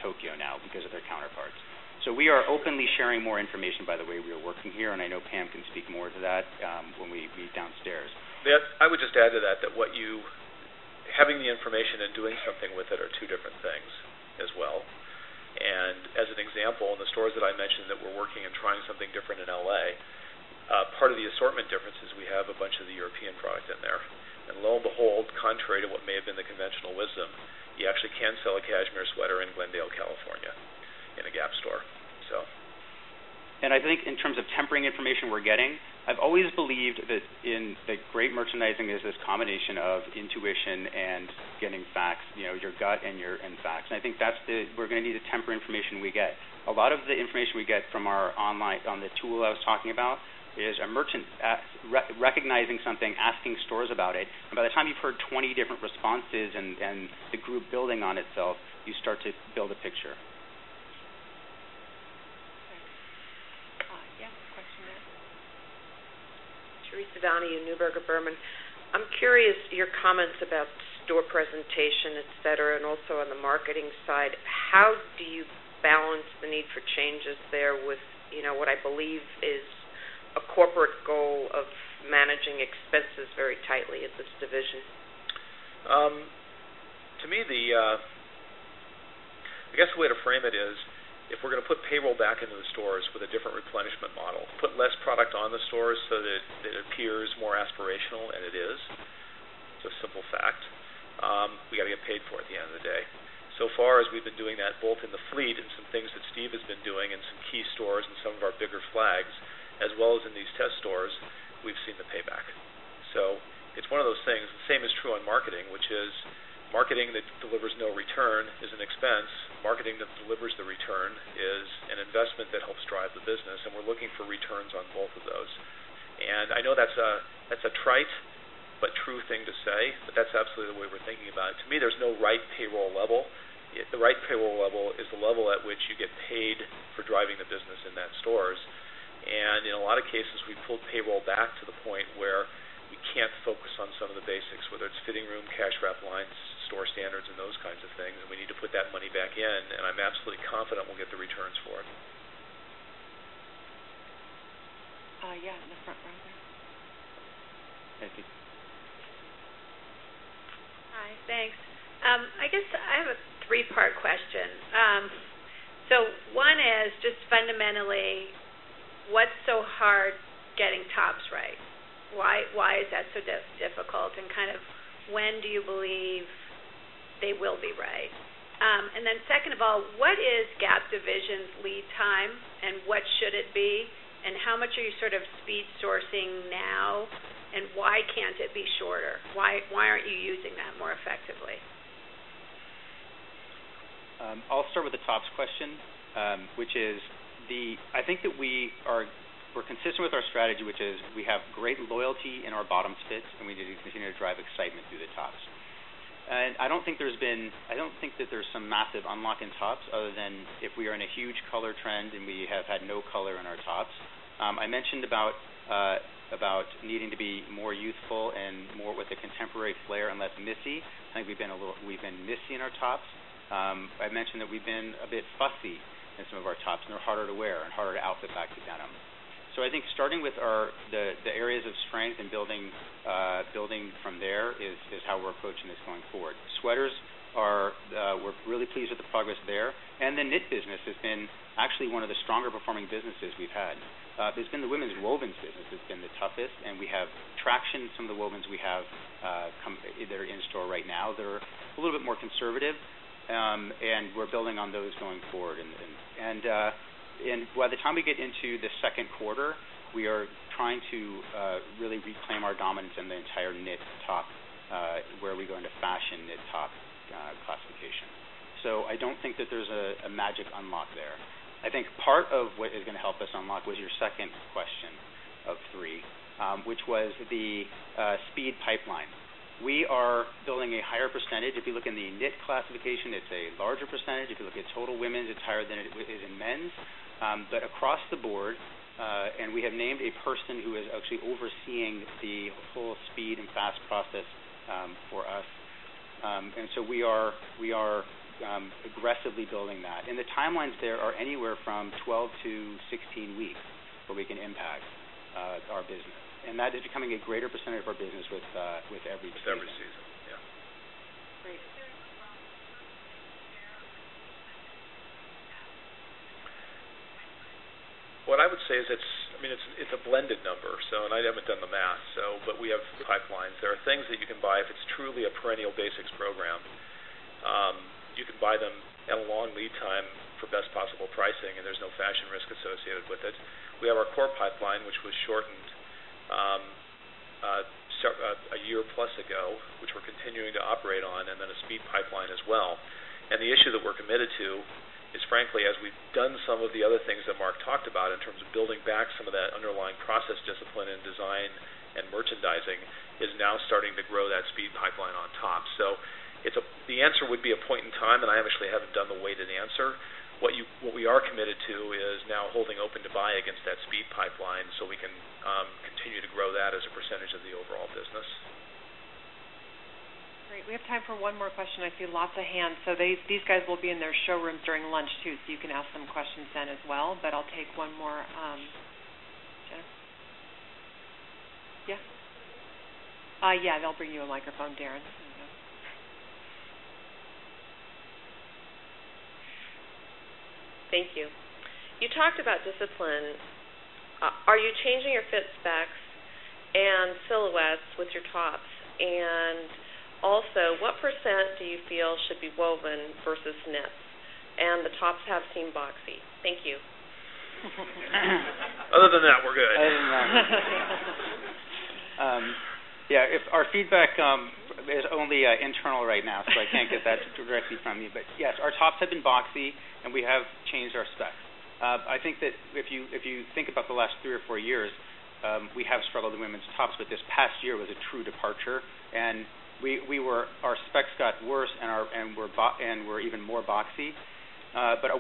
Tokyo now because of their counterparts. We are openly sharing more information by the way we are working here. I know Pam can speak more to that when we meet downstairs. I would just add to that that having the information and doing something with it are two different things as well. As an example, in the stores that I mentioned that we're working and trying something different in L.A., part of the assortment difference is we have a bunch of the European product in there. Lo and behold, contrary to what may have been the conventional wisdom, you actually can sell a cashmere sweater in Glendale, California, in a Gap store. I think in terms of tempering information we're getting, I've always believed that great merchandising is this combination of intuition and getting facts, you know, your gut and your facts. I think that's where we're going to need to temper information we get. A lot of the information we get from our online on the tool I was talking about is a merchant recognizing something, asking stores about it. By the time you've heard 20 different responses and the group building on itself, you start to build a picture. Okay. Yeah, question there. Theresa Downey and Neuberger Berman. I'm curious your comments about store presentation, etc., and also on the marketing side. How do you balance the need for changes there with, you know, what I believe is a corporate goal of managing expenses very tightly at this division? To me, I guess the way to frame it is if we're going to put payroll back into the stores with a different replenishment model, put less product on the stores so that it appears more aspirational, and it is. It's a simple fact. We got to get paid for it at the end of the day. As we've been doing that both in the fleet and some things that Steve has been doing in some key stores and some of our bigger flags, as well as in these test stores, we've seen the payback. It's one of those things. The same is true on marketing, which is marketing that delivers no return is an expense. Marketing that delivers the return is an investment that helps drive the business. We're looking for returns on both of those. I know that's a trite but true thing to say, but that's absolutely the way we're thinking about it. To me, there's no right payroll level. The right payroll level is the level at which you get paid for driving the business in that stores. In a lot of cases, we've pulled payroll back to the point where you can't focus on some of the basics, whether it's fitting room, cash wrap lines, store standards, and those kinds of things. We need to put that money back in. I'm absolutely confident we'll get the returns for it. Yeah, in the front row there. Thank you. Hi. Thanks. I guess I have a three-part question. One is just fundamentally, what's so hard getting tops right? Why is that so difficult? When do you believe they will be right? Second, what is Gap division's lead time, and what should it be, and how much are you sort of speed sourcing now, and why can't it be shorter? Why aren't you using that more effectively? I'll start with the tops question, which is I think that we are consistent with our strategy, which is we have great loyalty in our bottom fits, and we need to continue to drive excitement through the tops. I don't think that there's some massive unlock in tops other than if we are in a huge color trend and we have had no color in our tops. I mentioned about needing to be more youthful and more with a contemporary flair and less missy. I think we've been a little missy in our tops. I mentioned that we've been a bit fussy in some of our tops, and they're harder to wear and harder to outfit back to denim. I think starting with our areas of strength and building from there is how we're approaching this going forward. Sweaters are, we're really pleased with the progress there. The knit business has been actually one of the stronger performing businesses we've had. The women's wovens business has been the toughest, and we have traction. Some of the wovens we have, they're in store right now. They're a little bit more conservative, and we're building on those going forward. By the time we get into the second quarter, we are trying to really reclaim our dominance in the entire knit top, where we go into fashion knit top classification. I don't think that there's a magic unlock there. I think part of what is going to help us unlock was your second question of three, which was the speed pipeline. We are building a higher percentage. If you look in the knit classification, it's a larger percentage. If you look at total women's, it's higher than it is in men's. Across the board, we have named a person who is actually overseeing the full speed and fast process for us. We are aggressively building that, and the timelines there are anywhere from 12-16 weeks where we can impact our business. That is becoming a greater percentage of our business with every season. Yeah. What I would say is it's a blended number. I haven't done the math, but we have pipelines. There are things that you can buy if it's truly a perennial basics program. You can buy them at a long lead time for best possible pricing, and there's no fashion risk associated with it. We have our core pipeline, which was shortened a year plus ago, which we're continuing to operate on, and then a speed pipeline as well. The issue that we're committed to is, frankly, as we've done some of the other things that Mark talked about in terms of building back some of that underlying process discipline and design and merchandising, is now starting to grow that speed pipeline on top. The answer would be a point in time, and I actually haven't done the weighted answer. What we are committed to is now holding open to buy against that speed pipeline so we can continue to grow that as a percentage of the overall business. Great. We have time for one more question. I see lots of hands. These guys will be in their showrooms during lunch too, so you can ask them questions then as well. I'll take one more. They'll bring you a microphone, Darren. Thank you. You talked about discipline. Are you changing your fit specs and silhouettes with your tops? Also, what percent do you feel should be woven versus knits? The tops have seemed boxy. Thank you. Other than that, we're good. Other than that, yeah, our feedback is only internal right now, so I can't get that directly from you. Yes, our tops have been boxy, and we have changed our specs. I think that if you think about the last three or four years, we have struggled with women's tops, but this past year was a true departure. Our specs got worse and were even more boxy.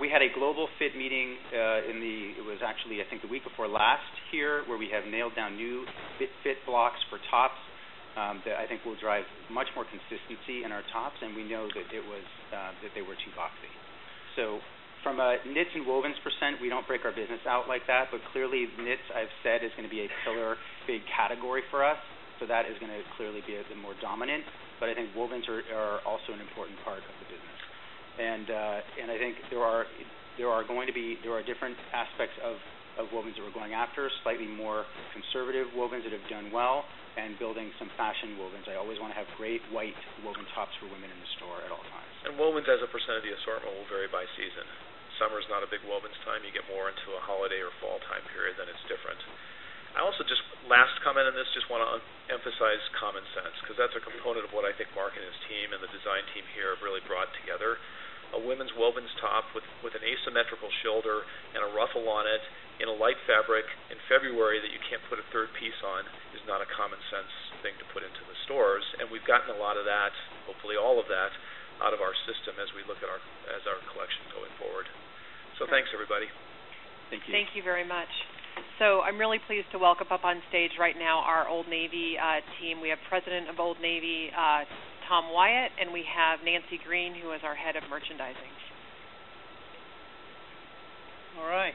We had a global fit meeting, it was actually, I think, the week before last year, where we have nailed down new fit blocks for tops that I think will drive much more consistency in our tops. We know that they were too boxy. From a knits and wovens percent perspective, we don't break our business out like that. Clearly, knits, I've said, are going to be a filler big category for us. That is going to clearly be the more dominant. I think wovens are also an important part of the business. There are different aspects of wovens that we're going after, slightly more conservative wovens that have done well, and building some fashion wovens. I always want to have great white woven tops for women in the store at all times. Wovens as a percent of the assortment will vary by season. Summer is not a big wovens time. You get more into a holiday or fall time period, then it's different. I also, just last comment on this, want to emphasize common sense because that's a component of what I think Mark and his team and the design team here have really brought together. A women's woven top with an asymmetrical shoulder and a ruffle on it in a light fabric in February that you can't put a third piece on is not a common sense thing to put into the stores. We've gotten a lot of that, hopefully all of that, out of our system as we look at our collection going forward. Thanks, everybody. Thank you. Thank you very much. I'm really pleased to welcome up on stage right now our Old Navy team. We have President of Old Navy, Tom Wyatt, and we have Nancy Green, who is our Head of Merchandising. All right.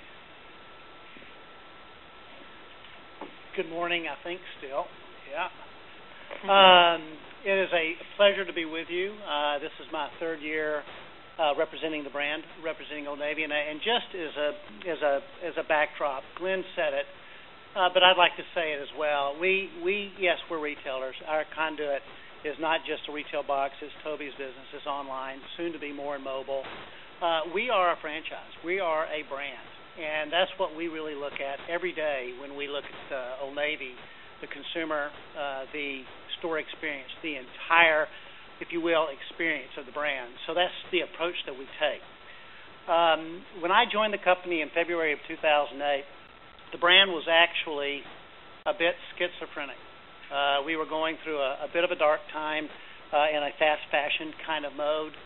Good morning, I think still. Yeah. It is a pleasure to be with you. This is my third year representing the brand, representing Old Navy. Just as a backdrop, Glenn said it, but I'd like to say it as well. Yes, we're retailers. Our conduit is not just a retail box. It's Toby's business. It's online, soon to be more in mobile. We are a franchise. We are a brand. That's what we really look at every day when we look at Old Navy, the consumer, the store experience, the entire, if you will, experience of the brand. That's the approach that we take. When I joined the company in February of 2008, the brand was actually a bit schizophrenic. We were going through a bit of a dark time in a fast fashion kind of mode.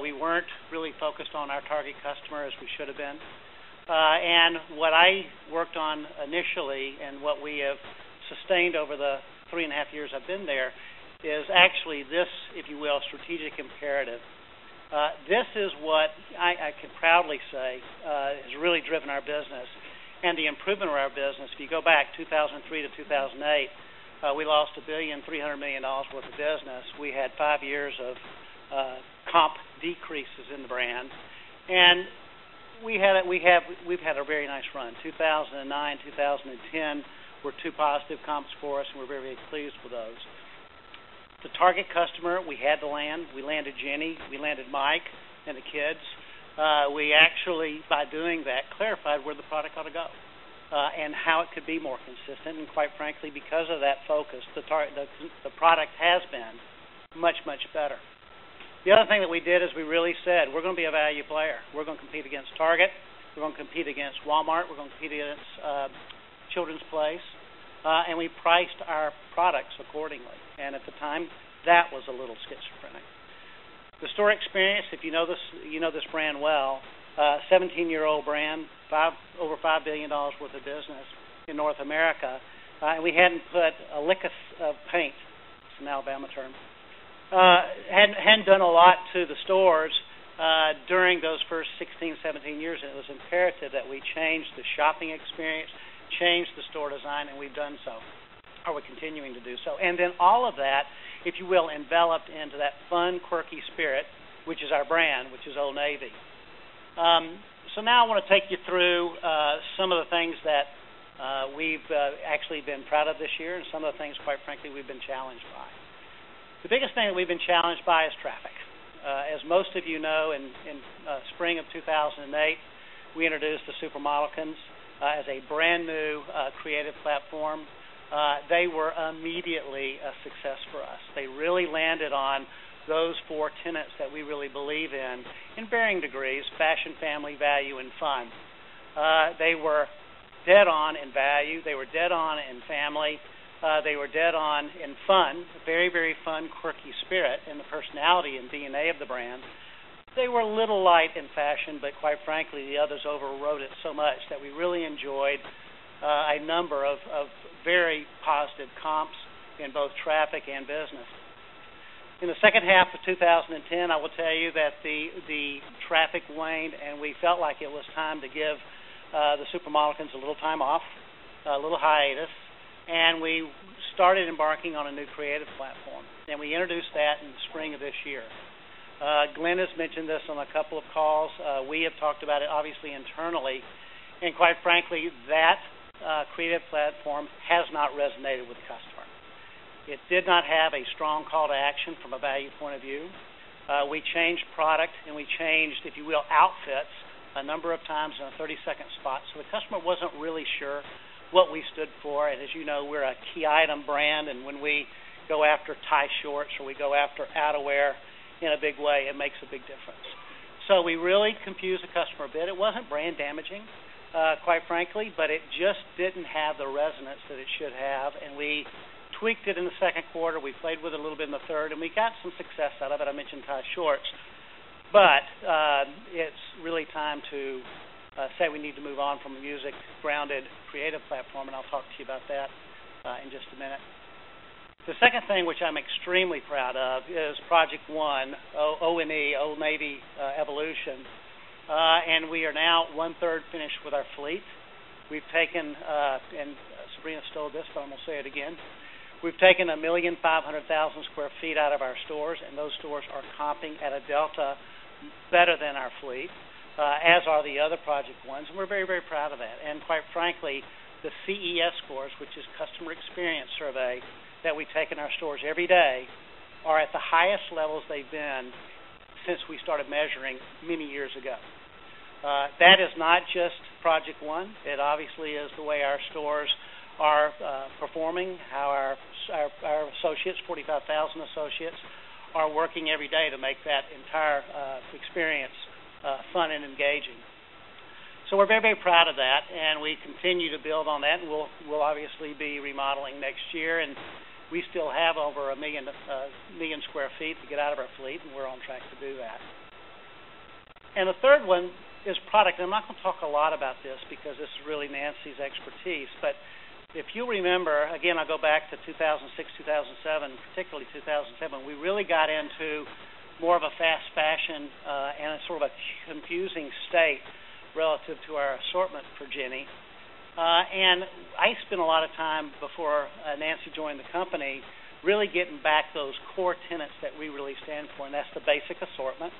We weren't really focused on our target customer as we should have been. What I worked on initially and what we have sustained over the three and a half years I've been there is actually this, if you will, strategic imperative. This is what I can proudly say has really driven our business and the improvement of our business. If you go back 2003-2008, we lost $1.3 billion worth of business. We had five years of comp decreases in the brand. We've had a very nice run. 2009, 2010 were two positive comps for us, and we're very pleased with those. The target customer we had to land. We landed Jenny. We landed Mike and the kids. By doing that, we clarified where the product ought to go and how it could be more consistent. Quite frankly, because of that focus, the product has been much, much better. The other thing that we did is we really said, "We're going to be a value player. We're going to compete against Target. We're going to compete against Walmart. We're going to compete against Children's Place." We priced our products accordingly. At the time, that was a little schizophrenic. The store experience, if you know this, you know this brand well, a 17-year-old brand, over $5 billion worth of business in North America. We hadn't put a lick of paint. It's an Alabama term. Hadn't done a lot to the stores during those first 16, 17 years. It was imperative that we change the shopping experience, change the store design, and we've done so, or we're continuing to do so. All of that, if you will, enveloped into that fun, quirky spirit, which is our brand, which is Old Navy. Now I want to take you through some of the things that we've actually been proud of this year and some of the things, quite frankly, we've been challenged by. The biggest thing that we've been challenged by is traffic. As most of you know, in spring of 2008, we introduced the SuperModelquins as a brand new creative platform. They were immediately a success for us. They really landed on those four tenets that we really believe in, in varying degrees: fashion, family, value, and fun. They were dead on in value. They were dead on in family. They were dead on in fun, a very, very fun, quirky spirit in the personality and DNA of the brand. They were a little light in fashion, but quite frankly, the others overrode it so much that we really enjoyed a number of very positive comps in both traffic and business. In the second half of 2010, I will tell you that the traffic waned, and we felt like it was time to give the SuperModelquins a little time off, a little hiatus. We started embarking on a new creative platform, and we introduced that in the spring of this year. Glenn has mentioned this on a couple of calls. We have talked about it, obviously, internally. Quite frankly, that creative platform has not resonated with the customer. It did not have a strong call to action from a value point of view. We changed product, and we changed, if you will, outfits a number of times in a 30-second spot. The customer wasn't really sure what we stood for. As you know, we're a tee item brand. When we go after Tie Shorts or we go after activewear in a big way, it makes a big difference. We really confused the customer a bit. It wasn't brand damaging, quite frankly, but it just didn't have the resonance that it should have. We tweaked it in the second quarter. We played with it a little bit in the third, and we got some success out of it. I mentioned Tie Shorts. It's really time to say we need to move on from a music-grounded creative platform. I'll talk to you about that in just a minute. The second thing which I'm extremely proud of is Project One, O-N-E, Old Navy Evolution. We are now one-third finished with our fleet. We've taken, and Sabrina stole this, but I'm going to say it again. We've taken 1,500,000 sq ft out of our stores, and those stores are comping at a delta better than our fleet, as are the other Project Ones. We're very, very proud of that. Quite frankly, the CES scores, which is customer experience survey that we take in our stores every day, are at the highest levels they've been since we started measuring many years ago. That is not just Project One. It obviously is the way our stores are performing, how our associates, 45,000 associates, are working every day to make that entire experience fun and engaging. We are very, very proud of that. We continue to build on that. We'll obviously be remodeling next year. We still have over 1 million sq ft to get out of our fleet, and we're on track to do that. The third one is product. I'm not going to talk a lot about this because this is really Nancy's expertise. If you remember, again, I'll go back to 2006, 2007, particularly 2007. We really got into more of a fast fashion and a sort of a confusing state relative to our assortment for Jenny. I spent a lot of time before Nancy joined the company really getting back those core tenets that we really stand for. That's the basic assortment.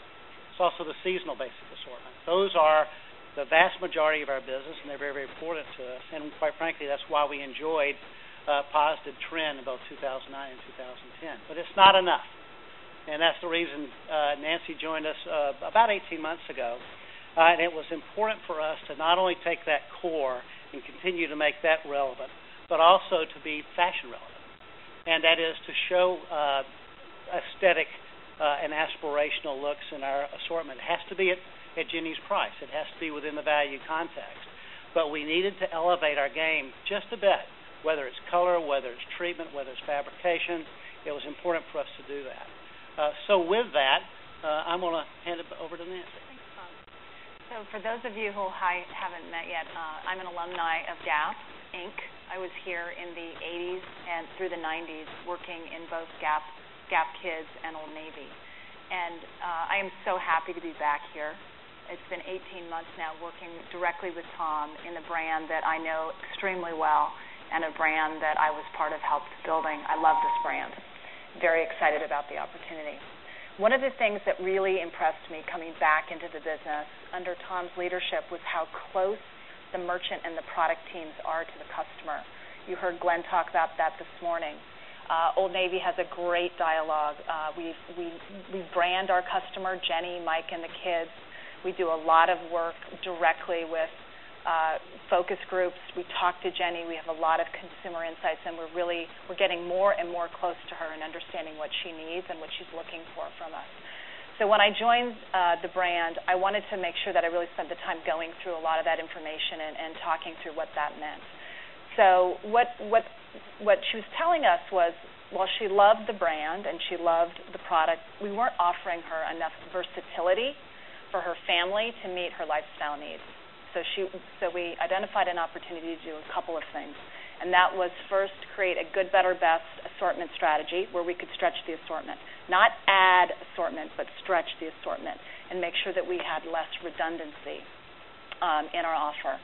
It's also the seasonal basic assortment. Those are the vast majority of our business, and they're very, very important to us. Quite frankly, that's why we enjoyed a positive trend in both 2009 and 2010. It's not enough. That's the reason Nancy joined us about 18 months ago. It was important for us to not only take that core and continue to make that relevant, but also to be fashion relevant. That is to show aesthetic and aspirational looks in our assortment. It has to be at Jenny's price. It has to be within the value context. We needed to elevate our game just a bit, whether it's color, whether it's treatment, whether it's fabrication. It was important for us to do that. With that, I'm going to hand it over to Nancy. Thanks, Tom. For those of you who haven't met yet, I'm an alumni of Gap Inc. I was here in the 1980s and through the 1990s working in both Gap Kids and Old Navy. I am so happy to be back here. It's been 18 months now working directly with Tom in the brand that I know extremely well and a brand that I was part of help building. I love this brand. Very excited about the opportunity. One of the things that really impressed me coming back into the business under Tom's leadership was how close the merchant and the product teams are to the customer. You heard Glenn talk about that this morning. Old Navy has a great dialogue. We brand our customer, Jenny, Mike, and the kids. We do a lot of work directly with focus groups. We talk to Jenny. We have a lot of consumer insights, and we're really getting more and more close to her and understanding what she needs and what she's looking for from us. When I joined the brand, I wanted to make sure that I really spent the time going through a lot of that information and talking through what that meant. What she was telling us was, while she loved the brand and she loved the product, we weren't offering her enough versatility for her family to meet her lifestyle needs. We identified an opportunity to do a couple of things. That was first create a good, better, best assortment strategy where we could stretch the assortment. Not add assortments, but stretch the assortment and make sure that we had less redundancy in our offer.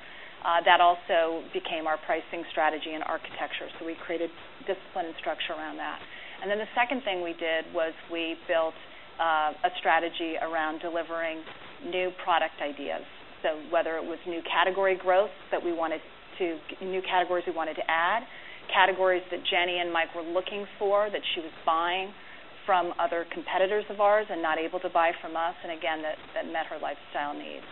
That also became our pricing strategy and architecture. We created discipline and structure around that. The second thing we did was we built a strategy around delivering new product ideas. Whether it was new category growth that we wanted to, new categories we wanted to add, categories that Jenny and Mike were looking for that she was buying from other competitors of ours and not able to buy from us, and again, that met her lifestyle needs.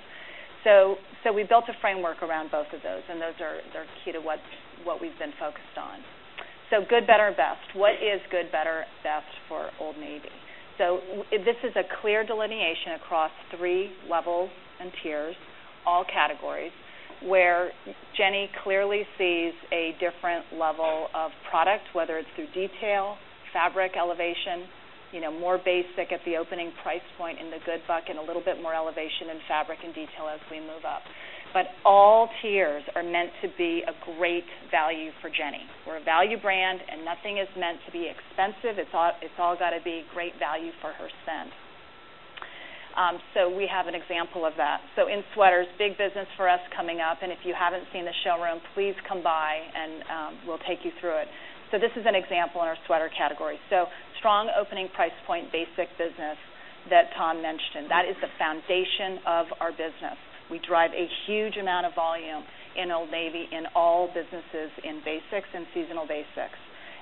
We built a framework around both of those, and those are key to what we've been focused on. Good, better, best. What is good, better, best for Old Navy? This is a clear delineation across three levels and tiers, all categories, where Jenny clearly sees a different level of product, whether it's through detail, fabric elevation, more basic at the opening price point in the good bucket, a little bit more elevation in fabric and detail as we move up. All tiers are meant to be a great value for Jenny. We're a value brand, and nothing is meant to be expensive. It's all got to be great value for her spend. We have an example of that. In sweaters, big business for us coming up. If you haven't seen the showroom, please come by, and we'll take you through it. This is an example in our sweater category. Strong opening price point, basic business that Tom mentioned. That is the foundation of our business. We drive a huge amount of volume in Old Navy in all businesses in basics and seasonal basics.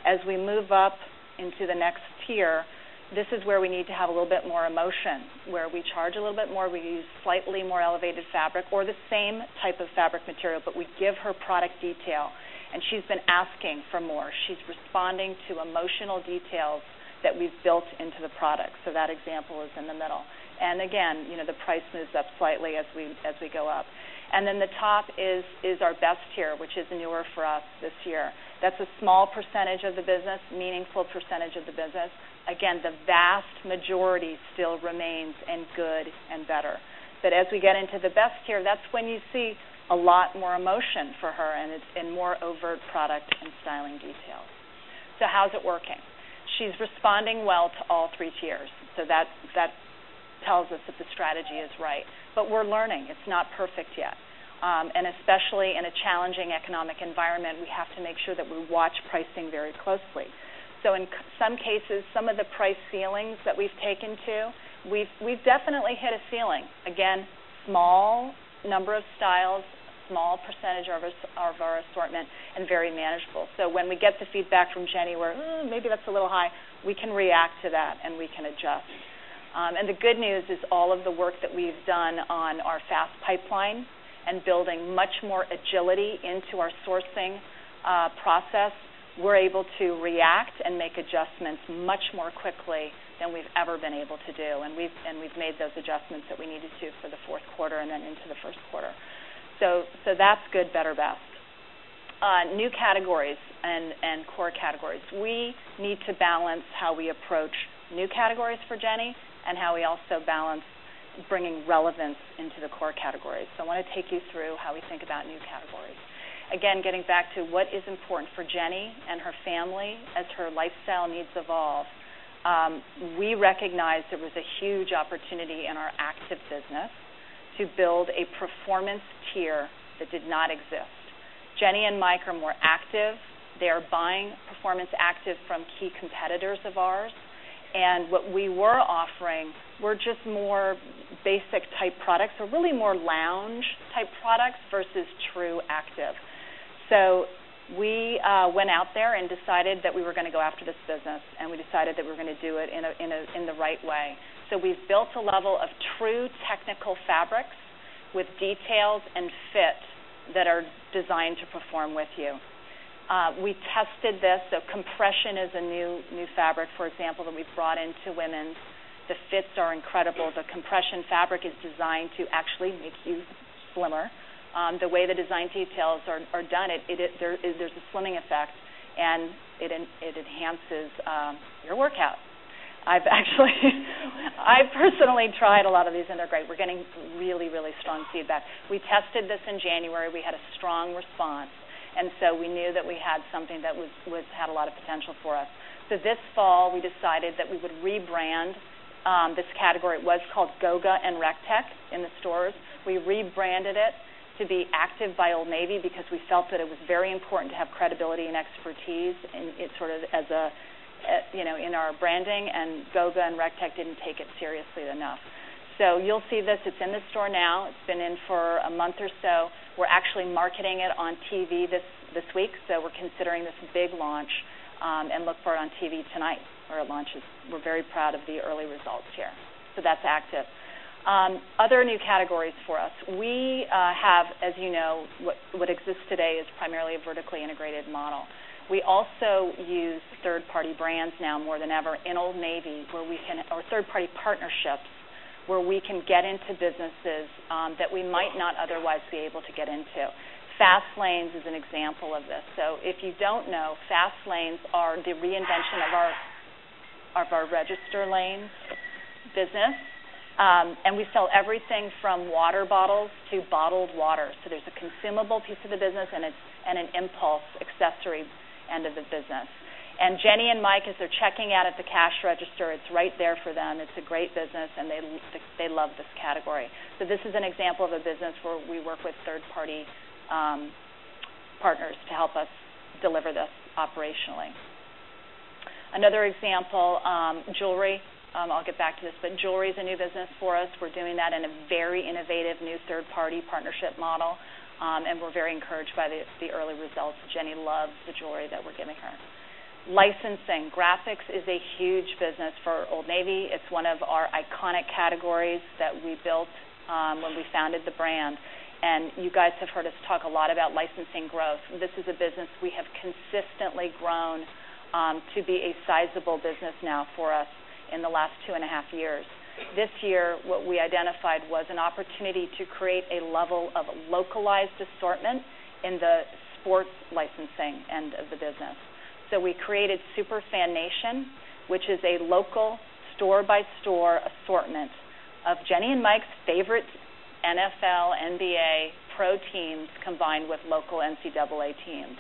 As we move up into the next tier, this is where we need to have a little bit more emotion, where we charge a little bit more. We use slightly more elevated fabric or the same type of fabric material, but we give her product detail. She's been asking for more. She's responding to emotional details that we've built into the product. That example is in the middle. The price moves up slightly as we go up. The top is our best tier, which is newer for us this year. That's a small percentage of the business, meaningful percentage of the business. The vast majority still remains in good and better. As we get into the best tier, that's when you see a lot more emotion for her and more overt product and styling details. How's it working? She's responding well to all three tiers. That tells us that the strategy is right. We're learning. It's not perfect yet. Especially in a challenging economic environment, we have to make sure that we watch pricing very closely. In some cases, some of the price ceilings that we've taken to, we've definitely hit a ceiling. Small number of styles, small percentage of our assortment, and very manageable. When we get the feedback from Jenny, we're, "Oh, maybe that's a little high," we can react to that, and we can adjust. The good news is all of the work that we've done on our fast pipeline and building much more agility into our sourcing process, we're able to react and make adjustments much more quickly than we've ever been able to do. We've made those adjustments that we needed to for the fourth quarter and then into the first quarter. That's good, better, best. New categories and core categories. We need to balance how we approach new categories for Jenny and how we also balance bringing relevance into the core categories. I want to take you through how we think about new categories. Again, getting back to what is important for Jenny and her family as her lifestyle needs evolve, we recognize there was a huge opportunity in our active business to build a performance tier that did not exist. Jenny and Mike are more active. They are buying performance active from key competitors of ours, and what we were offering were just more basic type products or really more lounge type products versus true active. We went out there and decided that we were going to go after this business, and we decided that we were going to do it in the right way. We've built a level of true technical fabrics with details and fit that are designed to perform with you. We tested this. Compression is a new fabric, for example, that we've brought into women. The fits are incredible. The compression fabric is designed to actually make you slimmer. The way the design details are done, there's a slimming effect, and it enhances your workout. I've personally tried a lot of these, and they're great. We're getting really, really strong feedback. We tested this in January. We had a strong response, and we knew that we had something that had a lot of potential for us. This fall, we decided that we would rebrand this category. It was called Goga and Rec Tech in the stores. We rebranded it to be active by Old Navy because we felt that it was very important to have credibility and expertise in it in our branding. Goga and Rec Tech didn't take it seriously enough. You'll see this. It's in the store now. It's been in for a month or so. We're actually marketing it on TV this week. We're considering this a big launch and look for it on TV tonight when it launches. We're very proud of the early results here. That's active. Other new categories for us. As you know, what exists today is primarily a vertically integrated model. We also use third-party brands now more than ever in Old Navy where we can, or third-party partnerships where we can get into businesses that we might not otherwise be able to get into. Fast Lanes is an example of this. If you don't know, Fast Lanes are the reinvention of our register lane business, and we sell everything from water bottles to bottled water. There's a consumable piece of the business and an impulse accessory end of the business. Jenny and Mike, as they're checking out at the cash register, it's right there for them. It's a great business, and they love this category. This is an example of a business where we work with third-party partners to help us deliver this operationally. Another example, jewelry. I'll get back to this, but jewelry is a new business for us. We're doing that in a very innovative new third-party partnership model, and we're very encouraged by the early results. Jenny loves the jewelry that we're giving her. Licensing. Graphics is a huge business for Old Navy. It's one of our iconic categories that we built when we founded the brand. You guys have heard us talk a lot about licensing growth. This is a business we have consistently grown to be a sizable business now for us in the last two and a half years. This year, what we identified was an opportunity to create a level of localized assortment in the sports licensing end of the business. We created Superfan Nation, which is a local store-by-store assortment of Jenny and Mike's favorite NFL, NBA, pro teams combined with local NCAA teams.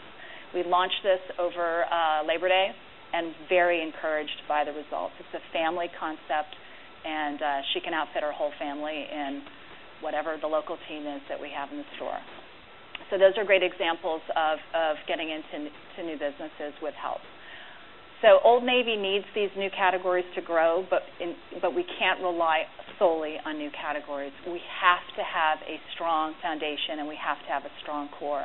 We launched this over Labor Day and are very encouraged by the results. It's a family concept, and she can outfit her whole family in whatever the local team is that we have in the store. Those are great examples of getting into new businesses with help. Old Navy needs these new categories to grow, but we can't rely solely on new categories. We have to have a strong foundation, and we have to have a strong core.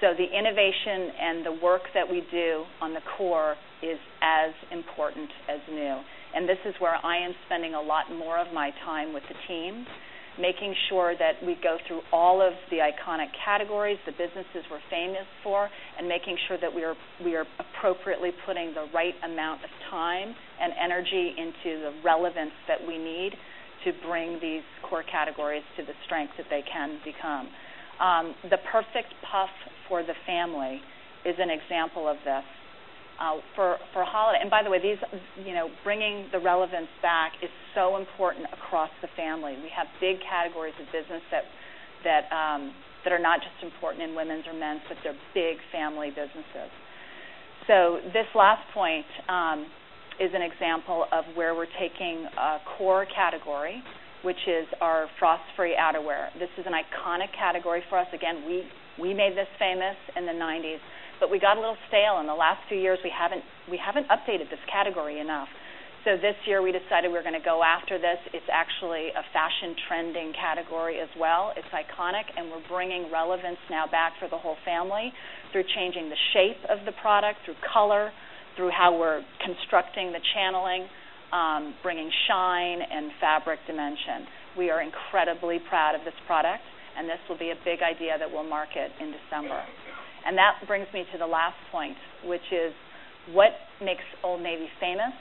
The innovation and the work that we do on the core is as important as new. This is where I am spending a lot more of my time with the team, making sure that we go through all of the iconic categories, the businesses we're famous for, and making sure that we are appropriately putting the right amount of time and energy into the relevance that we need to bring these core categories to the strength that they can become. The perfect puff for the family is an example of this. By the way, bringing the relevance back is so important across the family. We have big categories of business that are not just important in women's or men's, they're big family businesses. This last point is an example of where we're taking a core category, which is our Frost Free outerwear. This is an iconic category for us. We made this famous in the 1990s, but we got a little stale. In the last few years, we haven't updated this category enough. This year, we decided we're going to go after this. It's actually a fashion trending category as well. It's iconic, and we're bringing relevance now back for the whole family through changing the shape of the product, through color, through how we're constructing the channeling, bringing shine and fabric dimension. We are incredibly proud of this product, and this will be a big idea that we'll market in December. That brings me to the last point, which is what makes Old Navy famous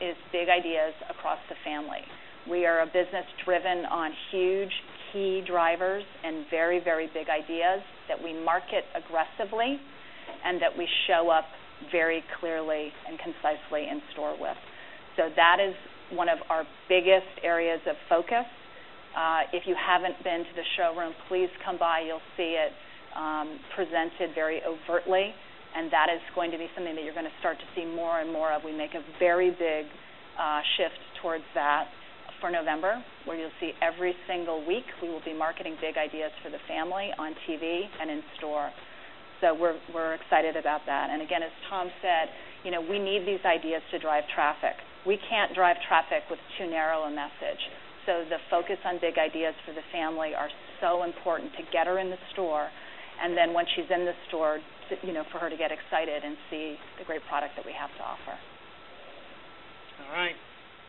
is big ideas across the family. We are a business driven on huge key drivers and very, very big ideas that we market aggressively and that we show up very clearly and concisely in store with. That is one of our biggest areas of focus. If you haven't been to the showroom, please come by. You'll see it presented very overtly. That is going to be something that you're going to start to see more and more of. We make a very big shift towards that for November, where you'll see every single week we will be marketing big ideas for the family on TV and in store. We're excited about that. Again, as Tom said, you know, we need these ideas to drive traffic. We can't drive traffic with too narrow a message. The focus on big ideas for the family are so important to get her in the store. Once she's in the store, you know, for her to get excited and see the great product that we have to offer. All right.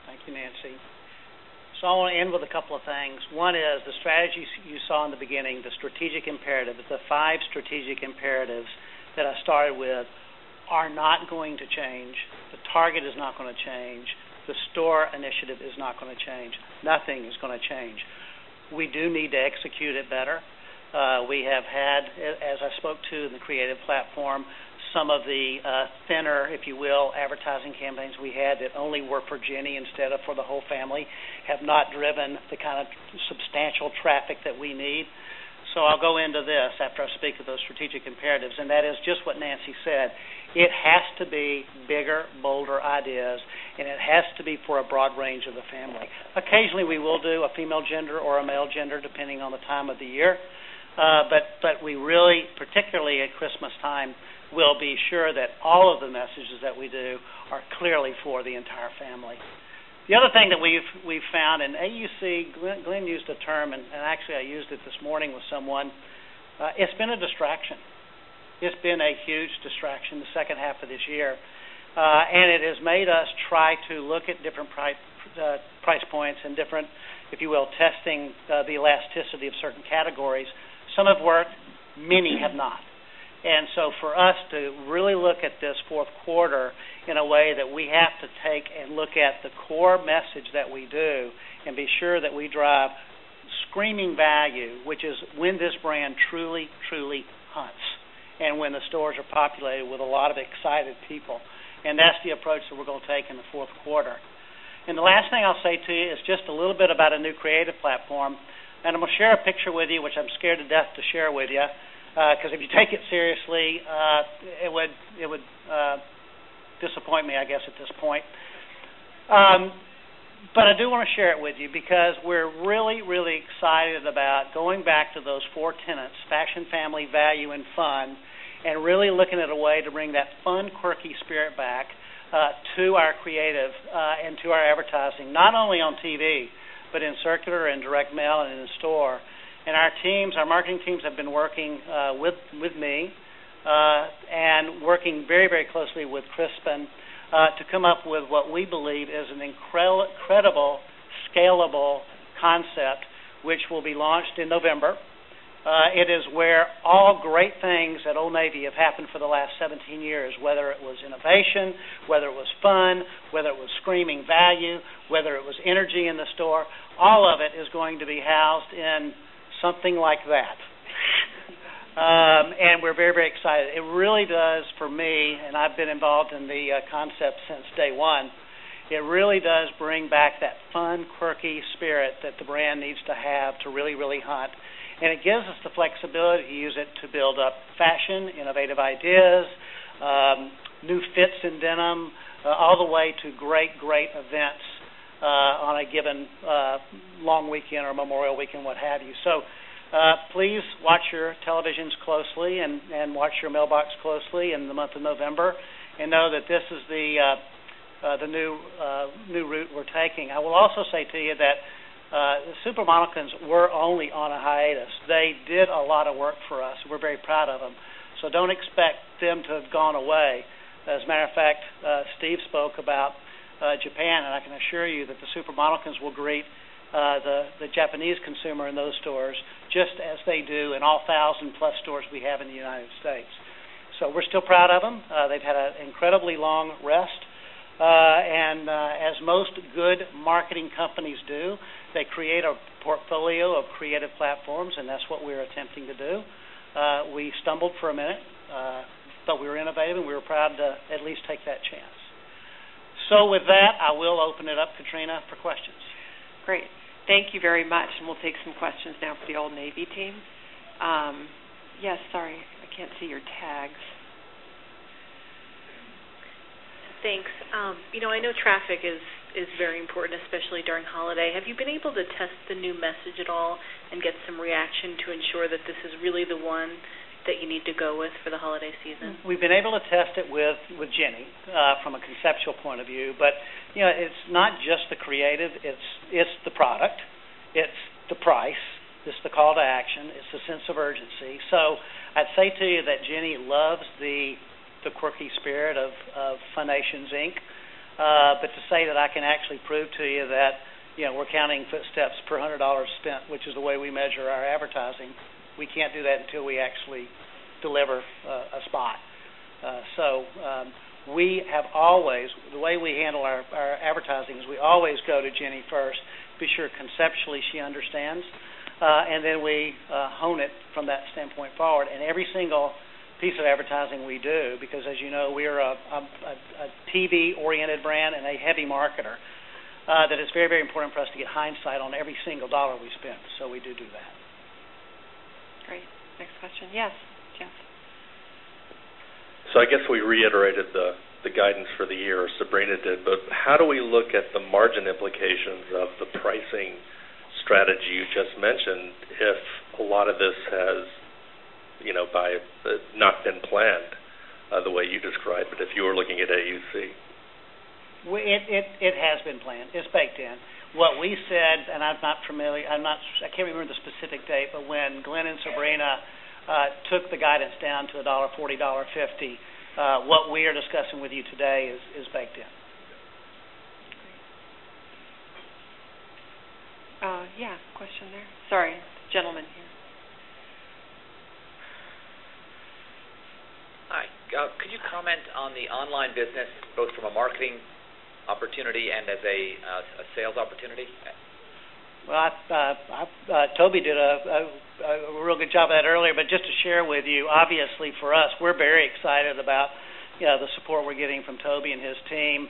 Thank you, Nancy. I want to end with a couple of things. One is the strategies you saw in the beginning, the strategic imperative. The five strategic imperatives that I started with are not going to change. The target is not going to change. The store initiative is not going to change. Nothing is going to change. We do need to execute it better. We have had, as I spoke to in the creative platform, some of the thinner, if you will, advertising campaigns we had that only were for Jenny instead of for the whole family, have not driven the kind of substantial traffic that we need. I will go into this after I speak to those strategic imperatives. That is just what Nancy said. It has to be bigger, bolder ideas, and it has to be for a broad range of the family. Occasionally, we will do a female gender or a male gender, depending on the time of the year. We really, particularly at Christmas time, will be sure that all of the messages that we do are clearly for the entire family. The other thing that we've found, and you see, Glenn used a term, and actually, I used it this morning with someone. It's been a distraction. It's been a huge distraction the second half of this year. It has made us try to look at different price points and different, if you will, testing the elasticity of certain categories. Some have worked, many have not. For us to really look at this fourth quarter in a way that we have to take and look at the core message that we do and be sure that we drive screaming value, which is when this brand truly, truly hunts and when the stores are populated with a lot of excited people. That's the approach that we're going to take in the fourth quarter. The last thing I'll say to you is just a little bit about a new creative platform. I'm going to share a picture with you, which I'm scared to death to share with you because if you take it seriously, it would disappoint me, I guess, at this point. I do want to share it with you because we're really, really excited about going back to those four tenets: fashion, family, value, and fun, and really looking at a way to bring that fun, quirky spirit back to our creative and to our advertising, not only on TV, but in circular and direct mail and in store. Our teams, our marketing teams have been working with me and working very, very closely with Crispin to come up with what we believe is an incredible, scalable concept, which will be launched in November. It is where all great things at Old Navy have happened for the last 17 years, whether it was innovation, whether it was fun, whether it was screaming value, whether it was energy in the store. All of it is going to be housed in something like that. We are very, very excited. It really does, for me, and I've been involved in the concept since day one, it really does bring back that fun, quirky spirit that the brand needs to have to really, really hunt. It gives us the flexibility to use it to build up fashion, innovative ideas, new fits in denim, all the way to great, great events on a given long weekend or Memorial weekend, what have you. Please watch your televisions closely and watch your mailbox closely in the month of November and know that this is the new route we're taking. I will also say to you that the SuperModelquins were only on a hiatus. They did a lot of work for us. We are very proud of them. Do not expect them to have gone away. As a matter of fact, Steve spoke about Japan, and I can assure you that the SuperModelquins will greet the Japanese consumer in those stores just as they do in all thousand-plus stores we have in the United States. We are still proud of them. They've had an incredibly long rest. As most good marketing companies do, they create a portfolio of creative platforms, and that's what we're attempting to do. We stumbled for a minute, but we were innovative, and we were proud to at least take that chance. With that, I will open it up, Katrina, for questions. Great. Thank you very much. We'll take some questions now for the Old Navy team. Yes, sorry. I can't see your tags. Thanks. I know traffic is very important, especially during holiday. Have you been able to test the new message at all and get some reaction to ensure that this is really the one that you need to go with for the holiday season? We've been able to test it with Jenny from a conceptual point of view. It's not just the creative. It's the product. It's the price. It's the call to action. It's the sense of urgency. I'd say to you that Jenny loves the quirky spirit of Fundations Inc. To say that I can actually prove to you that we're counting footsteps per $100 spent, which is the way we measure our advertising, we can't do that until we actually deliver a spot. We have always, the way we handle our advertising is we always go to Jenny first, be sure conceptually she understands, and then we hone it from that standpoint forward. Every single piece of advertising we do, because as you know, we are a TV-oriented brand and a heavy marketer, it's very, very important for us to get hindsight on every single dollar we spend. We do do that. Great. Next question. Yes, James. I guess we reiterated the guidance for the year, Sabrina. How do we look at the margin implications of the pricing strategy you just mentioned if a lot of this has, you know, by not been planned the way you described it if you were looking at AUC? It has been planned. It's baked in. What we said, and I'm not familiar, I'm not, I can't remember the specific date, but when Glenn and Sabrina took the guidance down to $1.40, $1.50, what we are discussing with you today is baked in. Yeah, question there? Sorry, gentleman here. Hi. Could you comment on the online business both from a marketing opportunity and as a sales opportunity? Toby did a real good job of that earlier, but just to share with you, obviously, for us, we're very excited about, you know, the support we're getting from Toby and his team.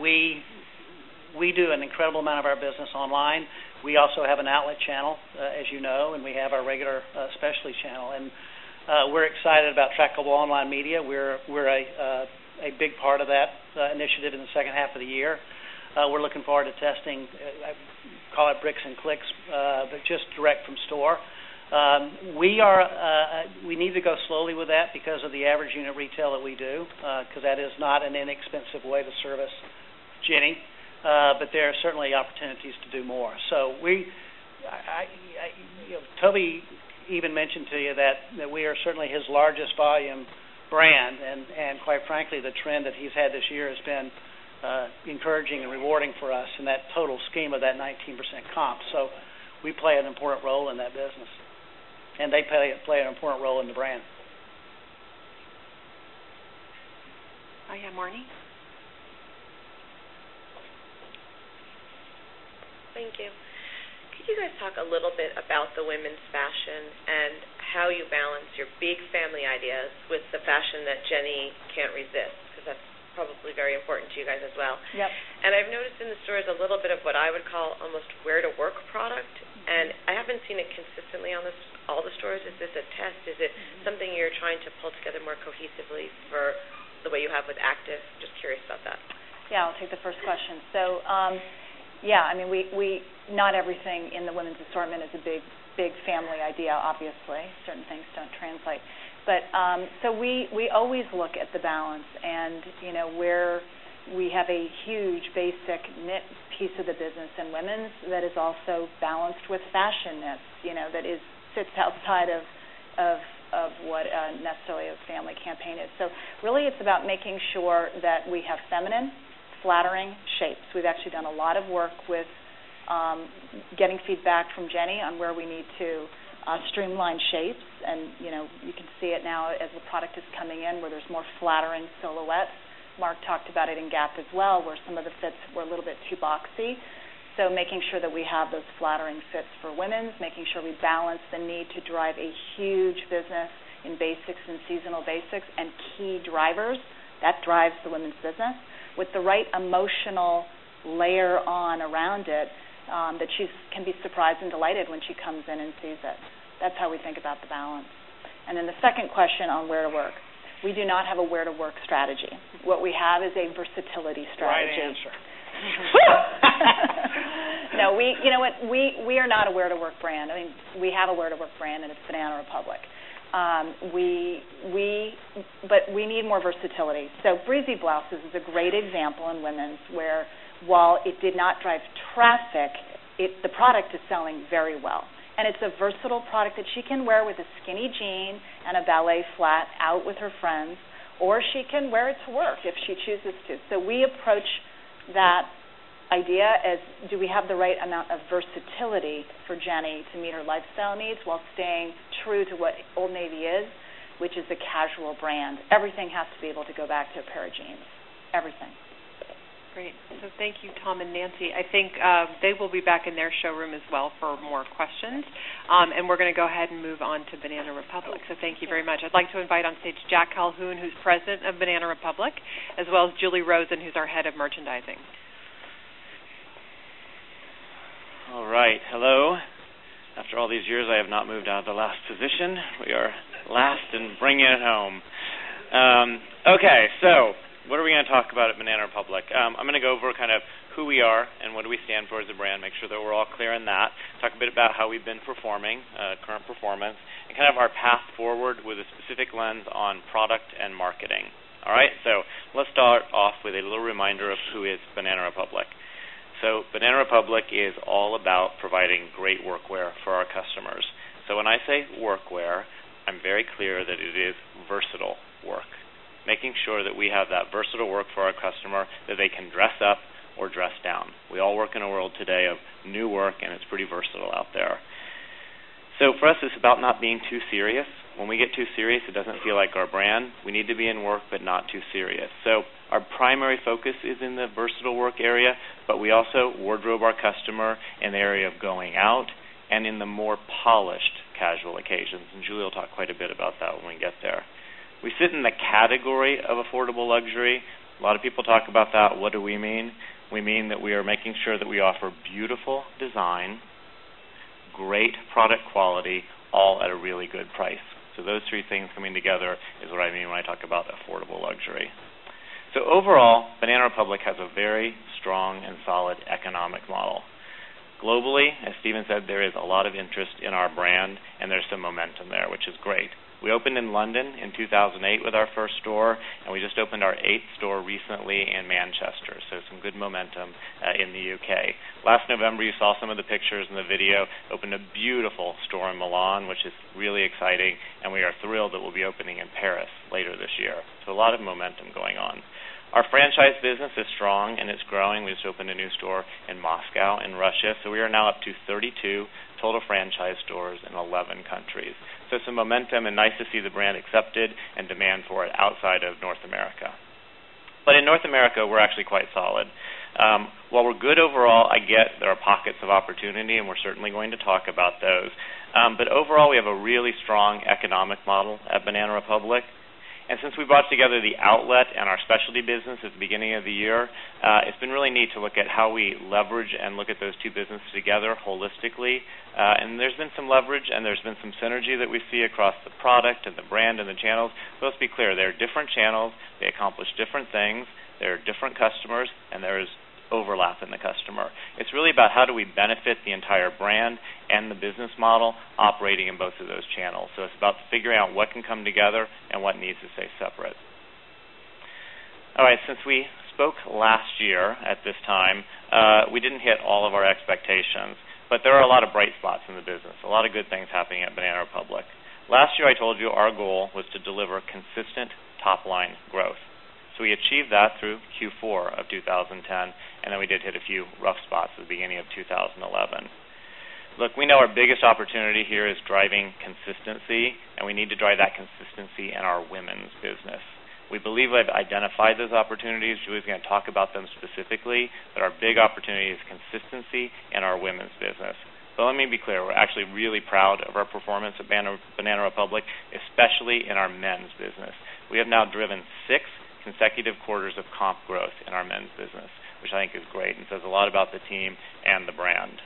We do an incredible amount of our business online. We also have an outlet channel, as you know, and we have our regular specialty channel. We're excited about trackable online media. We're a big part of that initiative in the second half of the year. We're looking forward to testing, I call it bricks and clicks, but just direct from store. We need to go slowly with that because of the average unit retail that we do because that is not an inexpensive way to service Jenny. There are certainly opportunities to do more. You know, Toby even mentioned to you that we are certainly his largest volume brand. Quite frankly, the trend that he's had this year has been encouraging and rewarding for us in that total scheme of that 19% comp. We play an important role in that business, and they play an important role in the brand. Oh, yeah, Marnie? Thank you. Could you guys talk a little bit about the women's fashion and how you balance your big family ideas with the fashion that Jenny can't resist? Because that's probably very important to you guys as well. Yep. I've noticed in the stores a little bit of what I would call almost where-to-work product. I haven't seen it consistently in all the stores. Is this a test? Is it something you're trying to pull together more cohesively the way you have with Active? Just curious about that. I'll take the first question. Not everything in the women's assortment is a big, big family idea, obviously. Certain things don't translate. We always look at the balance. We have a huge basic knit piece of the business in women's that is also balanced with fashion knits, that sits outside of what necessarily a family campaign is. It's about making sure that we have feminine, flattering shapes. We've actually done a lot of work with getting feedback from Jenny on where we need to streamline shapes. You can see it now as the product is coming in where there's more flattering silhouette. Mark talked about it in Gap as well, where some of the fits were a little bit too boxy. Making sure that we have those flattering fits for women's, making sure we balance the need to drive a huge business in basics and seasonal basics and key drivers that drive the women's business with the right emotional layer around it, that she can be surprised and delighted when she comes in and sees it. That's how we think about the balance. The second question on where to work. We do not have a where-to-work strategy. What we have is a versatility strategy. Oh, I'm sure. No, you know what? We are not a where-to-work brand. I mean, we have a where-to-work brand and it's Banana Republic. We need more versatility. Breezy Blouses is a great example in women's wear. While it did not drive traffic, the product is selling very well. It's a versatile product that she can wear with a skinny jean and a ballet flat out with her friends, or she can wear it to work if she chooses to. We approach that idea as do we have the right amount of versatility for Jenny to meet her lifestyle needs while staying true to what Old Navy is, which is a casual brand. Everything has to be able to go back to a pair of jeans. Everything. Great. Thank you, Tom and Nancy. I think they will be back in their showroom as well for more questions. We are going to go ahead and move on to Banana Republic. Thank you very much. I'd like to invite on stage Jack Calhoun, who's President of Banana Republic, as well as Julie Rosen, who's our Head of Merchandising. All right. Hello. After all these years, I have not moved out of the last position. We are last and bringing it home. Okay. What are we going to talk about at Banana Republic? I'm going to go over kind of who we are and what we stand for as a brand, make sure that we're all clear on that, talk a bit about how we've been performing, current performance, and kind of our path forward with a specific lens on product and marketing. All right. Let's start off with a little reminder of who is Banana Republic. Banana Republic is all about providing great workwear for our customers. When I say workwear, I'm very clear that it is versatile work, making sure that we have that versatile work for our customer that they can dress up or dress down. We all work in a world today of new work, and it's pretty versatile out there. For us, it's about not being too serious. When we get too serious, it doesn't feel like our brand. We need to be in work but not too serious. Our primary focus is in the versatile work area, but we also wardrobe our customer in the area of going out and in the more polished casual occasions. Julie will talk quite a bit about that when we get there. We sit in the category of affordable luxury. A lot of people talk about that. What do we mean? We mean that we are making sure that we offer beautiful design, great product quality, all at a really good price. Those three things coming together is what I mean when I talk about affordable luxury. Overall, Banana Republic has a very strong and solid economic model. Globally, as Stephen said, there is a lot of interest in our brand, and there's some momentum there, which is great. We opened in London in 2008 with our first store, and we just opened our eighth store recently in Manchester. Some good momentum in the U.K. Last November, you saw some of the pictures in the video, opened a beautiful store in Milan, which is really exciting. We are thrilled that we'll be opening in Paris later this year. A lot of momentum going on. Our franchise business is strong, and it's growing. We just opened a new store in Moscow in Russia. We are now up to 32 total franchise stores in 11 countries. Some momentum and nice to see the brand accepted and demand for it outside of North America. In North America, we're actually quite solid. While we're good overall, I get there are pockets of opportunity, and we're certainly going to talk about those. Overall, we have a really strong economic model at Banana Republic. Since we brought together the outlet and our specialty business at the beginning of the year, it's been really neat to look at how we leverage and look at those two businesses together holistically. There has been some leverage, and there has been some synergy that we see across the product and the brand and the channels. Let's be clear. There are different channels. They accomplish different things. There are different customers, and there is overlap in the customer. It's really about how we benefit the entire brand and the business model operating in both of those channels. It's about figuring out what can come together and what needs to stay separate. Since we spoke last year at this time, we didn't hit all of our expectations, but there are a lot of bright spots in the business, a lot of good things happening at Banana Republic. Last year, I told you our goal was to deliver consistent top-line growth. We achieved that through Q4 of 2010, and we did hit a few rough spots at the beginning of 2011. We know our biggest opportunity here is driving consistency, and we need to drive that consistency in our women's business. We believe we've identified those opportunities. Julie's going to talk about them specifically, but our big opportunity is consistency in our women's business. Let me be clear. We're actually really proud of our performance at Banana Republic, especially in our men's business. We have now driven six consecutive quarters of comp growth in our men's business, which I think is great and says a lot about the team and the brand.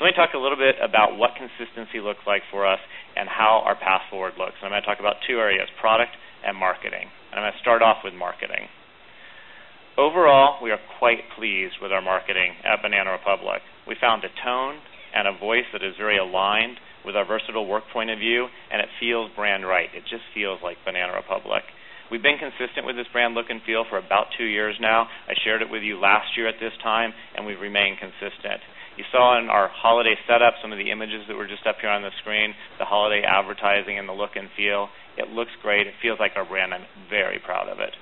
Let me talk a little bit about what consistency looks like for us and how our path forward looks. I'm going to talk about two areas: product and marketing. I'm going to start off with marketing. Overall, we are quite pleased with our marketing at Banana Republic. We found a tone and a voice that is very aligned with our versatile work point of view, and it feels brand right. It just feels like Banana Republic. We've been consistent with this brand look and feel for about two years now. I shared it with you last year at this time, and we've remained consistent. You saw in our holiday setup some of the images that were just up here on the screen, the holiday advertising and the look and feel. It looks great. It feels like our brand, and I'm very proud of it.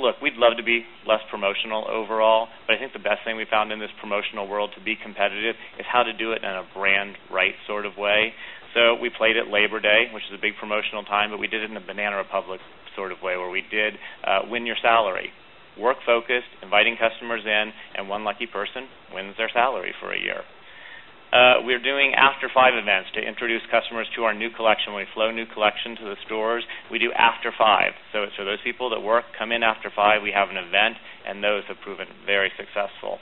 Look, we'd love to be less promotional overall, but I think the best thing we found in this promotional world to be competitive is how to do it in a brand-right sort of way. We played it Labor Day, which is a big promotional time, but we did it in a Banana Republic sort of way where we did win your salary. Work-focused, inviting customers in, and one lucky person wins their salary for a year. We're doing after-five events to introduce customers to our new collection. When we flow new collection to the stores, we do after five. For those people that work, come in after five, we have an event, and those have proven very successful.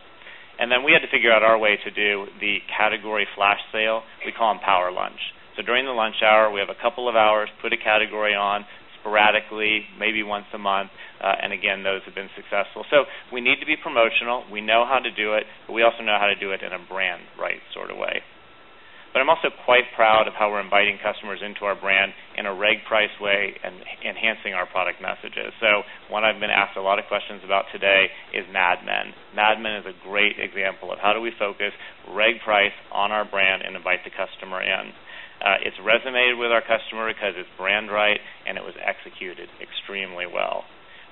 We had to figure out our way to do the category flash sale. We call them power lunch. During the lunch hour, we have a couple of hours, put a category on sporadically, maybe once a month. Those have been successful. We need to be promotional. We know how to do it, but we also know how to do it in a brand-right sort of way. I'm also quite proud of how we're inviting customers into our brand in a reg-priced way and enhancing our product messages. One I'm going to ask a lot of questions about today is Mad Men. Mad Men is a great example of how do we focus reg-price on our brand and invite the customer in. It's resonated with our customer because it's brand right, and it was executed extremely well.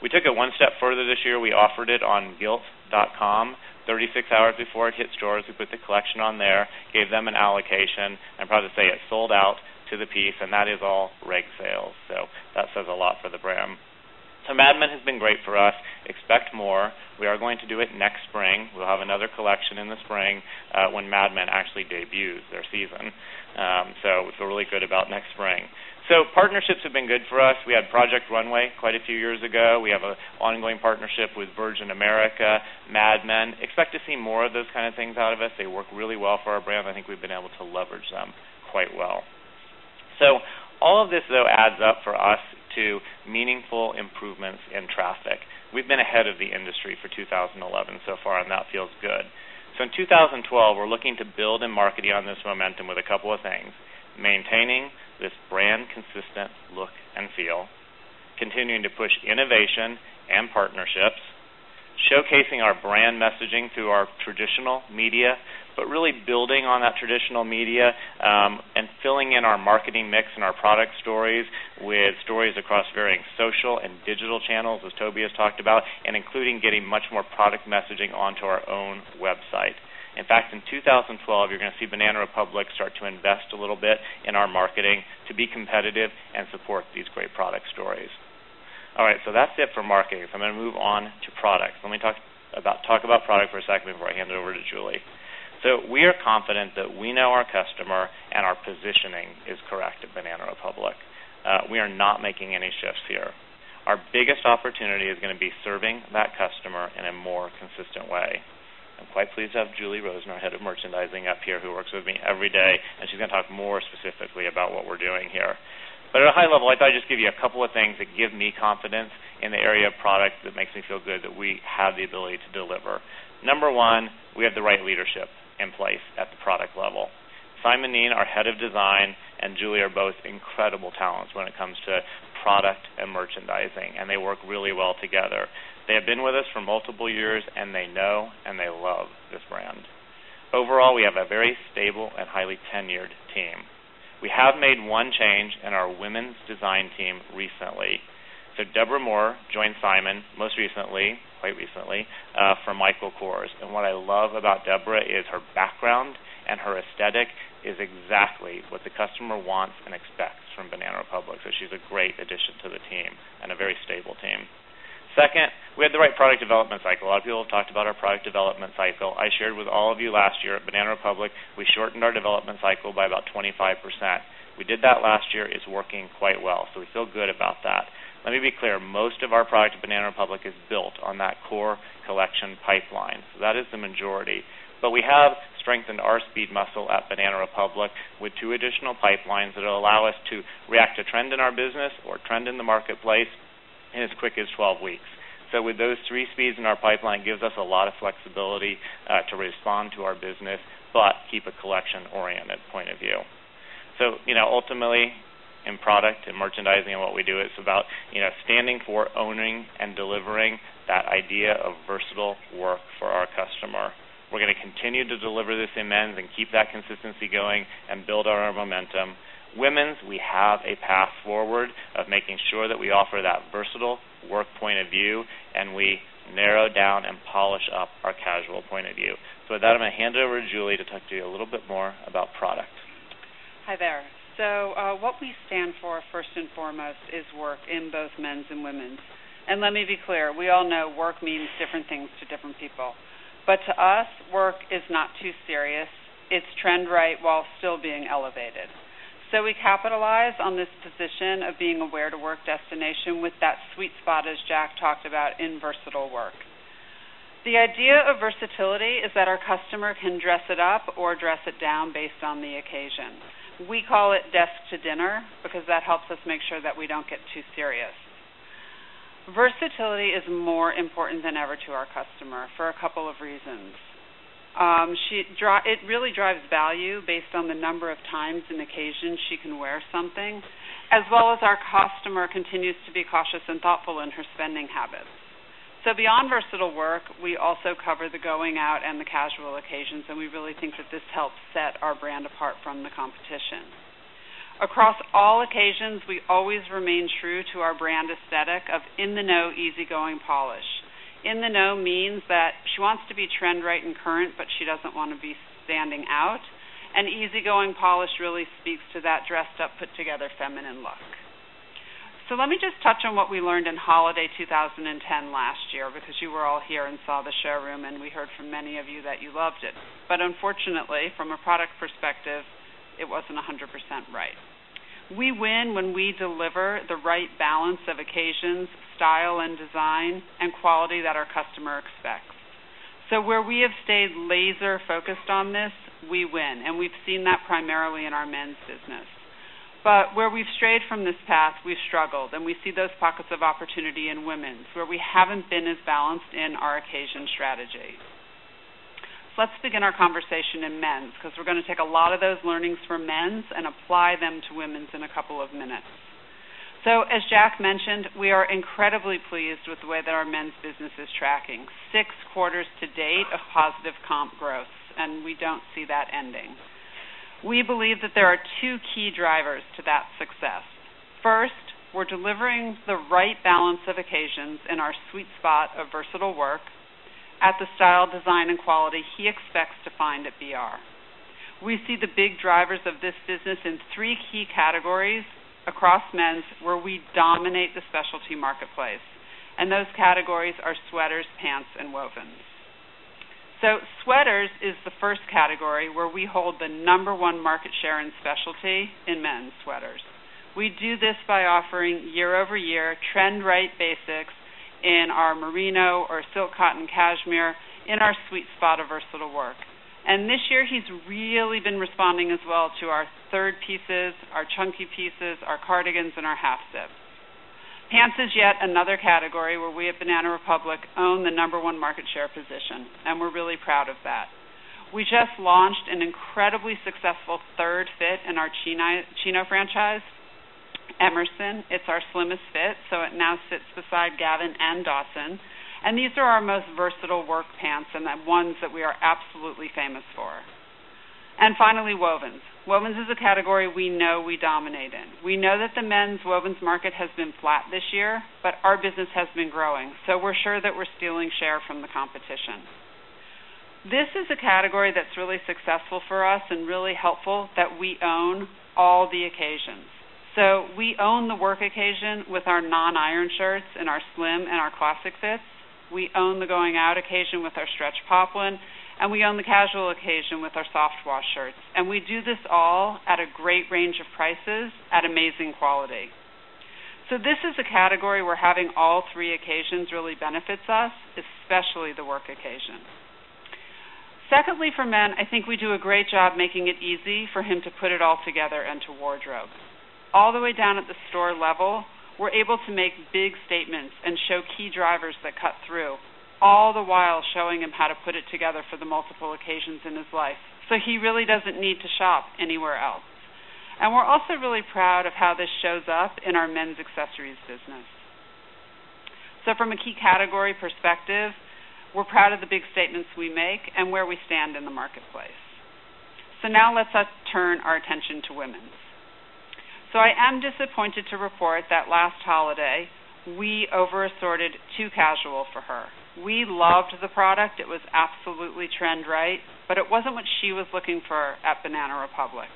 We took it one step further this year. We offered it on Gilt.com 36 hours before it hit stores. We put the collection on there, gave them an allocation, and I'm proud to say it sold out to the piece, and that is all reg sales. That says a lot for the brand. Mad Men has been great for us. Expect more. We are going to do it next spring. We'll have another collection in the spring when Mad Men actually debuts their season. We feel really good about next spring. Partnerships have been good for us. We had Project Runway quite a few years ago. We have an ongoing partnership with Virgin America, Mad Men. Expect to see more of those kind of things out of us. They work really well for our brand. I think we've been able to leverage them quite well. All of this, though, adds up for us to meaningful improvements in traffic. We've been ahead of the industry for 2011 so far, and that feels good. In 2012, we're looking to build and market on this momentum with a couple of things: maintaining this brand-consistent look and feel, continuing to push innovation and partnerships, showcasing our brand messaging through our traditional media, but really building on that traditional media and filling in our marketing mix and our product stories with stories across varying social and digital channels, as Toby has talked about, and including getting much more product messaging onto our own website. In fact, in 2012, you're going to see Banana Republic start to invest a little bit in our marketing to be competitive and support these great product stories. All right. That's it for marketing. If I'm going to move on to product, let me talk about product for a second before I hand it over to Julie. We are confident that we know our customer and our positioning is correct at Banana Republic. We are not making any shifts here. Our biggest opportunity is going to be serving that customer in a more consistent way. I'm quite pleased to have Julie Rosen, our Head of Merchandising, up here, who works with me every day, and she's going to talk more specifically about what we're doing here. At a high level, I thought I'd just give you a couple of things that give me confidence in the area of product that makes me feel good that we have the ability to deliver. Number one, we have the right leadership in place at the product level. Simon Kneen, our Head of Design, and Julie are both incredible talents when it comes to product and merchandising, and they work really well together. They have been with us for multiple years, and they know and they love this brand. Overall, we have a very stable and highly tenured team. We have made one change in our women's design team recently. Deborah Moore joined Simon most recently, quite recently, from Michael Kors. What I love about Deborah is her background and her aesthetic is exactly what the customer wants and expects from Banana Republic. She's a great addition to the team and a very stable team. Second, we have the right product development cycle. A lot of people have talked about our product development cycle. I shared with all of you last year at Banana Republic, we shortened our development cycle by about 25%. We did that last year. It's working quite well. We feel good about that. Let me be clear. Most of our product at Banana Republic is built on that core collection pipeline. That is the majority. We have strengthened our speed muscle at Banana Republic with two additional pipelines that will allow us to react to trend in our business or trend in the marketplace in as quick as 12 weeks. With those three speeds in our pipeline, it gives us a lot of flexibility to respond to our business but keep a collection-oriented point of view. Ultimately, in product and merchandising and what we do, it's about standing for owning and delivering that idea of versatile work for our customer. We're going to continue to deliver this in men's and keep that consistency going and build our momentum. Women's, we have a path forward of making sure that we offer that versatile work point of view and we narrow down and polish up our casual point of view. With that, I'm going to hand it over to Julie to talk to you a little bit more about product. Hi there. What we stand for, first and foremost, is work in both men's and women's. Let me be clear. We all know work means different things to different people. To us, work is not too serious. It's trend right while still being elevated. We capitalize on this position of being a where-to-work destination with that sweet spot, as Jack talked about, in versatile work. The idea of versatility is that our customer can dress it up or dress it down based on the occasion. We call it desk to dinner because that helps us make sure that we don't get too serious. Versatility is more important than ever to our customer for a couple of reasons. It really drives value based on the number of times and occasions she can wear something, as well as our customer continues to be cautious and thoughtful in her spending habits. Beyond versatile work, we also cover the going out and the casual occasions, and we really think that this helps set our brand apart from the competition. Across all occasions, we always remain true to our brand aesthetic of in-the-know, easy-going polish. In-the-know means that she wants to be trend right and current, but she doesn't want to be standing out. Easy-going polish really speaks to that dressed-up, put-together feminine look. Let me just touch on what we learned in holiday 2010 last year because you were all here and saw the showroom, and we heard from many of you that you loved it. Unfortunately, from a product perspective, it wasn't 100% right. We win when we deliver the right balance of occasions, style, and design and quality that our customer expects. Where we have stayed laser-focused on this, we win. We've seen that primarily in our men's business. Where we've strayed from this path, we've struggled. We see those pockets of opportunity in women's where we haven't been as balanced in our occasion strategies. Let's begin our conversation in men's because we're going to take a lot of those learnings from men's and apply them to women's in a couple of minutes. As Jack mentioned, we are incredibly pleased with the way that our men's business is tracking, six quarters to date of positive comp growth, and we don't see that ending. We believe that there are two key drivers to that success. First, we're delivering the right balance of occasions in our sweet spot of versatile work at the style, design, and quality he expects to find at BR. We see the big drivers of this business in three key categories across men's where we dominate the specialty marketplace. Those categories are sweaters, pants, and wovens. Sweaters is the first category where we hold the number one market share in specialty in men's sweaters. We do this by offering year-over-year trend-right basics in our merino or silk cotton cashmere in our sweet spot of versatile work. This year, he's really been responding as well to our third pieces, our chunky pieces, our cardigans, and our half zip. Pants is yet another category where we at Banana Republic own the number one market share position, and we're really proud of that. We just launched an incredibly successful third fit in our Chino franchise, Emerson. It's our slimmest fit, so it now sits beside Gavin and Dawson. These are our most versatile work pants and the ones that we are absolutely famous for. Finally, wovens. Wovens is a category we know we dominate in. We know that the men's wovens market has been flat this year, but our business has been growing. We're sure that we're stealing share from the competition. This is a category that's really successful for us and really helpful that we own all the occasions. We own the work occasion with our non-iron shirts and our slim and our classic fit. We own the going out occasion with our stretch poplin, and we own the casual occasion with our soft wash shirts. We do this all at a great range of prices at amazing quality. This is a category where having all three occasions really benefits us, especially the work occasion. Secondly, for men, I think we do a great job making it easy for him to put it all together and to wardrobe. All the way down at the store level, we're able to make big statements and show key drivers that cut through, all the while showing him how to put it together for the multiple occasions in his life. He really doesn't need to shop anywhere else. We're also really proud of how this shows up in our men's accessories business. From a key category perspective, we're proud of the big statements we make and where we stand in the marketplace. Now let's turn our attention to women's. I am disappointed to report that last holiday, we over-assorted too casual for her. We loved the product. It was absolutely trend right, but it wasn't what she was looking for at Banana Republic.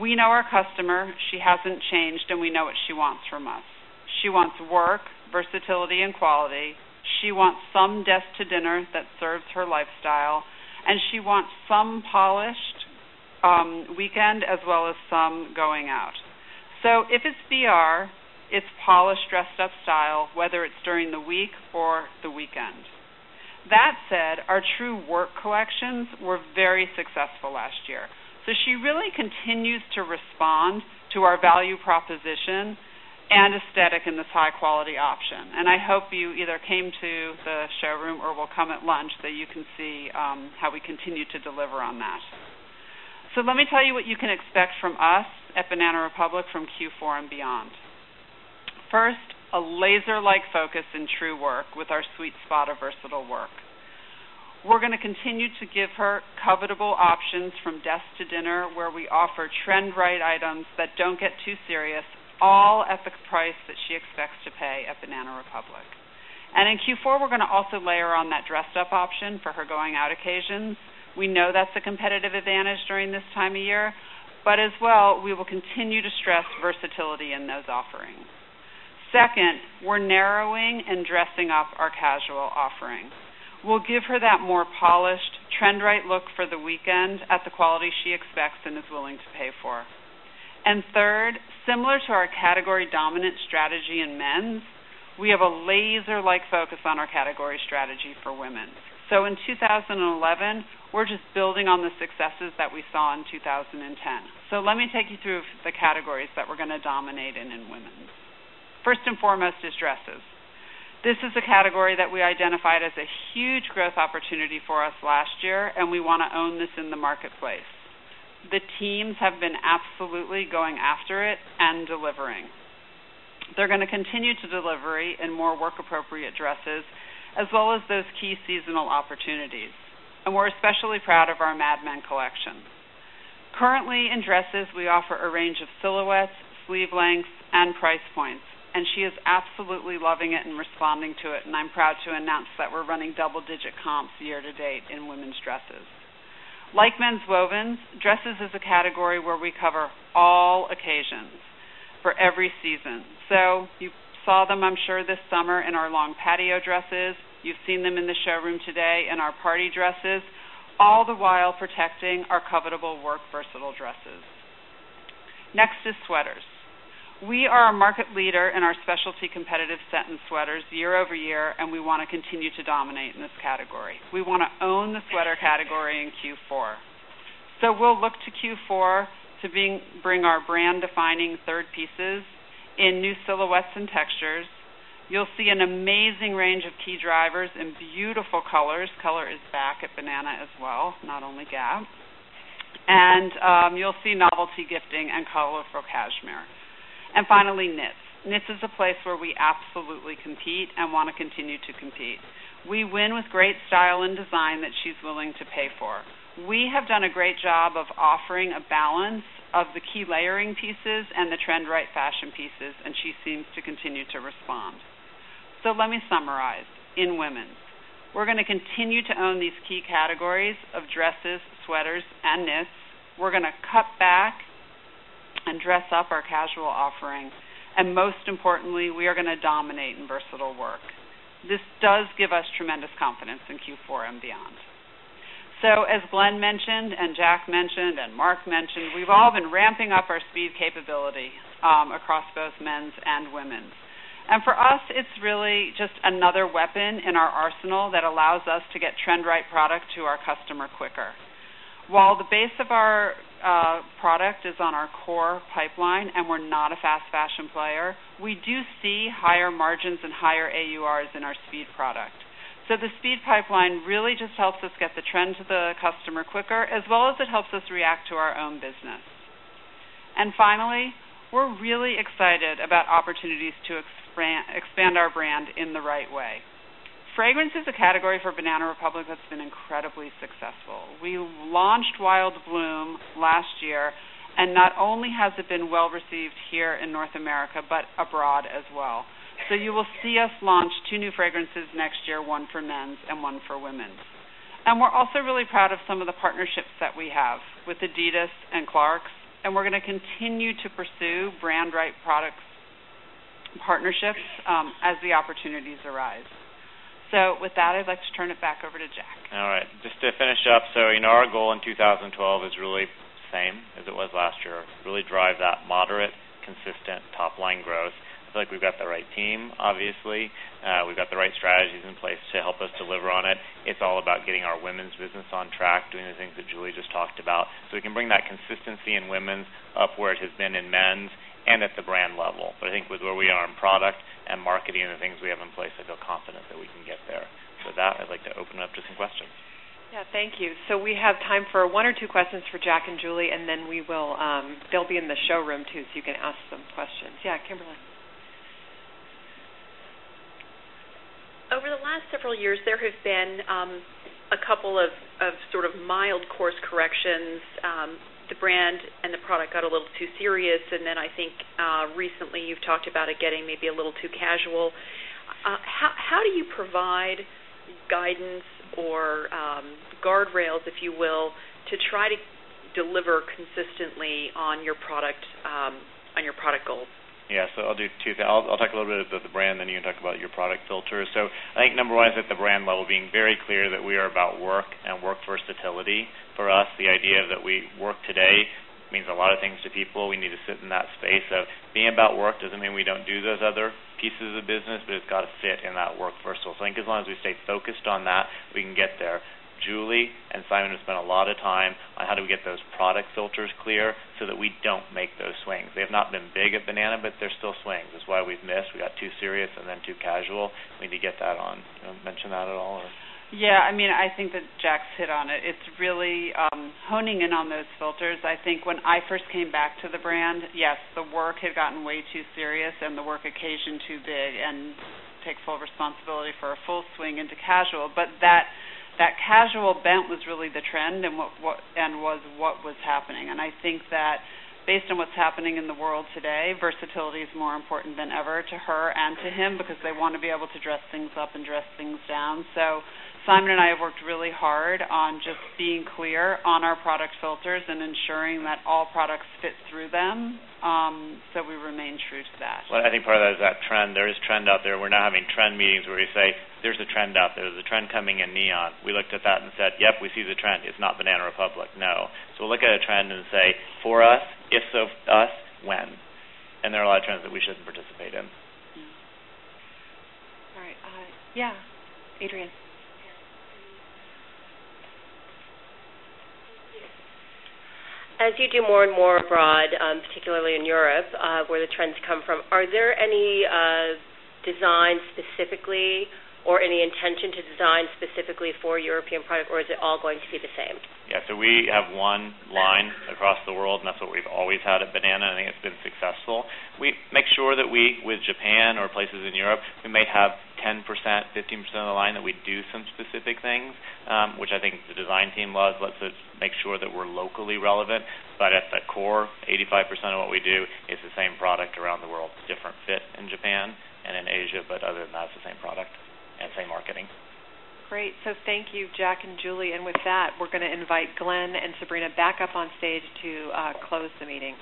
We know our customer. She hasn't changed, and we know what she wants from us. She wants work, versatility, and quality. She wants some desk to dinner that serves her lifestyle, and she wants some polished weekend as well as some going out. If it's BR, it's polished dressed-up style, whether it's during the week or the weekend. That said, our true work collections were very successful last year. She really continues to respond to our value proposition and aesthetic in this high-quality option. I hope you either came to the showroom or will come at lunch that you can see how we continue to deliver on that. Let me tell you what you can expect from us at Banana Republic from Q4 and beyond. First, a laser-like focus in true work with our sweet spot of versatile work. We're going to continue to give her covetable options from desk to dinner where we offer trend-right items that don't get too serious, all at the price that she expects to pay at Banana Republic. In Q4, we're going to also layer on that dressed-up option for her going out occasion. We know that's a competitive advantage during this time of year. We will continue to stress versatility in those offerings. Second, we're narrowing and dressing up our casual offerings. We'll give her that more polished trend-right look for the weekend at the quality she expects and is willing to pay for. Third, similar to our category-dominant strategy in men's, we have a laser-like focus on our category strategy for women's. In 2011, we're just building on the successes that we saw in 2010. Let me take you through the categories that we're going to dominate in in women's. First and foremost is dresses. This is a category that we identified as a huge growth opportunity for us last year, and we want to own this in the marketplace. The teams have been absolutely going after it and delivering. They're going to continue to deliver in more work-appropriate dresses, as well as those key seasonal opportunities. We're especially proud of our Mad Men collection. Currently, in dresses, we offer a range of silhouettes, sleeve lengths, and price points. She is absolutely loving it and responding to it. I'm proud to announce that we're running double-digit comps year to date in women's dresses. Like men's wovens, dresses is a category where we cover all occasions for every season. You saw them, I'm sure, this summer in our long patio dresses. You've seen them in the showroom today in our party dresses, all the while protecting our covetable work versatile dresses. Next is sweaters. We are a market leader in our specialty competitive set in sweaters year over year, and we want to continue to dominate in this category. We want to own the sweater category in Q4. We will look to Q4 to bring our brand-defining third pieces in new silhouettes and textures. You'll see an amazing range of key drivers in beautiful colors. Color is back at Banana Republic as well, not only Gap. You'll see novelty gifting and colorful cashmere. Finally, knits. Knits is a place where we absolutely compete and want to continue to compete. We win with great style and design that she's willing to pay for. We have done a great job of offering a balance of the key layering pieces and the trend-right fashion pieces, and she seems to continue to respond. Let me summarize. In women's, we're going to continue to own these key categories of dresses, sweaters, and knits. We're going to cut back and dress up our casual offerings. Most importantly, we are going to dominate in versatile work. This does give us tremendous confidence in Q4 and beyond. As Glenn mentioned and Jack mentioned and Mark mentioned, we've all been ramping up our speed capability across both men's and women's. For us, it's really just another weapon in our arsenal that allows us to get trend-right product to our customer quicker. While the base of our product is on our core pipeline and we're not a fast fashion player, we do see higher margins and higher AURs in our speed product. The speed pipeline really just helps us get the trend to the customer quicker, as well as it helps us react to our own business. Finally, we're really excited about opportunities to expand our brand in the right way. Fragrance is a category for Banana Republic that's been incredibly successful. We launched Wild Bloom last year, and not only has it been well received here in North America, but abroad as well. You will see us launch two new fragrances next year, one for men's and one for women's. We're also really proud of some of the partnerships that we have with Adidas and Clarks. We're going to continue to pursue brand-right product partnerships as the opportunities arise. With that, I'd like to turn it back over to Jack. All right. Just to finish up, our goal in 2012 is really the same as it was last year, really drive that moderate, consistent top-line growth. I feel like we've got the right team, obviously. We've got the right strategies in place to help us deliver on it. It's all about getting our women's business on track, doing the things that Julie just talked about. We can bring that consistency in women's up where it has been in men's and at the brand level. I think with where we are in product and marketing and the things we have in place, I feel confident that we can get there. For that, I'd like to open it up to some questions. Thank you. We have time for one or two questions for Jack and Julie, and then they'll be in the showroom too, so you can ask some questions. Yeah, Kimberly. Over the last several years, there have been a couple of sort of mild course corrections. The brand and the product got a little too serious. I think recently you've talked about it getting maybe a little too casual. How do you provide guidance or guardrails, if you will, to try to deliver consistently on your product goal? Yeah, I'll do two things. I'll talk a little bit about the brand, then you can talk about your product filter. I think number one is at the brand level, being very clear that we are about work and work versatility. For us, the idea that we work today means a lot of things to people. We need to sit in that space of being about work. It doesn't mean we don't do those other pieces of business, but it's got to fit in that work versatility. I think as long as we stay focused on that, we can get there. Julie and Simon have spent a lot of time on how do we get those product filters clear so that we don't make those swings. They have not been big at Banana Republic, but they're still swings. That's why we've missed. We got too serious and then too casual. We need to get that on. You want to mention that at all? Yeah, I mean, I think that Jack's hit on it. It's really honing in on those filters. I think when I first came back to the brand, yes, the work had gotten way too serious and the work occasion too big and take full responsibility for a full swing into casual. That casual bent was really the trend and what then was what was happening. I think that based on what's happening in the world today, versatility is more important than ever to her and to him because they want to be able to dress things up and dress things down. Simon and I have worked really hard on just being clear on our product filters and ensuring that all products fit through them. We remain true to that. I think part of that is that trend. There is trend out there. We're now having trend meetings where we say, there's a trend out there. There's a trend coming in neon. We looked at that and said, yep, we see the trend. It's not Banana Republic. No. We look at a trend and say, for us, if so us, when? There are a lot of trends that we shouldn't participate in. All right. Yeah. Adrienne. As you do more and more abroad, particularly in Europe, where the trends come from, are there any designs specifically or any intention to design specifically for European product, or is it all going to be the same? Yeah, we have one line across the world, and that's what we've always had at Banana Republic. I think it's been successful. We make sure that we, with Japan or places in Europe, we might have 10% or 15% of the line that we do some specific things, which I think the design team loves. Let's make sure that we're locally relevant. At the core, 85% of what we do is the same product around the world. It's a different fit in Japan and in Asia, but other than that, it's the same product and same marketing. Great. Thank you, Jack and Julie. With that, we're going to invite Glenn and Sabrina back up on stage to close the meeting.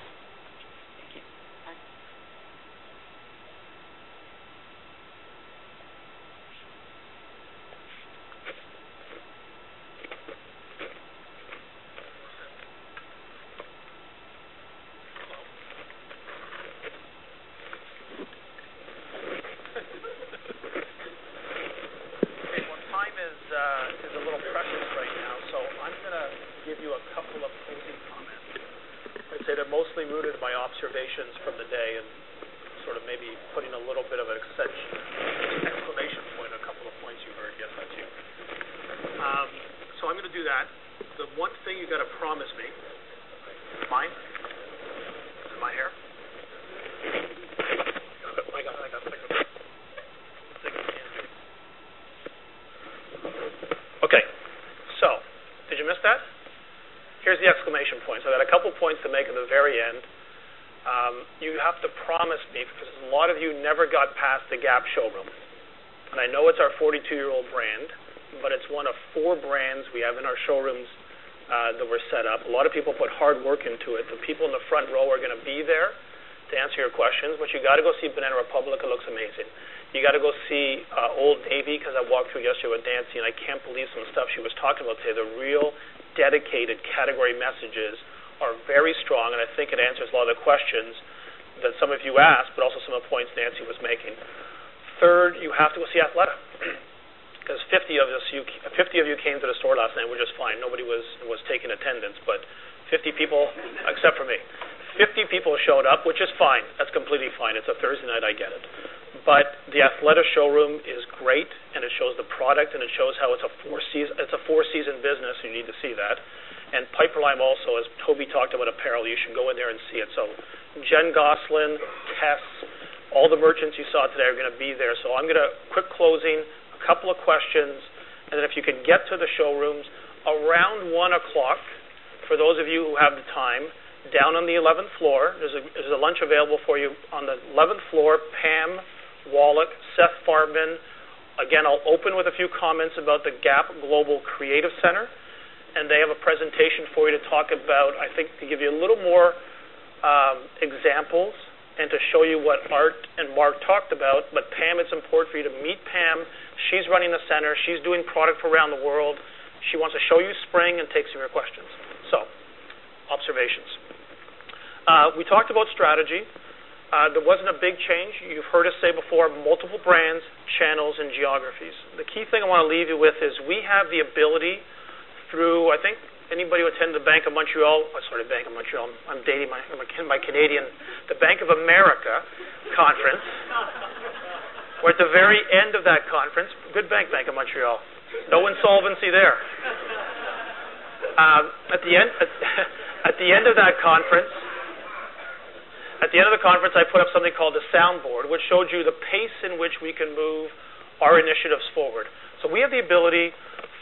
Third, you have to go see Athleta because 50 of you came to the store last night, which is fine. Nobody was taking attendance, but 50 people, except for me, 50 people showed up, which is fine. That's completely fine. It's a Thursday night. I get it. The Athleta showroom is great, and it shows the product, and it shows how it's a four-season business. You need to see that. Pipeline also, as Toby talked about apparel, you should go in there and see it. Jen Goslin, Tess, all the merchants you saw today are going to be there. I'm going to quick closing, a couple of questions, and then if you can get to the showrooms, around 1 o'clock., for those of you who have the time, down on the 11th floor, there's a lunch available for you on the 11th floor: Pam Wallach, Seth Farbin. Again, I'll open with a few comments about the Gap Global Creative Center, and they have a presentation for you to talk about, I think, to give you a little more examples and to show you what Art and Mark talked about. Pam, it's important for you to meet Pam. She's running the center. She's doing product around the world. She wants to show you spring and take some of your questions. Observations. We talked about strategy. There wasn't a big change. You've heard us say before, multiple brands, channels, and geographies. The key thing I want to leave you with is we have the ability through, I think, anybody who attended the Bank of America Conference, we're at the very end of that conference. Good bank, Bank of Montreal. No insolvency there. At the end of that conference, I put up something called the soundboard, which showed you the pace in which we can move our initiatives forward. We have the ability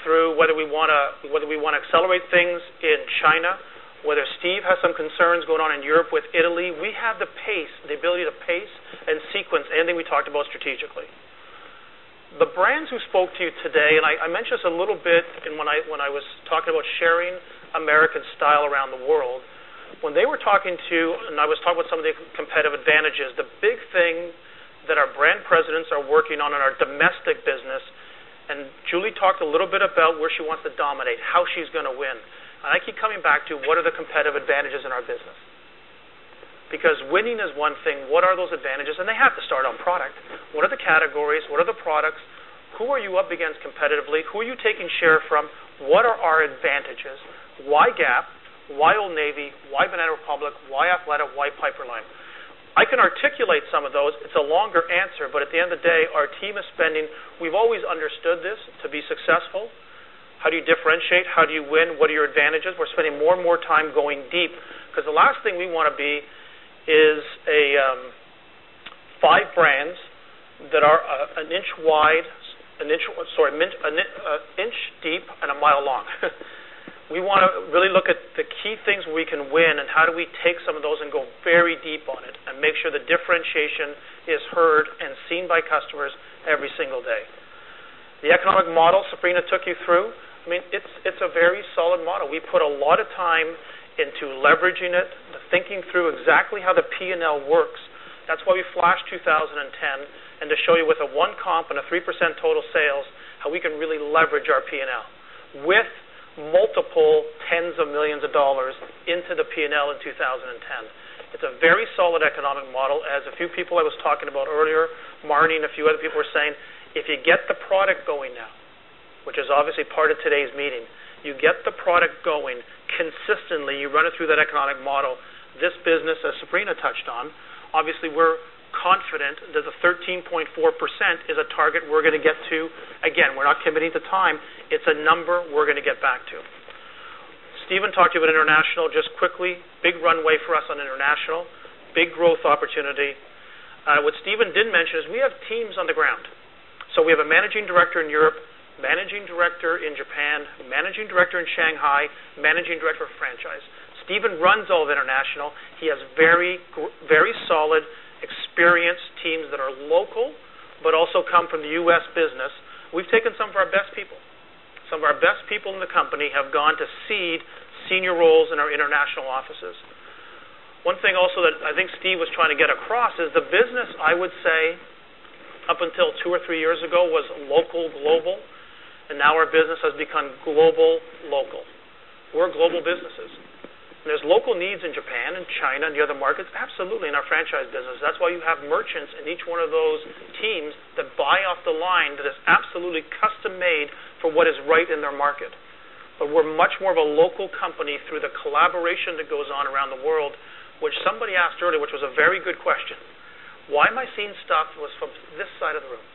through whether we want to accelerate things in China, whether Steve has some concerns going on in Europe with Italy. We have the pace, the ability to pace and sequence anything we talked about strategically. The brands who spoke to you today, and I mentioned this a little bit when I was talking about sharing American style around the world, when they were talking to, and I was talking about some of the competitive advantages, the big thing that our brand presidents are working on in our domestic business, and Julie talked a little bit about where she wants to dominate, how she's going to win. I keep coming back to what are the competitive advantages in our business. Because winning is one thing. What are those advantages? They have to start on product. What are the categories? What are the products? Who are you up against competitively? Who are you taking share from? What are our advantages? Why Gap? Why Old Navy? Why Banana Republic? Why Athleta? Why Piperlime? I can articulate some of those. It's a longer answer, but at the end of the day, our team is spending, we've always understood this to be successful. How do you differentiate? How do you win? What are your advantages? We're spending more and more time going deep because the last thing we want to be is five brands that are an inch wide, an inch, sorry, an inch deep and a mile long. We want to really look at the key things we can win and how do we take some of those and go very deep on it and make sure the differentiation is heard and seen by customers every single day. The economic model Sabrina took you through, I mean, it's a very solid model. We put a lot of time into leveraging it, thinking through exactly how the P&L works. That's why we flashed 2010 and to show you with a one comp and a 3% total sales how we can really leverage our P&L with multiple tens of millions of dollars into the P&L in 2010. It's a very solid economic model. As a few people I was talking about earlier, Marnie and a few other people were saying, if you get the product going now, which is obviously part of today's meeting, you get the product going consistently, you run it through that economic model, this business, as Sabrina touched on, obviously, we're confident that the 13.4% is a target we're going to get to. Again, we're not committing to time. It's a number we're going to get back to. Steven talked to you about International just quickly. Big runway for us on International. Big growth opportunity. What Steven didn't mention is we have teams on the ground. We have a Managing Director in Europe, Managing Director in Japan, Managing Director in Shanghai, Managing Director of Franchise. Steven runs all of International. He has very, very solid experienced teams that are local, but also come from the U.S. business. We've taken some of our best people. Some of our best people in the company have gone to seed senior roles in our international offices. One thing also that I think Steve was trying to get across is the business, I would say, up until two or three years ago was local global, and now our business has become global local. We're global businesses. There's local needs in Japan and China and the other markets, absolutely, in our franchise business. That's why you have merchants in each one of those teams that buy off the line that is absolutely custom-made for what is right in their market. We're much more of a local company through the collaboration that goes on around the world, which somebody asked earlier, which was a very good question. Why am I seeing stuff? It was from this side of the room.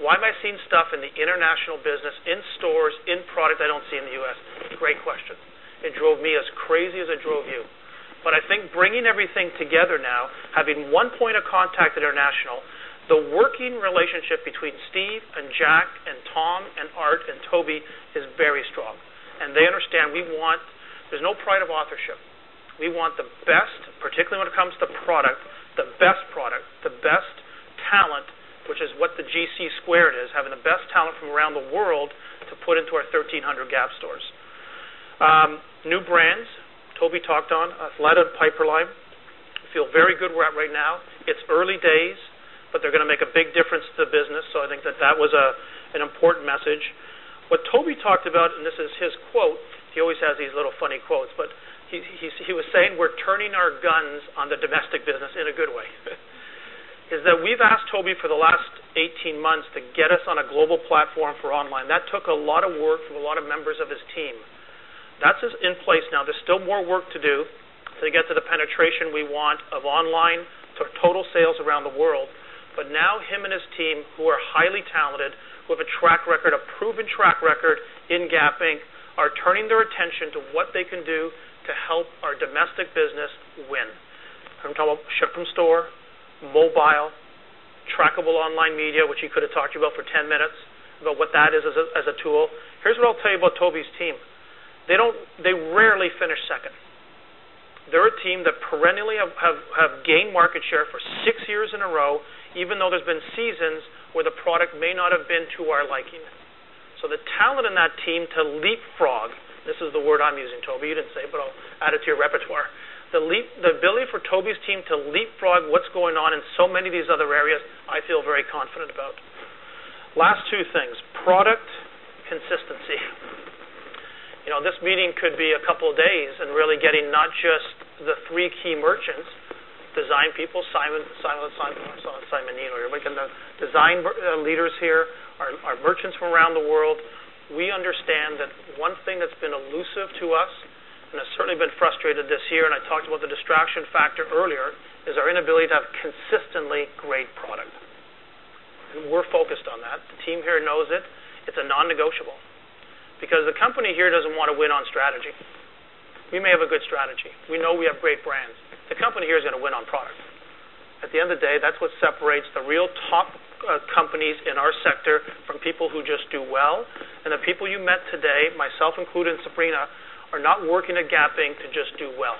Why am I seeing stuff in the international business, in stores, in product I don't see in the U.S.? Great question. It drove me as crazy as it drove you. I think bringing everything together now, having one point of contact at International, the working relationship between Steve and Jack and Tom and Art and Toby is very strong. They understand we want, there's no pride of authorship. We want the best, particularly when it comes to product, the best product, the best talent, which is what the GC squared is, having the best talent from around the world to put into our 1,300 Gap stores. New brands, Toby talked on, Athleta and Piperlime. I feel very good we're at right now. It's early days, but they're going to make a big difference to the business. I think that that was an important message. What Toby talked about, and this is his quote, he always has these little funny quotes, but he was saying we're turning our guns on the domestic business in a good way, is that we've asked Toby for the last 18 months to get us on a global platform for online. That took a lot of work from a lot of members of his team. That's in place now. There's still more work to do to get to the penetration we want of online total sales around the world. Now him and his team, who are highly talented, who have a track record, a proven track record in Gap Inc., are turning their attention to what they can do to help our domestic business win. From ship-from-store, mobile, trackable online media, which he could have talked to you about for 10 minutes about what that is as a tool. Here's what I'll tell you about Toby's team. They don't, they rarely finish second. They're a team that perennially have gained market share for six years in a row, even though there's been seasons where the product may not have been to our liking. The talent in that team to leapfrog, this is the word I'm using, Toby, you didn't say, but I'll add it to your repertoire. The ability for Toby's team to leapfrog what's going on in so many of these other areas, I feel very confident about. Last two things, product consistency. This meeting could be a couple of days and really getting not just the three key merchants, design people, Simon Kneen, or you're making the design leaders here, our merchants from around the world. We understand that one thing that's been elusive to us, and I've certainly been frustrated this year, and I talked about the distraction factor earlier, is our inability to have consistently great product. We're focused on that. The team here knows it. It's a non-negotiable because the company here doesn't want to win on strategy. We may have a good strategy. We know we have great brands. The company here is going to win on product. At the end of the day, that's what separates the real top companies in our sector from people who just do well. The people you met today, myself included in Sabrina, are not working at Gap Inc. to just do well.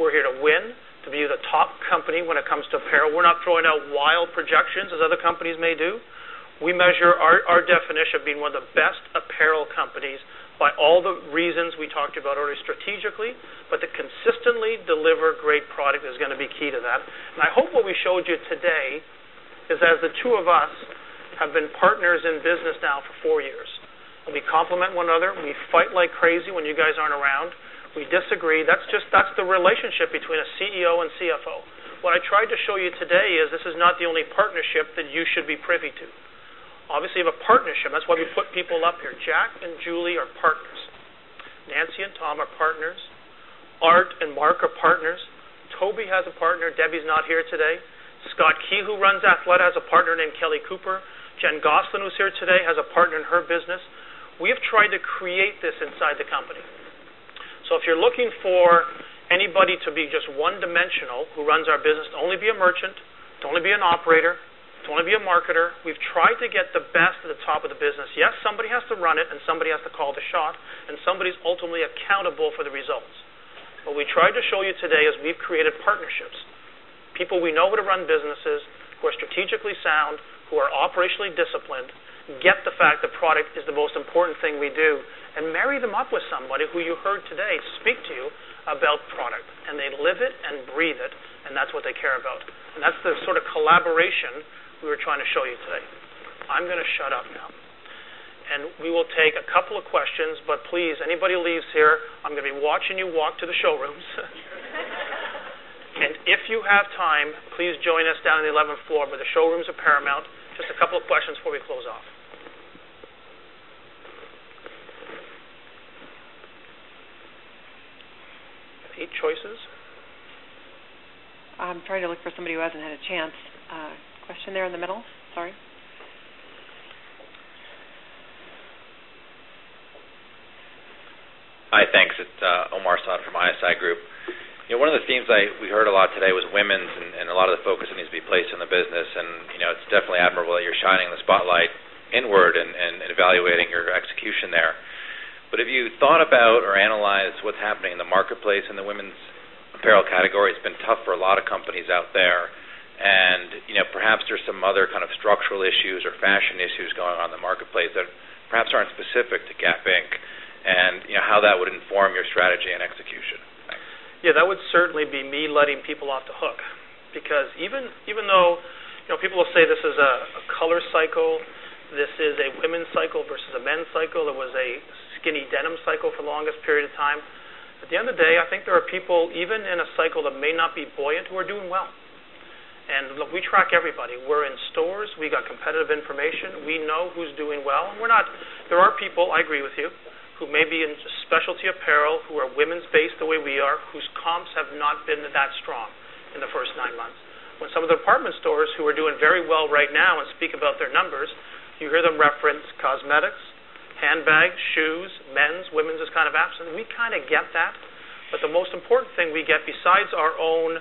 We're here to win, to be the top company when it comes to apparel. We're not throwing out wild projections as other companies may do. We measure our definition of being one of the best apparel companies by all the reasons we talked about already strategically, but to consistently deliver great product is going to be key to that. I hope what we showed you today is as the two of us have been partners in business now for four years, and we complement one another, and we fight like crazy when you guys aren't around. We disagree. That's just, that's the relationship between a CEO and CFO. What I tried to show you today is this is not the only partnership that you should be privy to. Obviously, you have a partnership. That's why we put people up here. Jack and Julie are partners. Nancy and Tom are partners. Art and Mark are partners. Toby has a partner. Debbie's not here today. Scott Key, who runs Athleta, has a partner named Kelly Cooper. Jen Goslin, who's here today, has a partner in her business. We have tried to create this inside the company. If you're looking for anybody to be just one-dimensional who runs our business, to only be a merchant, to only be an operator, to only be a marketer, we've tried to get the best at the top of the business. Yes, somebody has to run it, and somebody has to call the shot, and somebody's ultimately accountable for the results. What we tried to show you today is we've created partnerships. People we know how to run businesses who are strategically sound, who are operationally disciplined, get the fact that product is the most important thing we do, and marry them up with somebody who you heard today speak to you about product. They live it and breathe it, and that's what they care about. That's the sort of collaboration we were trying to show you today. I'm going to shut up now. We will take a couple of questions, but please, anybody leaves here, I'm going to be watching you walk to the showrooms. If you have time, please join us down on the 11th floor where the showrooms are paramount. Just a couple of questions before we close off. I have eight choices. I'm trying to look for somebody who hasn't had a chance. Question there in the middle? Sorry. All right, thanks. It's Omar Saad from ISI Group. One of the themes we heard a lot today was women's and a lot of the focus that needs to be placed on the business. It's definitely admirable that you're shining the spotlight inward and evaluating your execution there. Have you thought about or analyzed what's happening in the marketplace in the women's apparel category? It's been tough for a lot of companies out there. Perhaps there's some other kind of structural issues or fashion issues going on in the marketplace that perhaps aren't specific to Gap Inc., and how that would inform your strategy and execution. Thanks. Yeah, that would certainly be me letting people off the hook because even though, you know, people will say this is a color cycle, this is a women's cycle versus a men's cycle. There was a skinny denim cycle for the longest period of time. At the end of the day, I think there are people even in a cycle that may not be buoyant who are doing well. Look, we track everybody. We're in stores. We've got competitive information. We know who's doing well. We're not, there are people, I agree with you, who may be in specialty apparel, who are women's based the way we are, whose comps have not been that strong in the first nine months. When some of the department stores who are doing very well right now and speak about their numbers, you hear them reference cosmetics, handbags, shoes, men's, women's is kind of absent. We kind of get that. The most important thing we get besides our own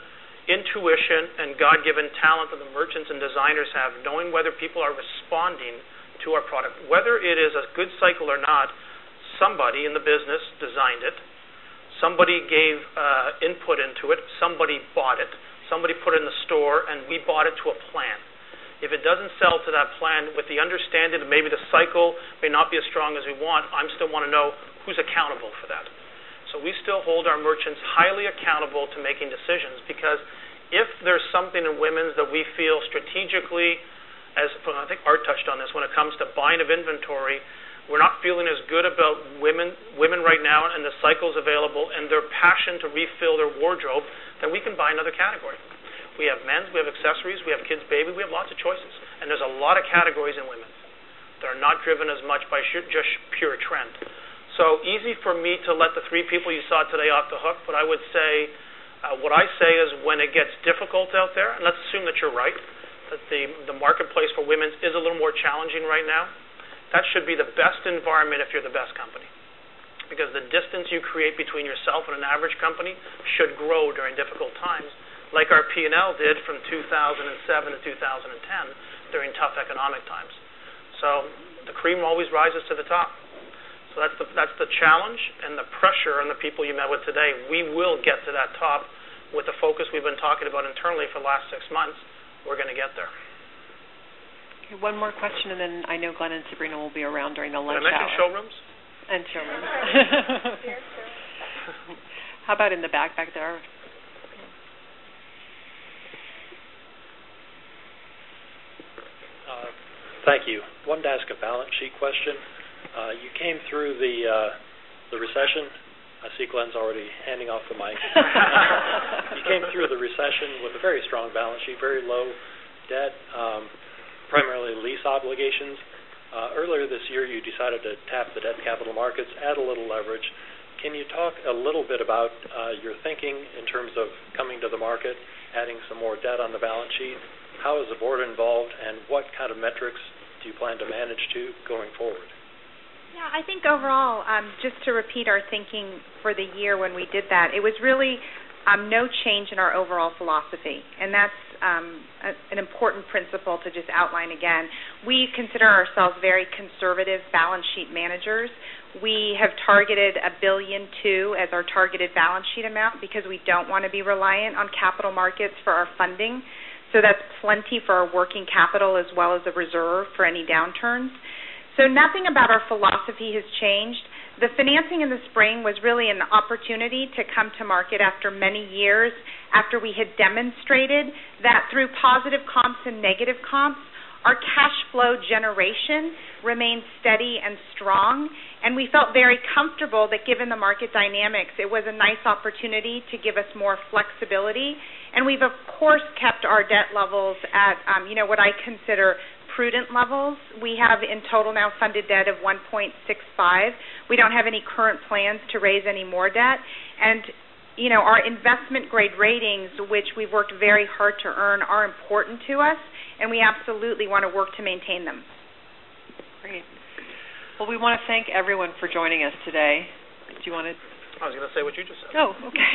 intuition and God-given talent that the merchants and designers have, knowing whether people are responding to our product, whether it is a good cycle or not, somebody in the business designed it. Somebody gave input into it. Somebody bought it. Somebody put it in the store, and we bought it to a plan. If it doesn't sell to that plan with the understanding that maybe the cycle may not be as strong as we want, I still want to know who's accountable for that. We still hold our merchants highly accountable to making decisions because if there's something in women's that we feel strategically, as I think Art touched on this, when it comes to buying of inventory, we're not feeling as good about women right now and the cycles available and their passion to refill their wardrobe, then we can buy another category. We have men's, we have accessories, we have kids, baby, we have lots of choices. There's a lot of categories in women's. They're not driven as much by just pure trend. It would be easy for me to let the three people you saw today off the hook, but what I say is when it gets difficult out there, and let's assume that you're right, that the marketplace for women's is a little more challenging right now, that should be the best environment if you're the best company. The distance you create between yourself and an average company should grow during difficult times, like our P&L did from 2007 to 2010 during tough economic times. The cream always rises to the top. That's the challenge and the pressure on the people you met with today. We will get to that top with the focus we've been talking about internally for the last six months. We're going to get there. One more question, and then I know Glenn and Sabrina will be around during the lunch hour. Can we do showrooms? Showrooms. How about in the back back there? Thank you. One desk of balance sheet question. You came through the recession. I see Glenn's already handing off the mic. You came through the recession with a very strong balance sheet, very low debt, primarily lease obligations. Earlier this year, you decided to tap the debt capital markets, add a little leverage. Can you talk a little bit about your thinking in terms of coming to the market, adding some more debt on the balance sheet? How is the board involved, and what kind of metrics do you plan to manage to going forward? Yeah, I think overall, just to repeat our thinking for the year when we did that, it was really no change in our overall philosophy. That's an important principle to just outline again. We consider ourselves very conservative balance sheet managers. We have targeted $1.2 billion as our targeted balance sheet amount because we don't want to be reliant on capital markets for our funding. That's plenty for our working capital as well as a reserve for any downturns. Nothing about our philosophy has changed. The financing in the spring was really an opportunity to come to market after many years after we had demonstrated that through positive comps and negative comps, our cash flow generation remains steady and strong. We felt very comfortable that given the market dynamics, it was a nice opportunity to give us more flexibility. We've, of course, kept our debt levels at, you know, what I consider prudent levels. We have in total now funded debt of $1.65 billion. We don't have any current plans to raise any more debt. Our investment grade ratings, which we've worked very hard to earn, are important to us. We absolutely want to work to maintain them. Great. We want to thank everyone for joining us today. Do you want to? I was going to say what you just said. Oh, okay.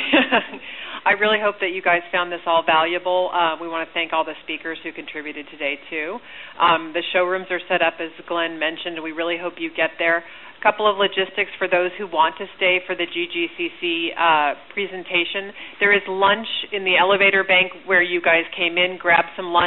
I really hope that you guys found this all valuable. We want to thank all the speakers who contributed today too. The showrooms are set up, as Glenn mentioned. We really hope you get there. A couple of logistics for those who want to stay for the GGCC presentation: there is lunch in the elevator bank where you guys came in, grabbed some lunch.